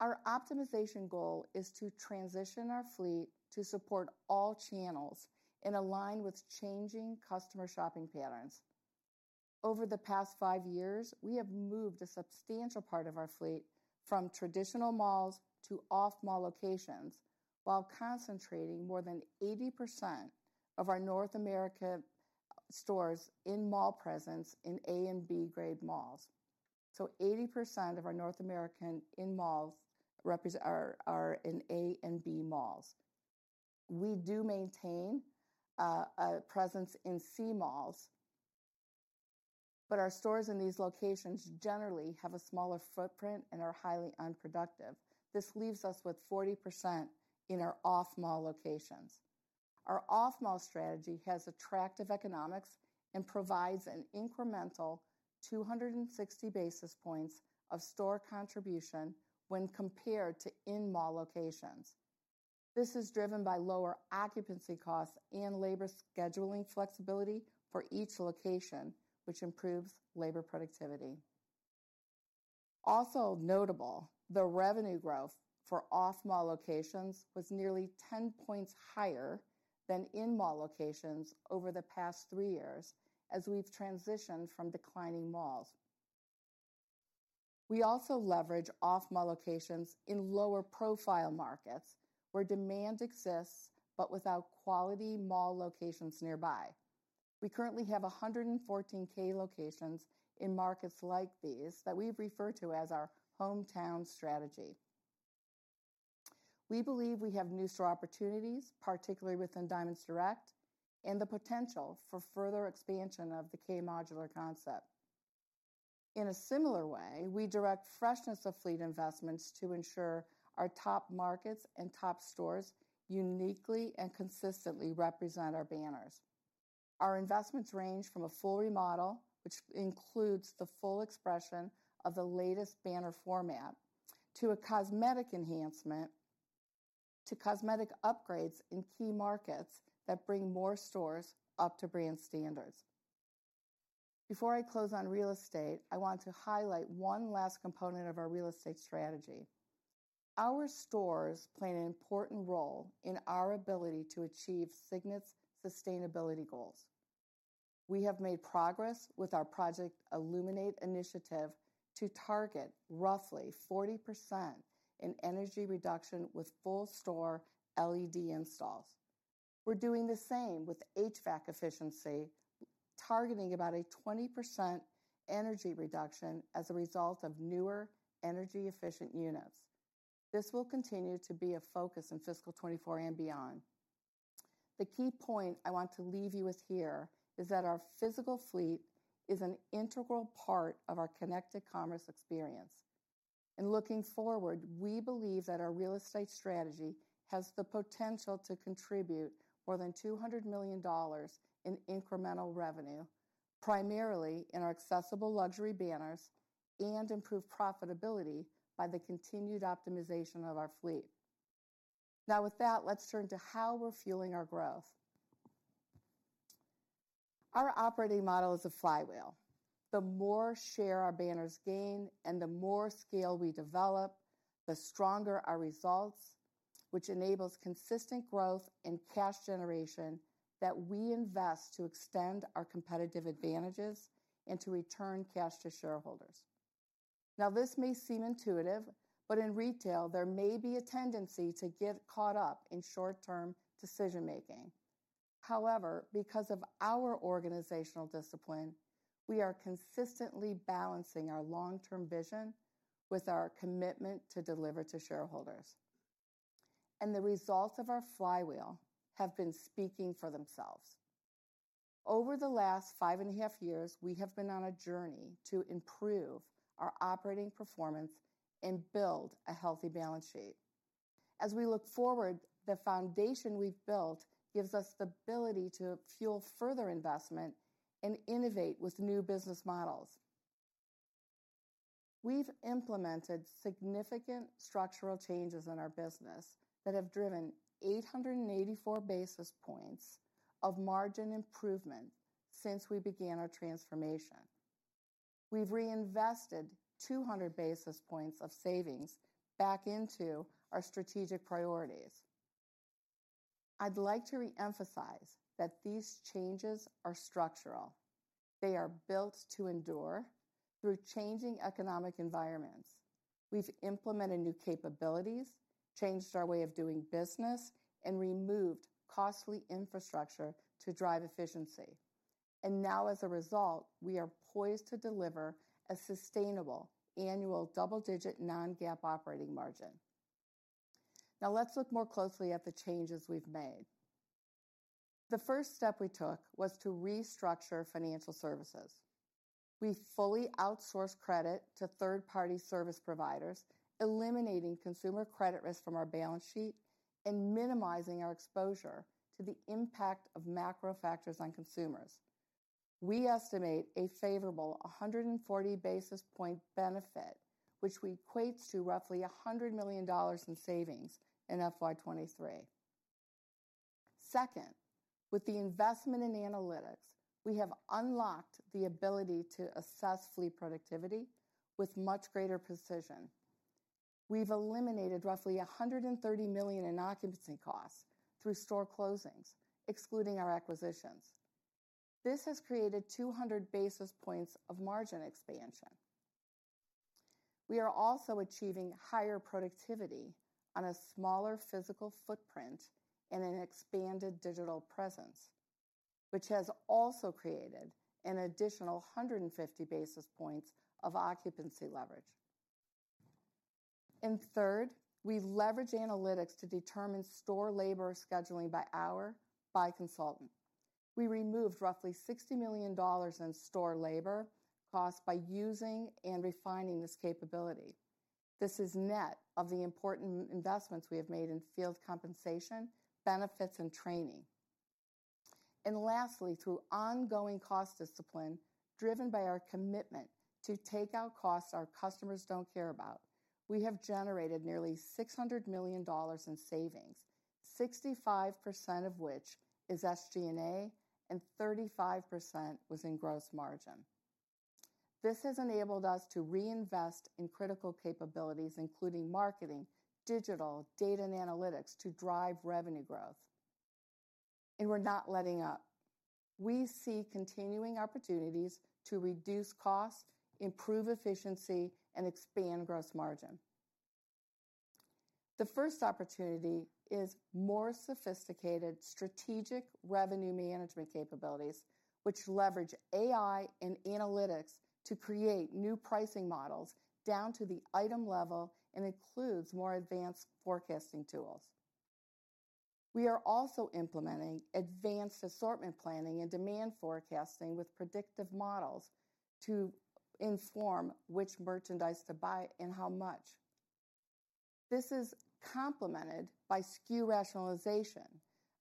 Our optimization goal is to transition our fleet to support all channels and align with changing customer shopping patterns. Over the past five years, we have moved a substantial part of our fleet from traditional malls to off-mall locations while concentrating more than 80% of our North America stores in mall presence in A and B grade malls. 80% of our North American in malls are in A and B malls. We do maintain a presence in C malls, our stores in these locations generally have a smaller footprint and are highly unproductive. This leaves us with 40% in our off-mall locations. Our off-mall strategy has attractive economics and provides an incremental 260 basis points of store contribution when compared to in-mall locations. This is driven by lower occupancy costs and labor scheduling flexibility for each location, which improves labor productivity. Also notable, the revenue growth for off-mall locations was nearly 10 points higher than in-mall locations over the past three years as we've transitioned from declining malls. We also leverage off-mall locations in lower profile markets where demand exists but without quality mall locations nearby. We currently have 114 Kay locations in markets like these that we refer to as our hometown strategy. We believe we have new store opportunities, particularly within Diamonds Direct and the potential for further expansion of the Kay modular concept. In a similar way, we direct freshness of fleet investments to ensure our top markets and top stores uniquely and consistently represent our banners. Our investments range from a full remodel, which includes the full expression of the latest banner format, to a cosmetic enhancement, to cosmetic upgrades in key markets that bring more stores up to brand standards. Before I close on real estate, I want to highlight one last component of our real estate strategy. Our stores play an important role in our ability to achieve Signet's sustainability goals. We have made progress with our Project Illuminate initiative to target roughly 40% in energy reduction with full store LED installs. We're doing the same with HVAC efficiency, targeting about a 20% energy reduction as a result of newer energy-efficient units. This will continue to be a focus in fiscal 2024 and beyond. The key point I want to leave you with here is that our physical fleet is an integral part of our connected commerce experience. Looking forward, we believe that our real estate strategy has the potential to contribute more than $200 million in incremental revenue, primarily in our accessible luxury banners and improve profitability by the continued optimization of our fleet. With that, let's turn to how we're fueling our growth. Our operating model is a flywheel. The more share our banners gain and the more scale we develop, the stronger our results, which enables consistent growth and cash generation that we invest to extend our competitive advantages and to return cash to shareholders. This may seem intuitive, but in retail, there may be a tendency to get caught up in short-term decision-making. Because of our organizational discipline, we are consistently balancing our long-term vision with our commitment to deliver to shareholders. The results of our flywheel have been speaking for themselves. Over the last five and a half years, we have been on a journey to improve our operating performance and build a healthy balance sheet. As we look forward, the foundation we've built gives us the ability to fuel further investment and innovate with new business models. We've implemented significant structural changes in our business that have driven 884 basis points of margin improvement since we began our transformation. We've reinvested 200 basis points of savings back into our strategic priorities. I'd like to re-emphasize that these changes are structural. They are built to endure through changing economic environments. We've implemented new capabilities, changed our way of doing business, and removed costly infrastructure to drive efficiency. Now as a result, we are poised to deliver a sustainable annual double-digit non-GAAP operating margin. Now let's look more closely at the changes we've made. The first step we took was to restructure financial services. We fully outsourced credit to third-party service providers, eliminating consumer credit risk from our balance sheet and minimizing our exposure to the impact of macro factors on consumers. We estimate a favorable 140 basis point benefit, which equates to roughly $100 million in savings in FY23. Second, with the investment in analytics, we have unlocked the ability to assess fleet productivity with much greater precision. We've eliminated roughly $130 million in occupancy costs through store closings, excluding our acquisitions. This has created 200 basis points of margin expansion. We are also achieving higher productivity on a smaller physical footprint and an expanded digital presence, which has also created an additional 150 basis points of occupancy leverage. Third, we leverage analytics to determine store labor scheduling by hour by consultant. We removed roughly $60 million in store labor costs by using and refining this capability. This is net of the important investments we have made in field compensation, benefits, and training. Lastly, through ongoing cost discipline driven by our commitment to take out costs our customers don't care about, we have generated nearly $600 million in savings, 65% of which is SG&A and 35% was in gross margin. This has enabled us to reinvest in critical capabilities, including marketing, digital, data, and analytics to drive revenue growth. We're not letting up. We see continuing opportunities to reduce costs, improve efficiency, and expand gross margin. The first opportunity is more sophisticated strategic revenue management capabilities, which leverage AI and analytics to create new pricing models down to the item level and includes more advanced forecasting tools. We are also implementing advanced assortment planning and demand forecasting with predictive models to inform which merchandise to buy and how much. This is complemented by SKU rationalization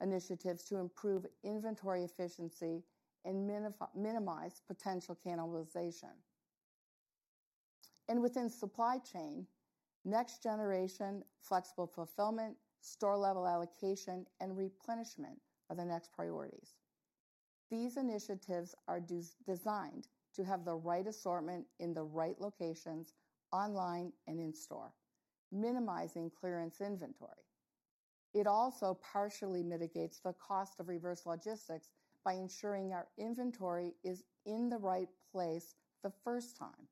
initiatives to improve inventory efficiency and minimize potential cannibalization. Within supply chain, next generation flexible fulfillment, store level allocation, and replenishment are the next priorities. These initiatives are designed to have the right assortment in the right locations, online and in store, minimizing clearance inventory. It also partially mitigates the cost of reverse logistics by ensuring our inventory is in the right place the first time.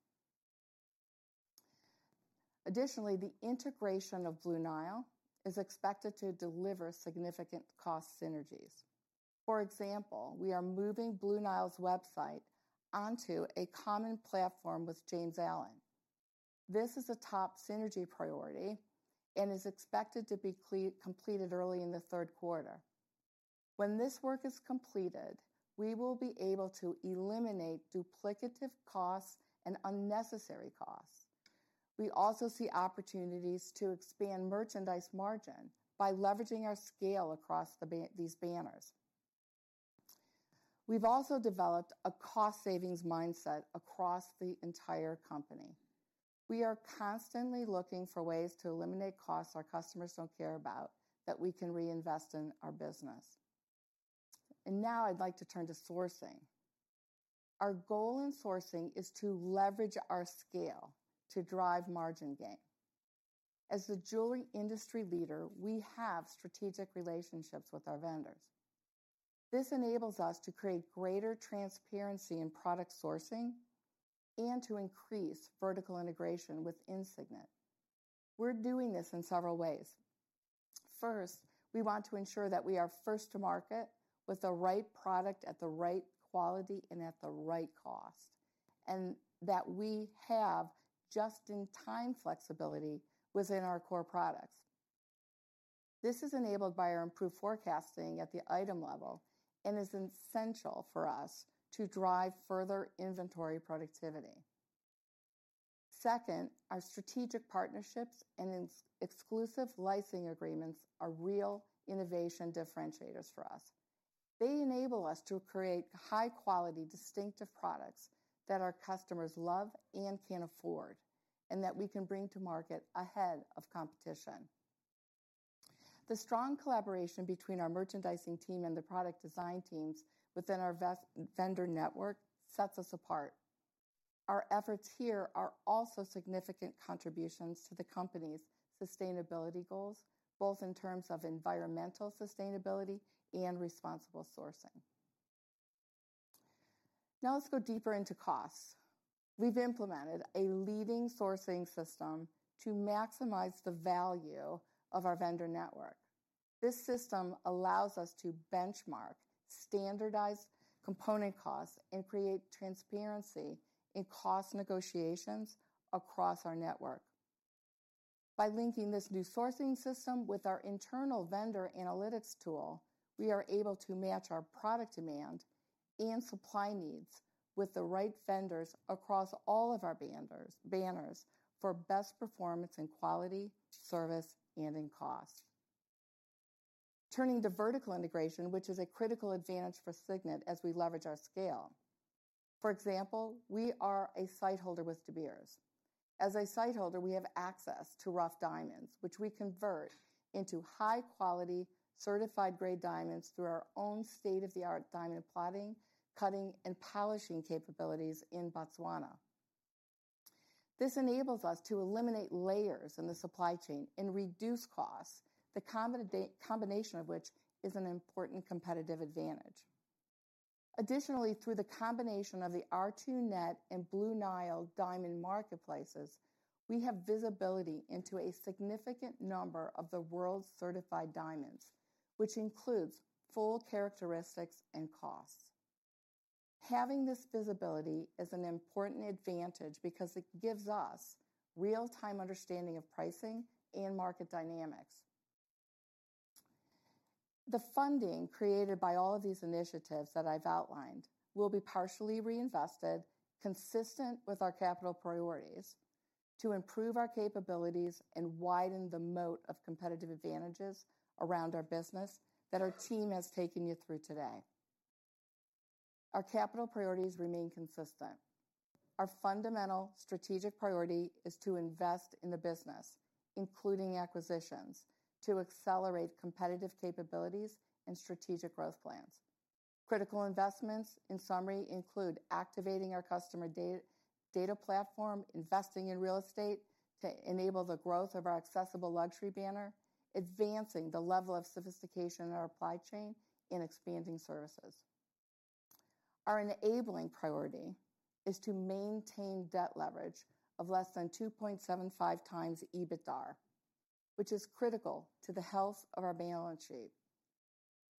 Additionally, the integration of Blue Nile is expected to deliver significant cost synergies. For example, we are moving Blue Nile's website onto a common platform with James Allen. This is a top synergy priority and is expected to be completed early in the third quarter. When this work is completed, we will be able to eliminate duplicative costs and unnecessary costs. We also see opportunities to expand merchandise margin by leveraging our scale across these banners. We've also developed a cost savings mindset across the entire company. We are constantly looking for ways to eliminate costs our customers don't care about, that we can reinvest in our business. Now I'd like to turn to sourcing. Our goal in sourcing is to leverage our scale to drive margin gain. As the jewelry industry leader, we have strategic relationships with our vendors. This enables us to create greater transparency in product sourcing and to increase vertical integration within Signet. We're doing this in several ways. First, we want to ensure that we are first to market with the right product at the right quality and at the right cost, and that we have just-in-time flexibility within our core products. This is enabled by our improved forecasting at the item level and is essential for us to drive further inventory productivity. Second, our strategic partnerships and exclusive licensing agreements are real innovation differentiators for us. They enable us to create high quality, distinctive products that our customers love and can afford, and that we can bring to market ahead of competition. The strong collaboration between our merchandising team and the product design teams within our vendor network sets us apart. Our efforts here are also significant contributions to the company's sustainability goals, both in terms of environmental sustainability and responsible sourcing. Let's go deeper into costs. We've implemented a leading sourcing system to maximize the value of our vendor network. This system allows us to benchmark standardized component costs and create transparency in cost negotiations across our network. By linking this new sourcing system with our internal vendor analytics tool, we are able to match our product demand and supply needs with the right vendors across all of our banners for best performance in quality, service, and in cost. Turning to vertical integration, which is a critical advantage for Signet as we leverage our scale. For example, we are a Sightholder with De Beers. As a Sightholder, we have access to rough diamonds, which we convert into high quality certified grade diamonds through our own state-of-the-art diamond plotting, cutting, and polishing capabilities in Botswana. This enables us to eliminate layers in the supply chain and reduce costs, the combination of which is an important competitive advantage. Additionally, through the combination of the R2Net and Blue Nile diamond marketplaces, we have visibility into a significant number of the world's certified diamonds, which includes full characteristics and costs. Having this visibility is an important advantage because it gives us real-time understanding of pricing and market dynamics. The funding created by all of these initiatives that I've outlined will be partially reinvested, consistent with our capital priorities to improve our capabilities and widen the moat of competitive advantages around our business that our team has taken you through today. Our capital priorities remain consistent. Our fundamental strategic priority is to invest in the business, including acquisitions, to accelerate competitive capabilities and strategic growth plans. Critical investments, in summary, include activating our customer data platform, investing in real estate to enable the growth of our accessible luxury banner, advancing the level of sophistication in our supply chain, and expanding services. Our enabling priority is to maintain debt leverage of less than 2.75 times EBITDA, which is critical to the health of our balance sheet.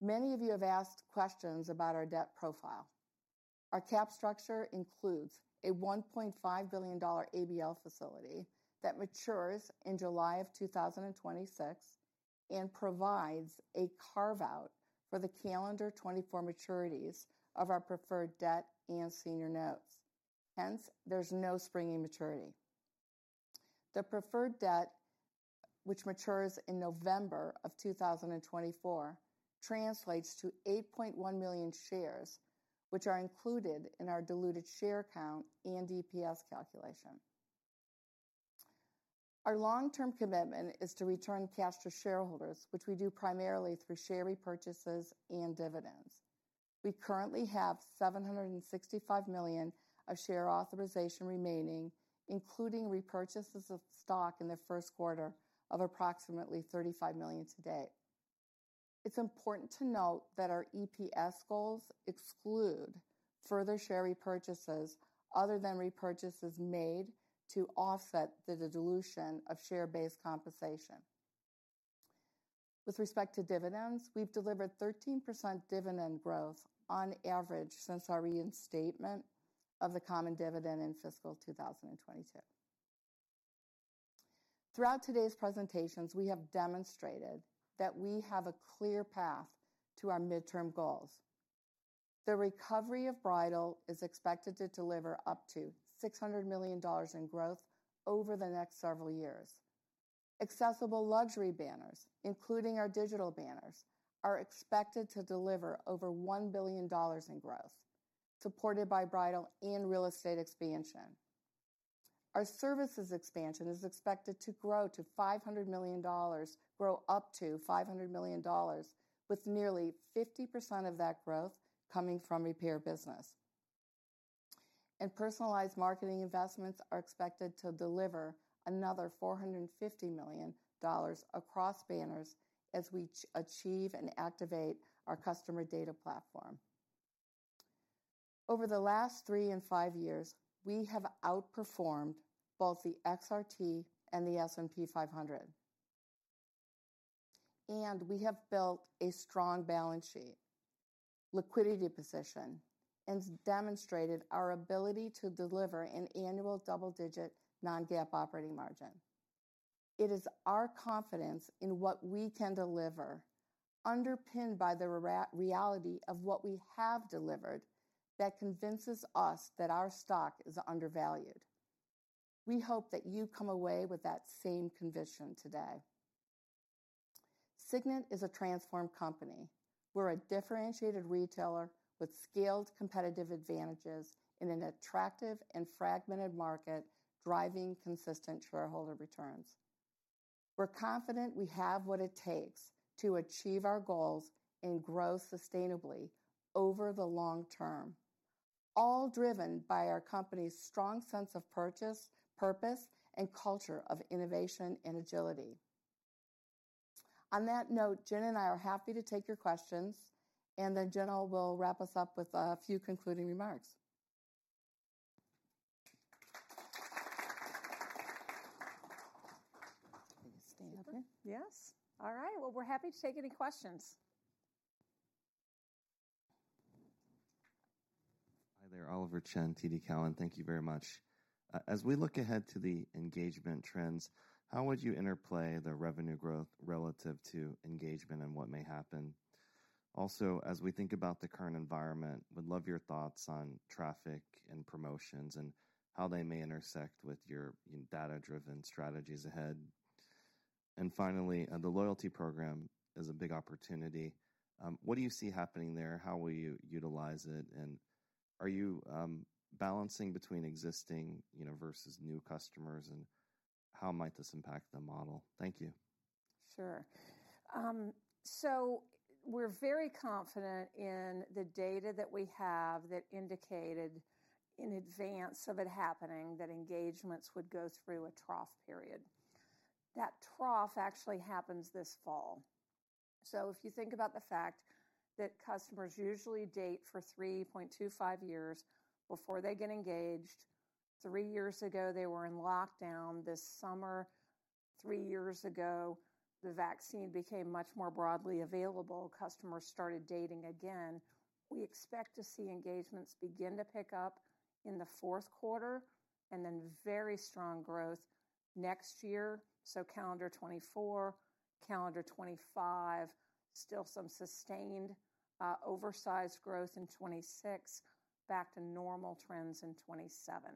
Many of you have asked questions about our debt profile. Our cap structure includes a $1.5 billion ABL facility that matures in July 2026 and provides a carve-out for the calendar 2024 maturities of our preferred debt and senior notes. There's no springing maturity. The preferred debt, which matures in November 2024, translates to 8.1 million shares, which are included in our diluted share count and EPS calculation. Our long-term commitment is to return cash to shareholders, which we do primarily through share repurchases and dividends. We currently have $765 million of share authorization remaining, including repurchases of stock in the first quarter of approximately $35 million to date. It's important to note that our EPS goals exclude further share repurchases other than repurchases made to offset the dilution of share-based compensation. With respect to dividends, we've delivered 13% dividend growth on average since our reinstatement of the common dividend in fiscal 2022. Throughout today's presentations, we have demonstrated that we have a clear path to our midterm goals. The recovery of bridal is expected to deliver up to $600 million in growth over the next several years. Accessible luxury banners, including our digital banners, are expected to deliver over $1 billion in growth, supported by bridal and real estate expansion. Our services expansion is expected to grow up to $500 million with nearly 50% of that growth coming from repair business. Personalized marketing investments are expected to deliver another $450 million across banners as we achieve and activate our customer data platform. Over the last 3 and 5 years, we have outperformed both the XRT and the S&P 500. We have built a strong balance sheet, liquidity position, and demonstrated our ability to deliver an annual double-digit non-GAAP operating margin. It is our confidence in what we can deliver, underpinned by the reality of what we have delivered, that convinces us that our stock is undervalued. We hope that you come away with that same conviction today. Signet is a transformed company. We're a differentiated retailer with scaled competitive advantages in an attractive and fragmented market, driving consistent shareholder returns. We're confident we have what it takes to achieve our goals and grow sustainably over the long term, all driven by our company's strong sense of purpose, and culture of innovation and agility. On that note, Jen and I are happy to take your questions. Jill will wrap us up with a few concluding remarks. Stay up here? Yes. All right. Well, we're happy to take any questions. Hi there. Oliver Chen, TD Cowen. Thank you very much. As we look ahead to the engagement trends, how would you interplay the revenue growth relative to engagement and what may happen? Also, as we think about the current environment, would love your thoughts on traffic and promotions and how they may intersect with your data-driven strategies ahead. Finally, the loyalty program is a big opportunity. What do you see happening there? How will you utilize it? Are you balancing between existing, you know, versus new customers? How might this impact the model? Thank you. Sure. We're very confident in the data that we have that indicated in advance of it happening, that engagements would go through a trough period. That trough actually happens this fall. If you think about the fact that customers usually date for 3.25 years before they get engaged. 3 years ago, they were in lockdown this summer. 3 years ago, the vaccine became much more broadly available. Customers started dating again. We expect to see engagements begin to pick up in the Q4 and then very strong growth next year. Calendar 2024, calendar 2025. Still some sustained, oversized growth in 2026, back to normal trends in 2027.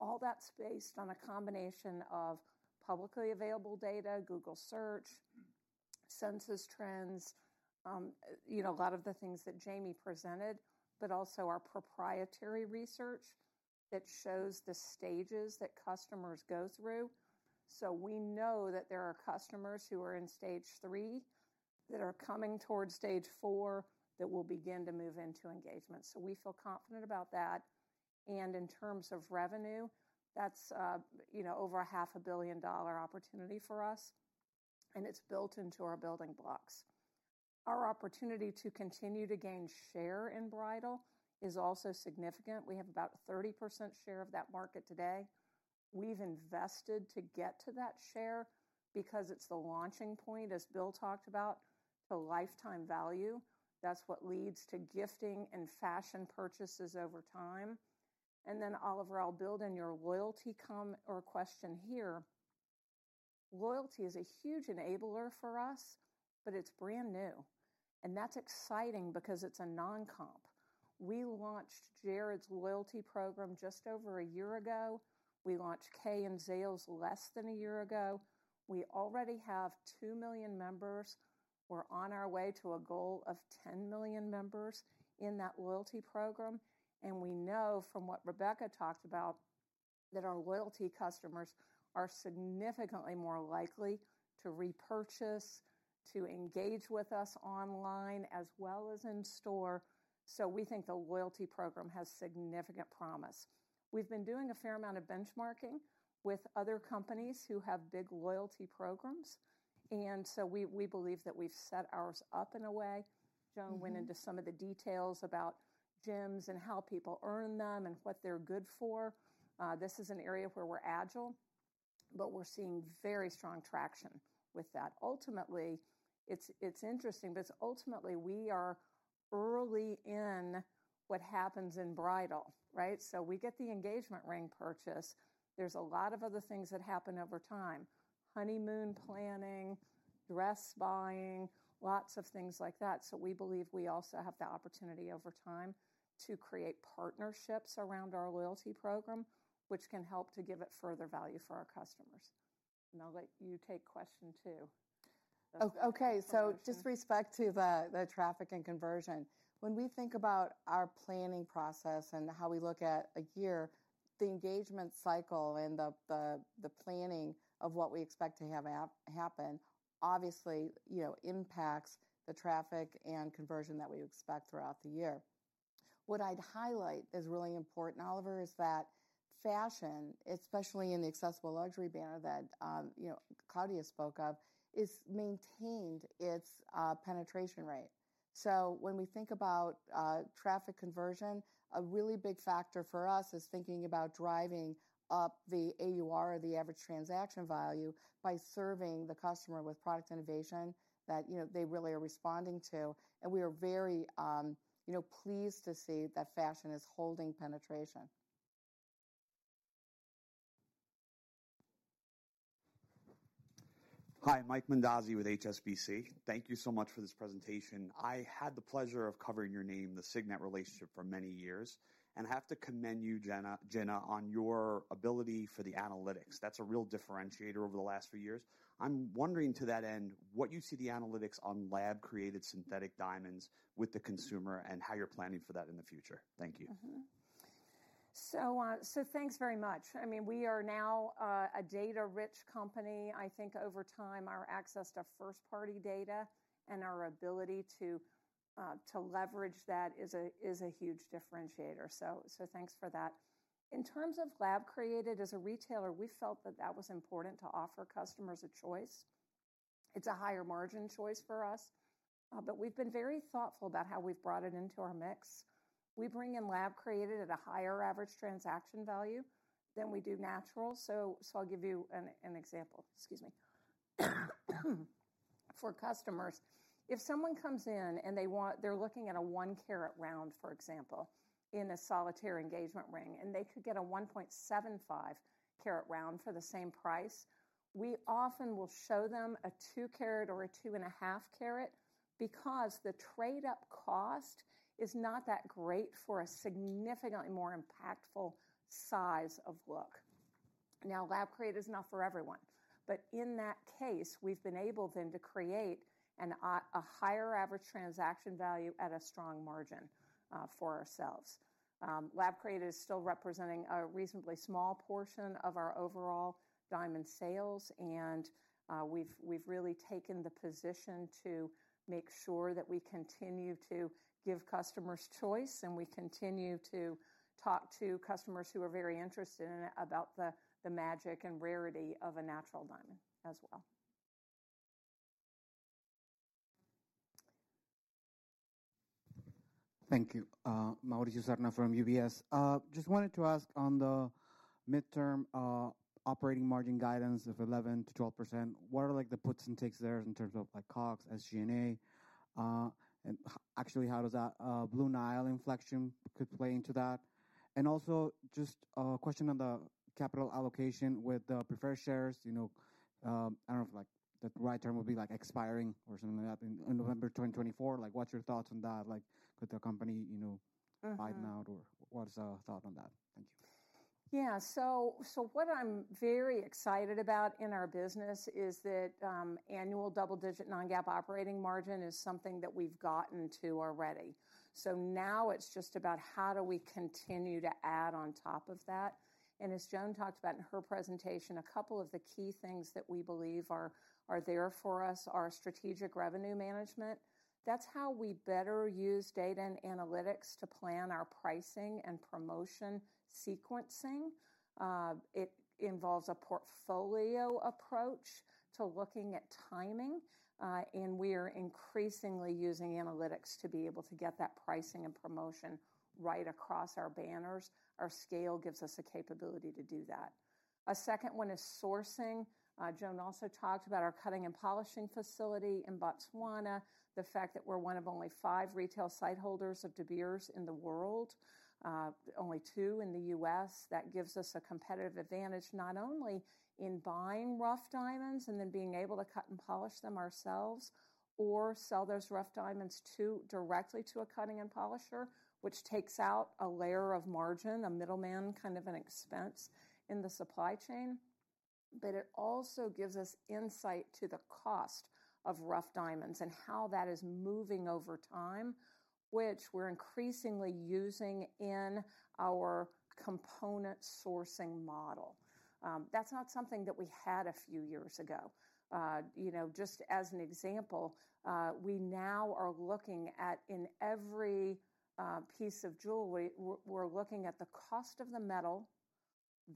All that's based on a combination of publicly available data, Google Search, census trends, you know, a lot of the things that Jamie presented, but also our proprietary research that shows the stages that customers go through. We know that there are customers who are in stage 3 that are coming towards stage 4 that will begin to move into engagement. We feel confident about that. In terms of revenue, that's, you know, over a half a billion dollar opportunity for us, and it's built into our building blocks. Our opportunity to continue to gain share in bridal is also significant. We have about 30% share of that market today. We've invested to get to that share because it's the launching point, as Bill talked about, to lifetime value. That's what leads to gifting and fashion purchases over time. Oliver, I'll build in your loyalty question here. Loyalty is a huge enabler for us, but it's brand new, and that's exciting because it's a non-comp. We launched Jared's loyalty program just over a year ago. We launched Kay and Zales less than a year ago. We already have 2 million members. We're on our way to a goal of 10 million members in that loyalty program. We know from what Rebecca talked about, that our loyalty customers are significantly more likely to repurchase, to engage with us online as well as in store. We think the loyalty program has significant promise. We've been doing a fair amount of benchmarking with other companies who have big loyalty programs. We believe that we've set ours up in a way. Mm-hmm. Jill went into some of the details about gems and how people earn them and what they're good for. This is an area where we're agile, but we're seeing very strong traction with that. Ultimately, it's interesting, but ultimately, we are early in what happens in bridal, right? We get the engagement ring purchase. There's a lot of other things that happen over time, honeymoon planning, dress buying, lots of things like that. We believe we also have the opportunity over time to create partnerships around our loyalty program, which can help to give it further value for our customers. I'll let you take question two. Okay. Just respect to the traffic and conversion. When we think about our planning process and how we look at a year, the engagement cycle and the planning of what we expect to happen, obviously, you know, impacts the traffic and conversion that we expect throughout the year. What I'd highlight is really important, Oliver, is that fashion, especially in the accessible luxury banner that, you know, Claudia spoke of, is maintained its penetration rate. When we think about traffic conversion, a really big factor for us is thinking about driving up the AUR or the average transaction value by serving the customer with product innovation that, you know, they really are responding to. We are very, you know, pleased to see that fashion is holding penetration. Hi, Mike Mondazzi with HSBC. Thank you so much for this presentation. I had the pleasure of covering your name, the Signet relationship, for many years and have to commend you, Jenna, on your ability for the analytics. That's a real differentiator over the last few years. I'm wondering, to that end, what you see the analytics on lab-created synthetic diamonds with the consumer and how you're planning for that in the future. Thank you. Mm-hmm. Thanks very much. I mean, we are now, a data-rich company. I think over time, our access to first-party data and our ability to leverage that is a huge differentiator. Thanks for that. In terms of lab-created, as a retailer, we felt that that was important to offer customers a choice. It's a higher margin choice for us, but we've been very thoughtful about how we've brought it into our mix. We bring in lab-created at a higher average transaction value than we do natural. I'll give you an example. Excuse me. For customers, if someone comes in and they're looking at a one carat round, for example, in a solitaire engagement ring, and they could get a 1.75 carat round for the same price, we often will show them a two carat or a two and a half carat because the trade-up cost is not that great for a significantly more impactful size of look. Lab-created is not for everyone, but in that case, we've been able then to create a higher average transaction value at a strong margin for ourselves. Lab-created is still representing a reasonably small portion of our overall diamond sales, and we've really taken the position to make sure that we continue to give customers choice, and we continue to talk to customers who are very interested in it about the magic and rarity of a natural diamond as well. Thank you. Mauricio Serna from UBS. Just wanted to ask on the midterm operating margin guidance of 11%-12%, what are, like, the puts and takes there in terms of like COGS, SG&A? Actually, how does that Blue Nile inflection could play into that? Also, just a question on the capital allocation with the preferred shares. You know, I don't know if, like, the right term would be, like, expiring or something like that in November 2024. Like, what's your thoughts on that? Like, could the company, you know... Mm-hmm ...buy them out or what is our thought on that? Thank you. Yeah. So what I'm very excited about in our business is that annual double-digit non-GAAP operating margin is something that we've gotten to already. Now it's just about how do we continue to add on top of that. As Joan talked about in her presentation, a couple of the key things that we believe are there for us are strategic revenue management. That's how we better use data and analytics to plan our pricing and promotion sequencing. It involves a portfolio approach to looking at timing, and we are increasingly using analytics to be able to get that pricing and promotion right across our banners. Our scale gives us the capability to do that. A second one is sourcing. Joan also talked about our cutting and polishing facility in Botswana, the fact that we're one of only five retail Sightholders of De Beers in the world, only two in the U.S. That gives us a competitive advantage not only in buying rough diamonds and then being able to cut and polish them ourselves or sell those rough diamonds directly to a cutting and polisher, which takes out a layer of margin, a middleman kind of an expense in the supply chain. It also gives us insight to the cost of rough diamonds and how that is moving over time, which we're increasingly using in our component sourcing model. That's not something that we had a few years ago. You know, just as an example, we now are looking at in every piece of jewelry, we're looking at the cost of the metal,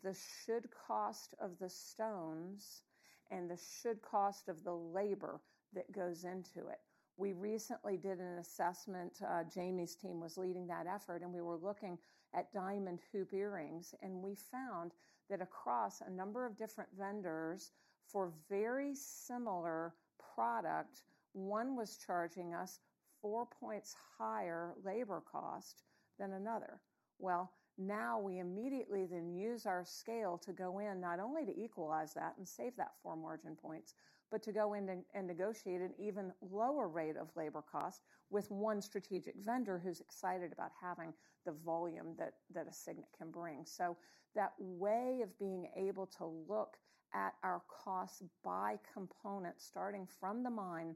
the should cost of the stones, and the should cost of the labor that goes into it. We recently did an assessment, Jamie's team was leading that effort, and we were looking at diamond hoop earrings, and we found that across a number of different vendors for very similar product, one was charging us 4 points higher labor cost than another. Now we immediately then use our scale to go in not only to equalize that and save that 4 margin points, but to go in and negotiate an even lower rate of labor cost with one strategic vendor who's excited about having the volume that a Signet can bring. That way of being able to look at our costs by component, starting from the mine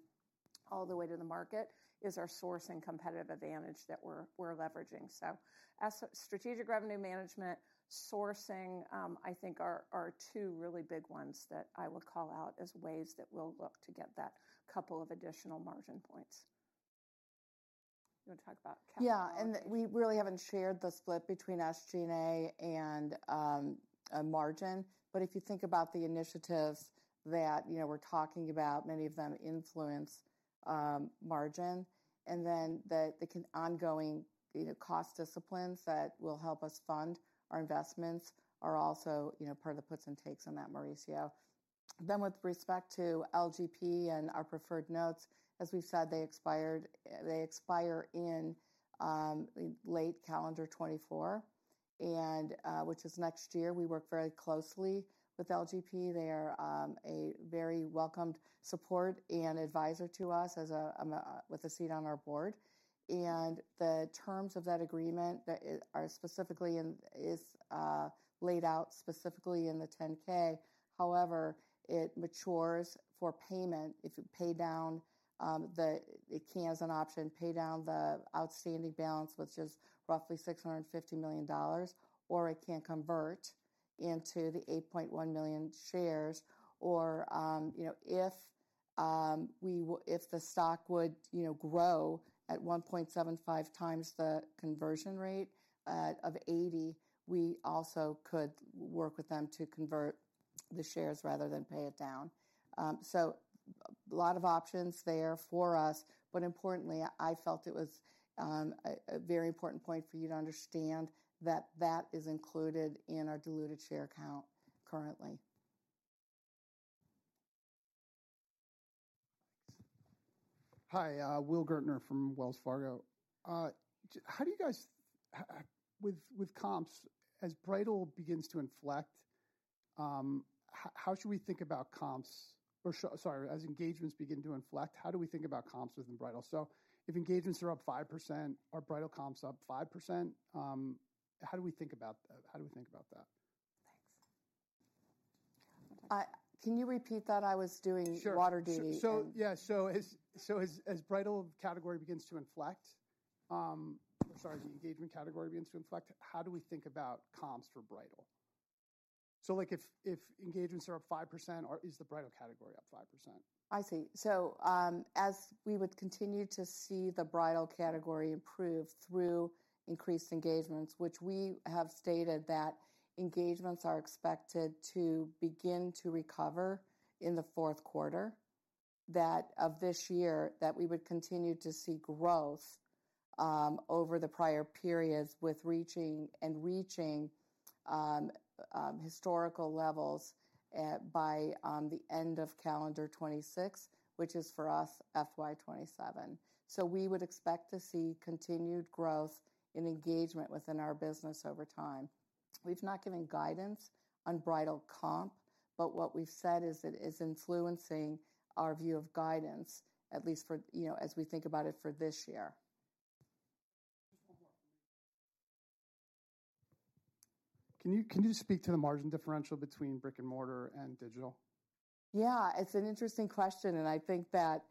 all the way to the market, is our source and competitive advantage that we're leveraging. As strategic revenue management sourcing, I think are two really big ones that I would call out as ways that we'll look to get that couple of additional margin points. You want to talk about capital allocation? Yeah. We really haven't shared the split between SG&A and margin. If you think about the initiatives that, you know, we're talking about, many of them influence margin. The ongoing, you know, cost disciplines that will help us fund our investments are also, you know, part of the puts and takes on that, Mauricio. With respect to LGP and our preferred notes, as we've said, they expire in late calendar 2024, and which is next year. We work very closely with LGP. They are a very welcomed support and advisor to us as a with a seat on our board. The terms of that agreement that are specifically in is laid out specifically in the 10-K. However, it matures for payment. If you pay down, it can as an option, pay down the outstanding balance, which is roughly $650 million, or it can convert into the 8.1 million shares or, you know, if the stock would, you know, grow at 1.75 times the conversion rate, of 80, we also could work with them to convert the shares rather than pay it down. A lot of options there for us, importantly, I felt it was a very important point for you to understand that that is included in our diluted share count currently. Hi, Will Gaertner from Wells Fargo. How do you guys... With comps, as bridal begins to inflect, how should we think about comps? Or sorry. As engagements begin to inflect, how do we think about comps within bridal? If engagements are up 5%, are bridal comps up 5%? How do we think about that? Thanks. Can you repeat that? Sure. -water duty and- Yeah. As the bridal category begins to inflect, or, sorry, as the engagement category begins to inflect, how do we think about comps for bridal? Like, if engagements are up 5% or is the bridal category up 5%? I see. As we would continue to see the bridal category improve through increased engagements, which we have stated that engagements are expected to begin to recover in the 4th quarter, that of this year, that we would continue to see growth over the prior periods with reaching historical levels at, by, the end of calendar 2026, which is for us FY27. We would expect to see continued growth in engagement within our business over time. We've not given guidance on bridal comp, but what we've said is it is influencing our view of guidance, at least for, you know, as we think about it for this year. Just one more. Can you speak to the margin differential between brick-and-mortar and digital? It's an interesting question, and I think that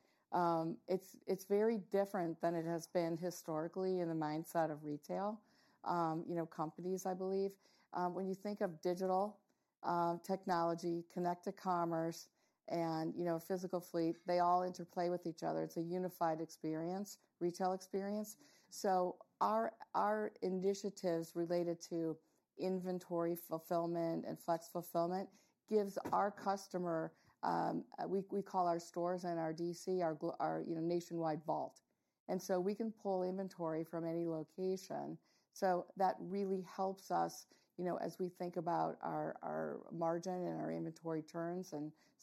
it's very different than it has been historically in the mindset of retail, you know, companies, I believe. When you think of digital, technology, connect to commerce and, you know, physical fleet, they all interplay with each other. It's a unified experience, retail experience. Our initiatives related to inventory fulfillment and flex fulfillment gives our customer, we call our stores and our DC our, you know, nationwide vault. We can pull inventory from any location. That really helps us, you know, as we think about our margin and our inventory turns.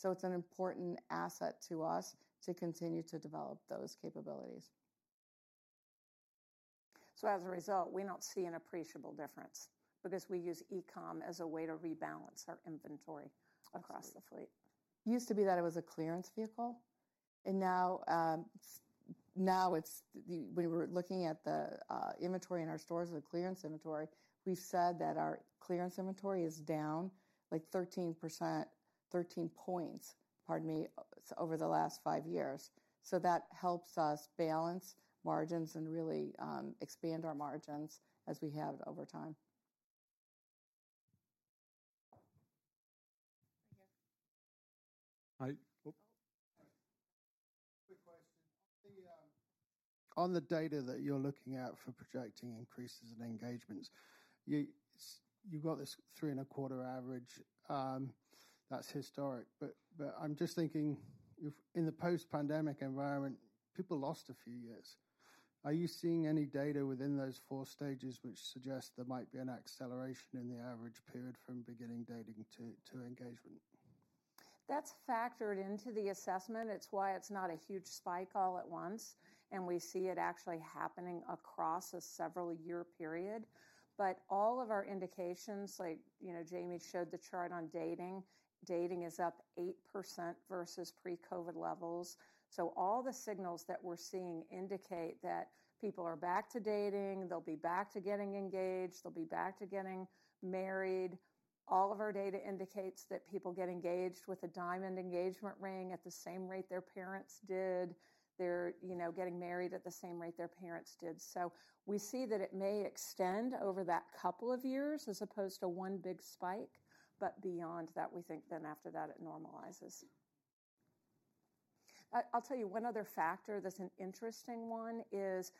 It's an important asset to us to continue to develop those capabilities. As a result, we don't see an appreciable difference because we use e-com as a way to rebalance our inventory across the fleet. Used to be that it was a clearance vehicle. Now it's the we were looking at the inventory in our stores, the clearance inventory. We've said that our clearance inventory is down like 13%, 13 points, pardon me, over the last five years. That helps us balance margins and really expand our margins as we have over time. Thank you. I... Oh. Oh. Quick question. The on the data that you're looking at for projecting increases in engagements, you've got this 3.25 average that's historic. I'm just thinking if in the post-pandemic environment, people lost a few years. Are you seeing any data within those four stages which suggest there might be an acceleration in the average period from beginning dating to engagement? That's factored into the assessment. It's why it's not a huge spike all at once, and we see it actually happening across a several-year period. All of our indications, like, you know, Jamie showed the chart on dating. Dating is up 8% versus pre-COVID levels. All the signals that we're seeing indicate that people are back to dating. They'll be back to getting engaged. They'll be back to getting married. All of our data indicates that people get engaged with a diamond engagement ring at the same rate their parents did. They're, you know, getting married at the same rate their parents did. We see that it may extend over that couple of years as opposed to one big spike. Beyond that, we think then after that, it normalizes. I'll tell you one other factor that's an interesting one is,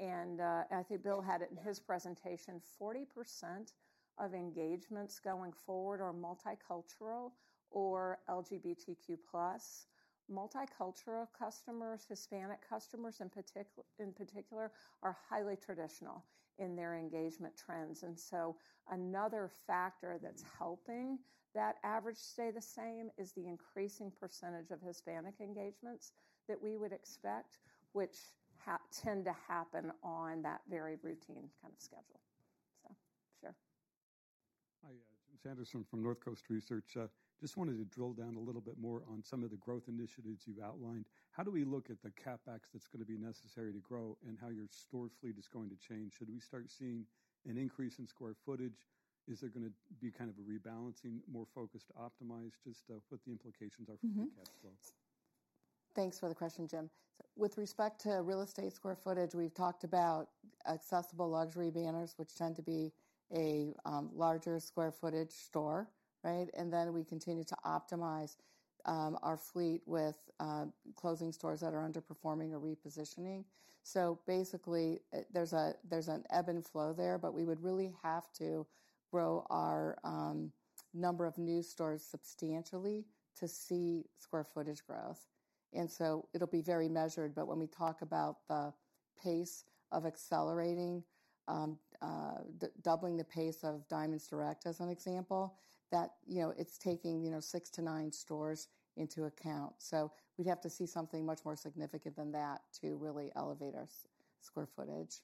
and, I think Bill had it in his presentation. 40% of engagements going forward are multicultural or LGBTQ plus. Multicultural customers, Hispanic customers in particular, are highly traditional in their engagement trends. Another factor that's helping that average stay the same is the increasing percentage of Hispanic engagements that we would expect, which tend to happen on that very routine kind of schedule. Sure. Hi, Jim Sanderson from Northcoast Research. Just wanted to drill down a little bit more on some of the growth initiatives you've outlined. How do we look at the CapEx that's gonna be necessary to grow and how your store fleet is going to change? Should we start seeing an increase in square footage? Is there gonna be kind of a rebalancing, more focused, optimized, just, what the implications are for free cash flow? Thanks for the question, Jim. With respect to real estate square footage, we've talked about accessible luxury banners, which tend to be a larger square footage store, right? We continue to optimize our fleet with closing stores that are underperforming or repositioning. Basically, there's an ebb and flow there, but we would really have to grow our number of new stores substantially to see square footage growth. It'll be very measured, but when we talk about the pace of accelerating the doubling the pace of Diamonds Direct, as an example, that, you know, it's taking, you know, 6-9 stores into account. We'd have to see something much more significant than that to really elevate our square footage.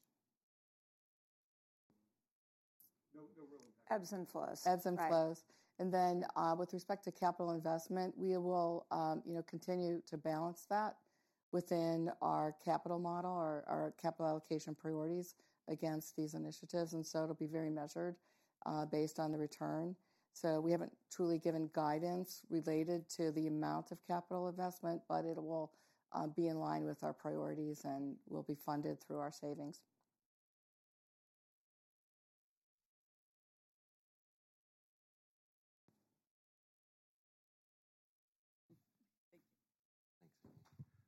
No, no real impact. Ebbs and flows. Ebbs and flows. Right. With respect to capital investment, we will, you know, continue to balance that within our capital model or our capital allocation priorities against these initiatives, and so it'll be very measured, based on the return. We haven't truly given guidance related to the amount of capital investment, but it will be in line with our priorities and will be funded through our savings. Thank you.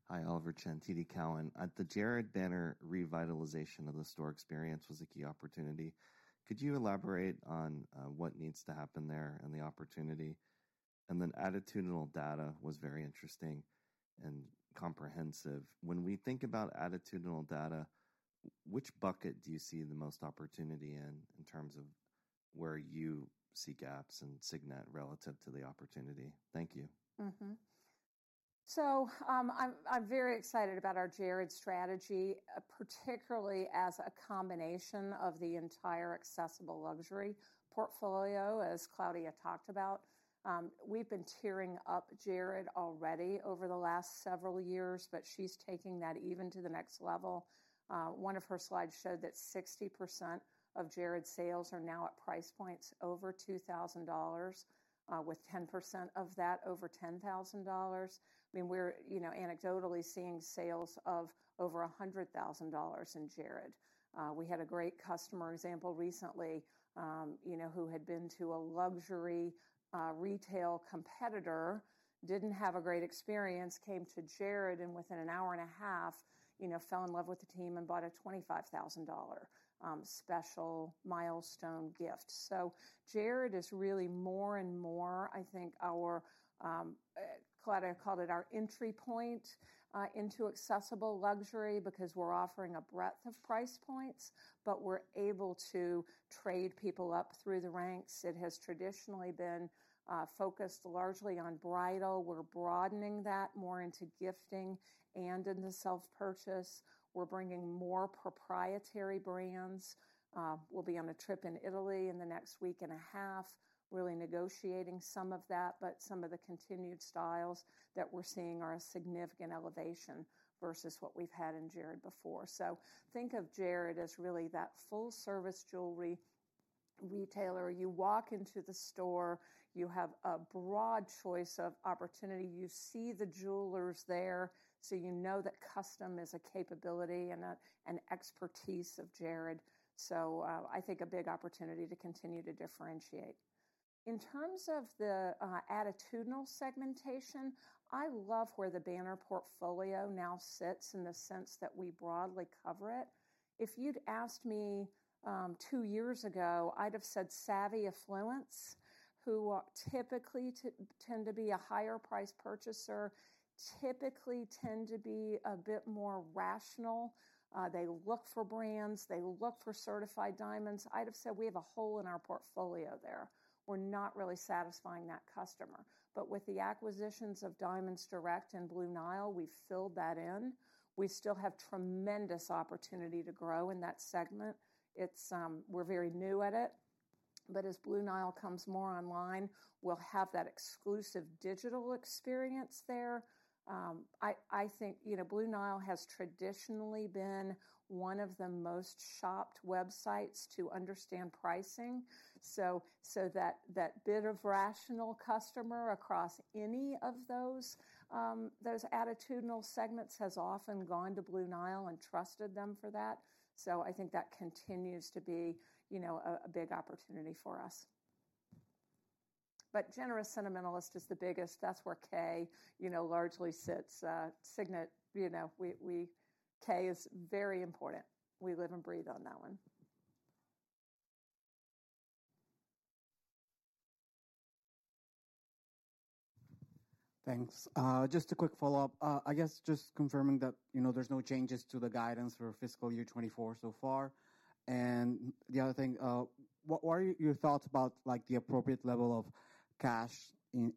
Thanks. Hi, Oliver Chen, TD Cowen. At the Jared banner, revitalization of the store experience was a key opportunity. Could you elaborate on what needs to happen there and the opportunity? Then attitudinal data was very interesting and comprehensive. When we think about attitudinal data, which bucket do you see the most opportunity in in terms of where you see gaps in Signet relative to the opportunity? Thank you. I'm very excited about our Jared strategy, particularly as a combination of the entire accessible luxury portfolio, as Claudia talked about. We've been tearing up Jared already over the last several years, she's taking that even to the next level. One of her slides showed that 60% of Jared sales are now at price points over $2,000, with 10% of that over $10,000. I mean, we're, you know, anecdotally seeing sales of over $100,000 in Jared. We had a great customer example recently, you know, who had been to a luxury retail competitor, didn't have a great experience, came to Jared, and within an hour and a half, you know, fell in love with the team and bought a $25,000 special milestone gift. Jared is really more and more, I think our Claudia called it our entry point into accessible luxury because we're offering a breadth of price points, but we're able to trade people up through the ranks. It has traditionally been focused largely on bridal. We're broadening that more into gifting and in the self-purchase. We're bringing more proprietary brands. We'll be on a trip in Italy in the next week and a half, really negotiating some of that. Some of the continued styles that we're seeing are a significant elevation versus what we've had in Jared before. Think of Jared as really that full-service jewelry retailer. You walk into the store, you have a broad choice of opportunity. You see the jewelers there, so you know that custom is a capability and an expertise of Jared. I think a big opportunity to continue to differentiate. In terms of the attitudinal segmentation, I love where the banner portfolio now sits in the sense that we broadly cover it. If you'd asked me, 2 years ago, I'd have said savvy affluence, who typically tend to be a higher price purchaser, typically tend to be a bit more rational. They look for brands, they look for certified diamonds. I'd have said we have a hole in our portfolio there. We're not really satisfying that customer. With the acquisitions of Diamonds Direct and Blue Nile, we filled that in. We still have tremendous opportunity to grow in that segment. It's, we're very new at it, but as Blue Nile comes more online, we'll have that exclusive digital experience there. I think, you know, Blue Nile has traditionally been one of the most shopped websites to understand pricing. That bit of rational customer across any of those attitudinal segments has often gone to Blue Nile and trusted them for that. I think that continues to be, you know, a big opportunity for us. Generous sentimentalist is the biggest. That's where Kay, you know, largely sits. Signet, you know, we Kay is very important. We live and breathe on that one. Thanks. Just a quick follow-up. I guess just confirming that, you know, there's no changes to the guidance for fiscal year 2024 so far? The other thing, what are your thoughts about like the appropriate level of cash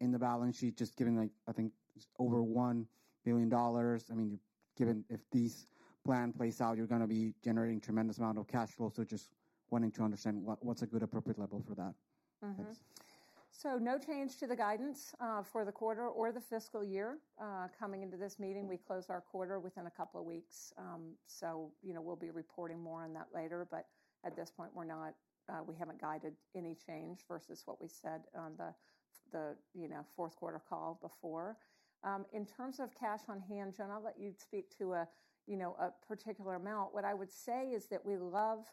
in the balance sheet, just given like, I think it's over $1 billion. I mean, given if these plan plays out, you're gonna be generating tremendous amount of cash flow. Just wanting to understand what's a good appropriate level for that. Mm-hmm. Thanks. No change to the guidance for the quarter or the fiscal year. Coming into this meeting, we close our quarter within a couple of weeks, so, you know, we'll be reporting more on that later. At this point, we haven't guided any change versus what we said on the, you know, fourth quarter call before. In terms of cash on hand, Jen, I'll let you speak to, you know, a particular amount. What I would say is that we love,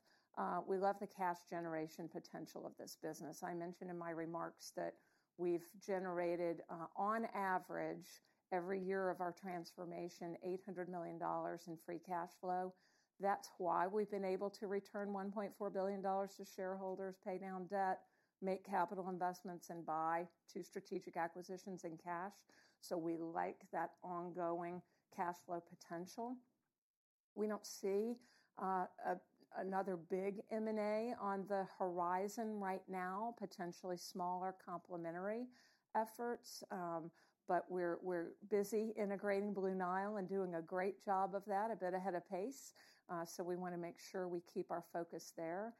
we love the cash generation potential of this business. I mentioned in my remarks that we've generated on average every year of our transformation, $800 million in free cash flow. That's why we've been able to return $1.4 billion to shareholders, pay down debt, make capital investments, and buy 2 strategic acquisitions in cash. We like that ongoing cash flow potential. We don't see another big M&A on the horizon right now, potentially smaller complementary efforts. We're busy integrating Blue Nile and doing a great job of that, a bit ahead of pace. We wanna make sure we keep our focus there.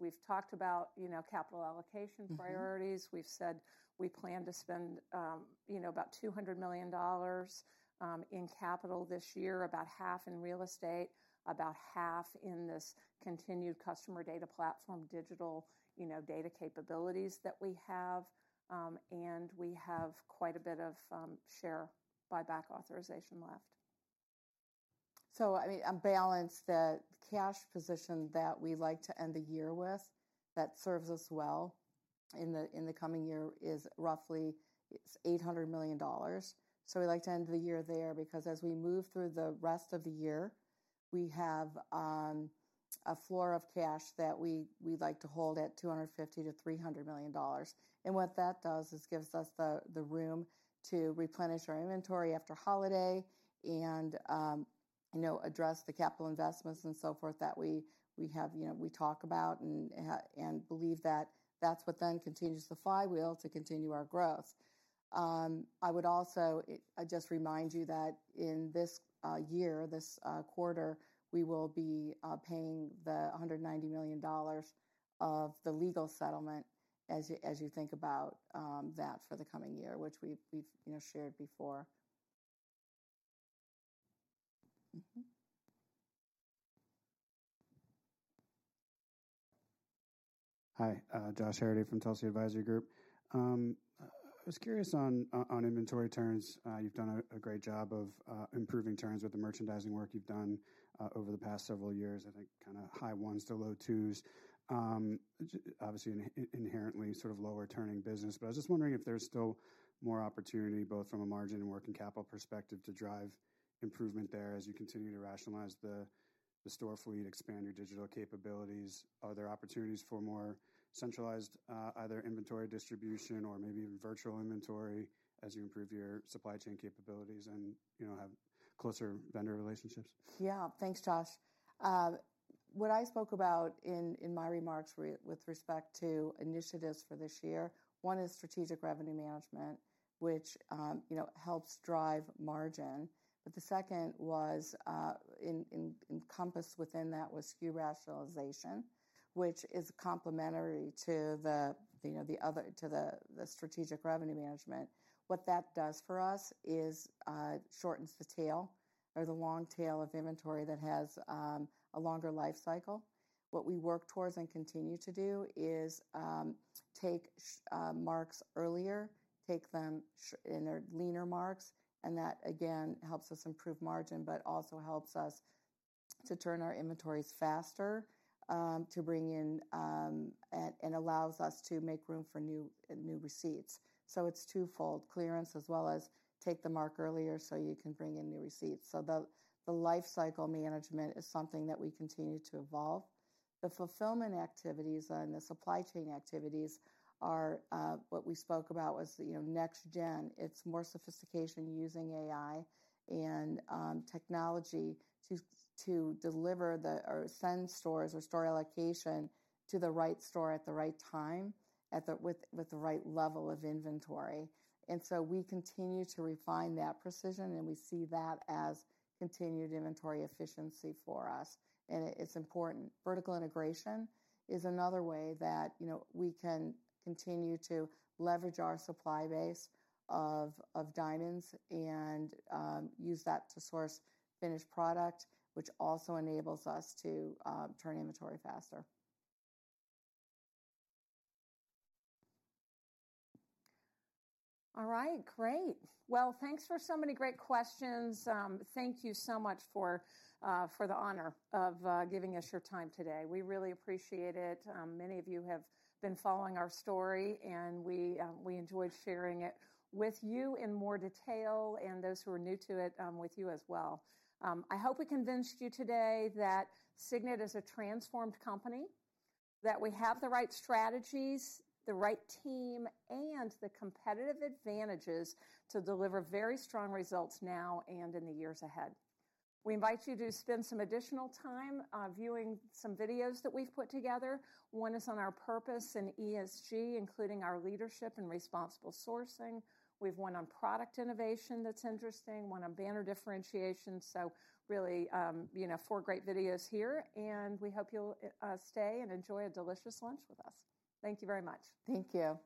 We've talked about, you know, capital allocation priorities. Mm-hmm. We've said we plan to spend, you know, about $200 million in capital this year, about half in real estate, about half in this continued customer data platform, digital, you know, data capabilities that we have. We have quite a bit of share buyback authorization left. I mean, on balance, the cash position that we like to end the year with that serves us well in the coming year is roughly $800 million. We like to end the year there because as we move through the rest of the year, we have a floor of cash that we like to hold at $250 million-$300 million. What that does is gives us the room to replenish our inventory after holiday and, you know, address the capital investments and so forth that we have, you know, we talk about and believe that that's what then continues the flywheel to continue our growth. I would also, just remind you that in this, year, this, quarter, we will be, paying the $190 million of the legal settlement as you think about, that for the coming year, which we've, you know, shared before. Mm-hmm. Hi, Josh Herrity from Telsey Advisory Group. I was curious on inventory turns. You've done a great job of improving turns with the merchandising work you've done over the past several years, I think kinda high 1s to low 2s. obviously an inherently sort of lower turning business, but I was just wondering if there's still more opportunity, both from a margin and working capital perspective to drive improvement there as you continue to rationalize the store fleet, expand your digital capabilities. Are there opportunities for more centralized either inventory distribution or maybe even virtual inventory as you improve your supply chain capabilities and, you know, have closer vendor relationships? Yeah. Thanks, Josh. What I spoke about in my remarks with respect to initiatives for this year, one is strategic revenue management, which, you know, helps drive margin. The second was encompassed within that was SKU rationalization, which is complementary to the, you know, to the strategic revenue management. What that does for us is shortens the tail or the long tail of inventory that has a longer life cycle. What we work towards and continue to do is take marks earlier, take them in their leaner marks, and that again helps us improve margin, but also helps us to turn our inventories faster, to bring in, and allows us to make room for new receipts. It's 2 fold, clearance as well as take the mark earlier so you can bring in new receipts. The life cycle management is something that we continue to evolve. The fulfillment activities and the supply chain activities are what we spoke about was, you know, next gen. It's more sophistication using AI and technology to deliver the or send stores or store allocation to the right store at the right time with the right level of inventory. We continue to refine that precision, and we see that as continued inventory efficiency for us. It's important. Vertical integration is another way that, you know, we can continue to leverage our supply base of diamonds and use that to source finished product, which also enables us to turn inventory faster. All right. Great. Thanks for so many great questions. Thank you so much for the honor of giving us your time today. We really appreciate it. Many of you have been following our story, and we enjoyed sharing it with you in more detail and those who are new to it, with you as well. I hope we convinced you today that Signet is a transformed company, that we have the right strategies, the right team, and the competitive advantages to deliver very strong results now and in the years ahead. We invite you to spend some additional time viewing some videos that we've put together. One is on our purpose in ESG, including our leadership and responsible sourcing. We've one on product innovation that's interesting, one on banner differentiation. Really, you know, 4 great videos here, and we hope you'll stay and enjoy a delicious lunch with us. Thank you very much. Thank you.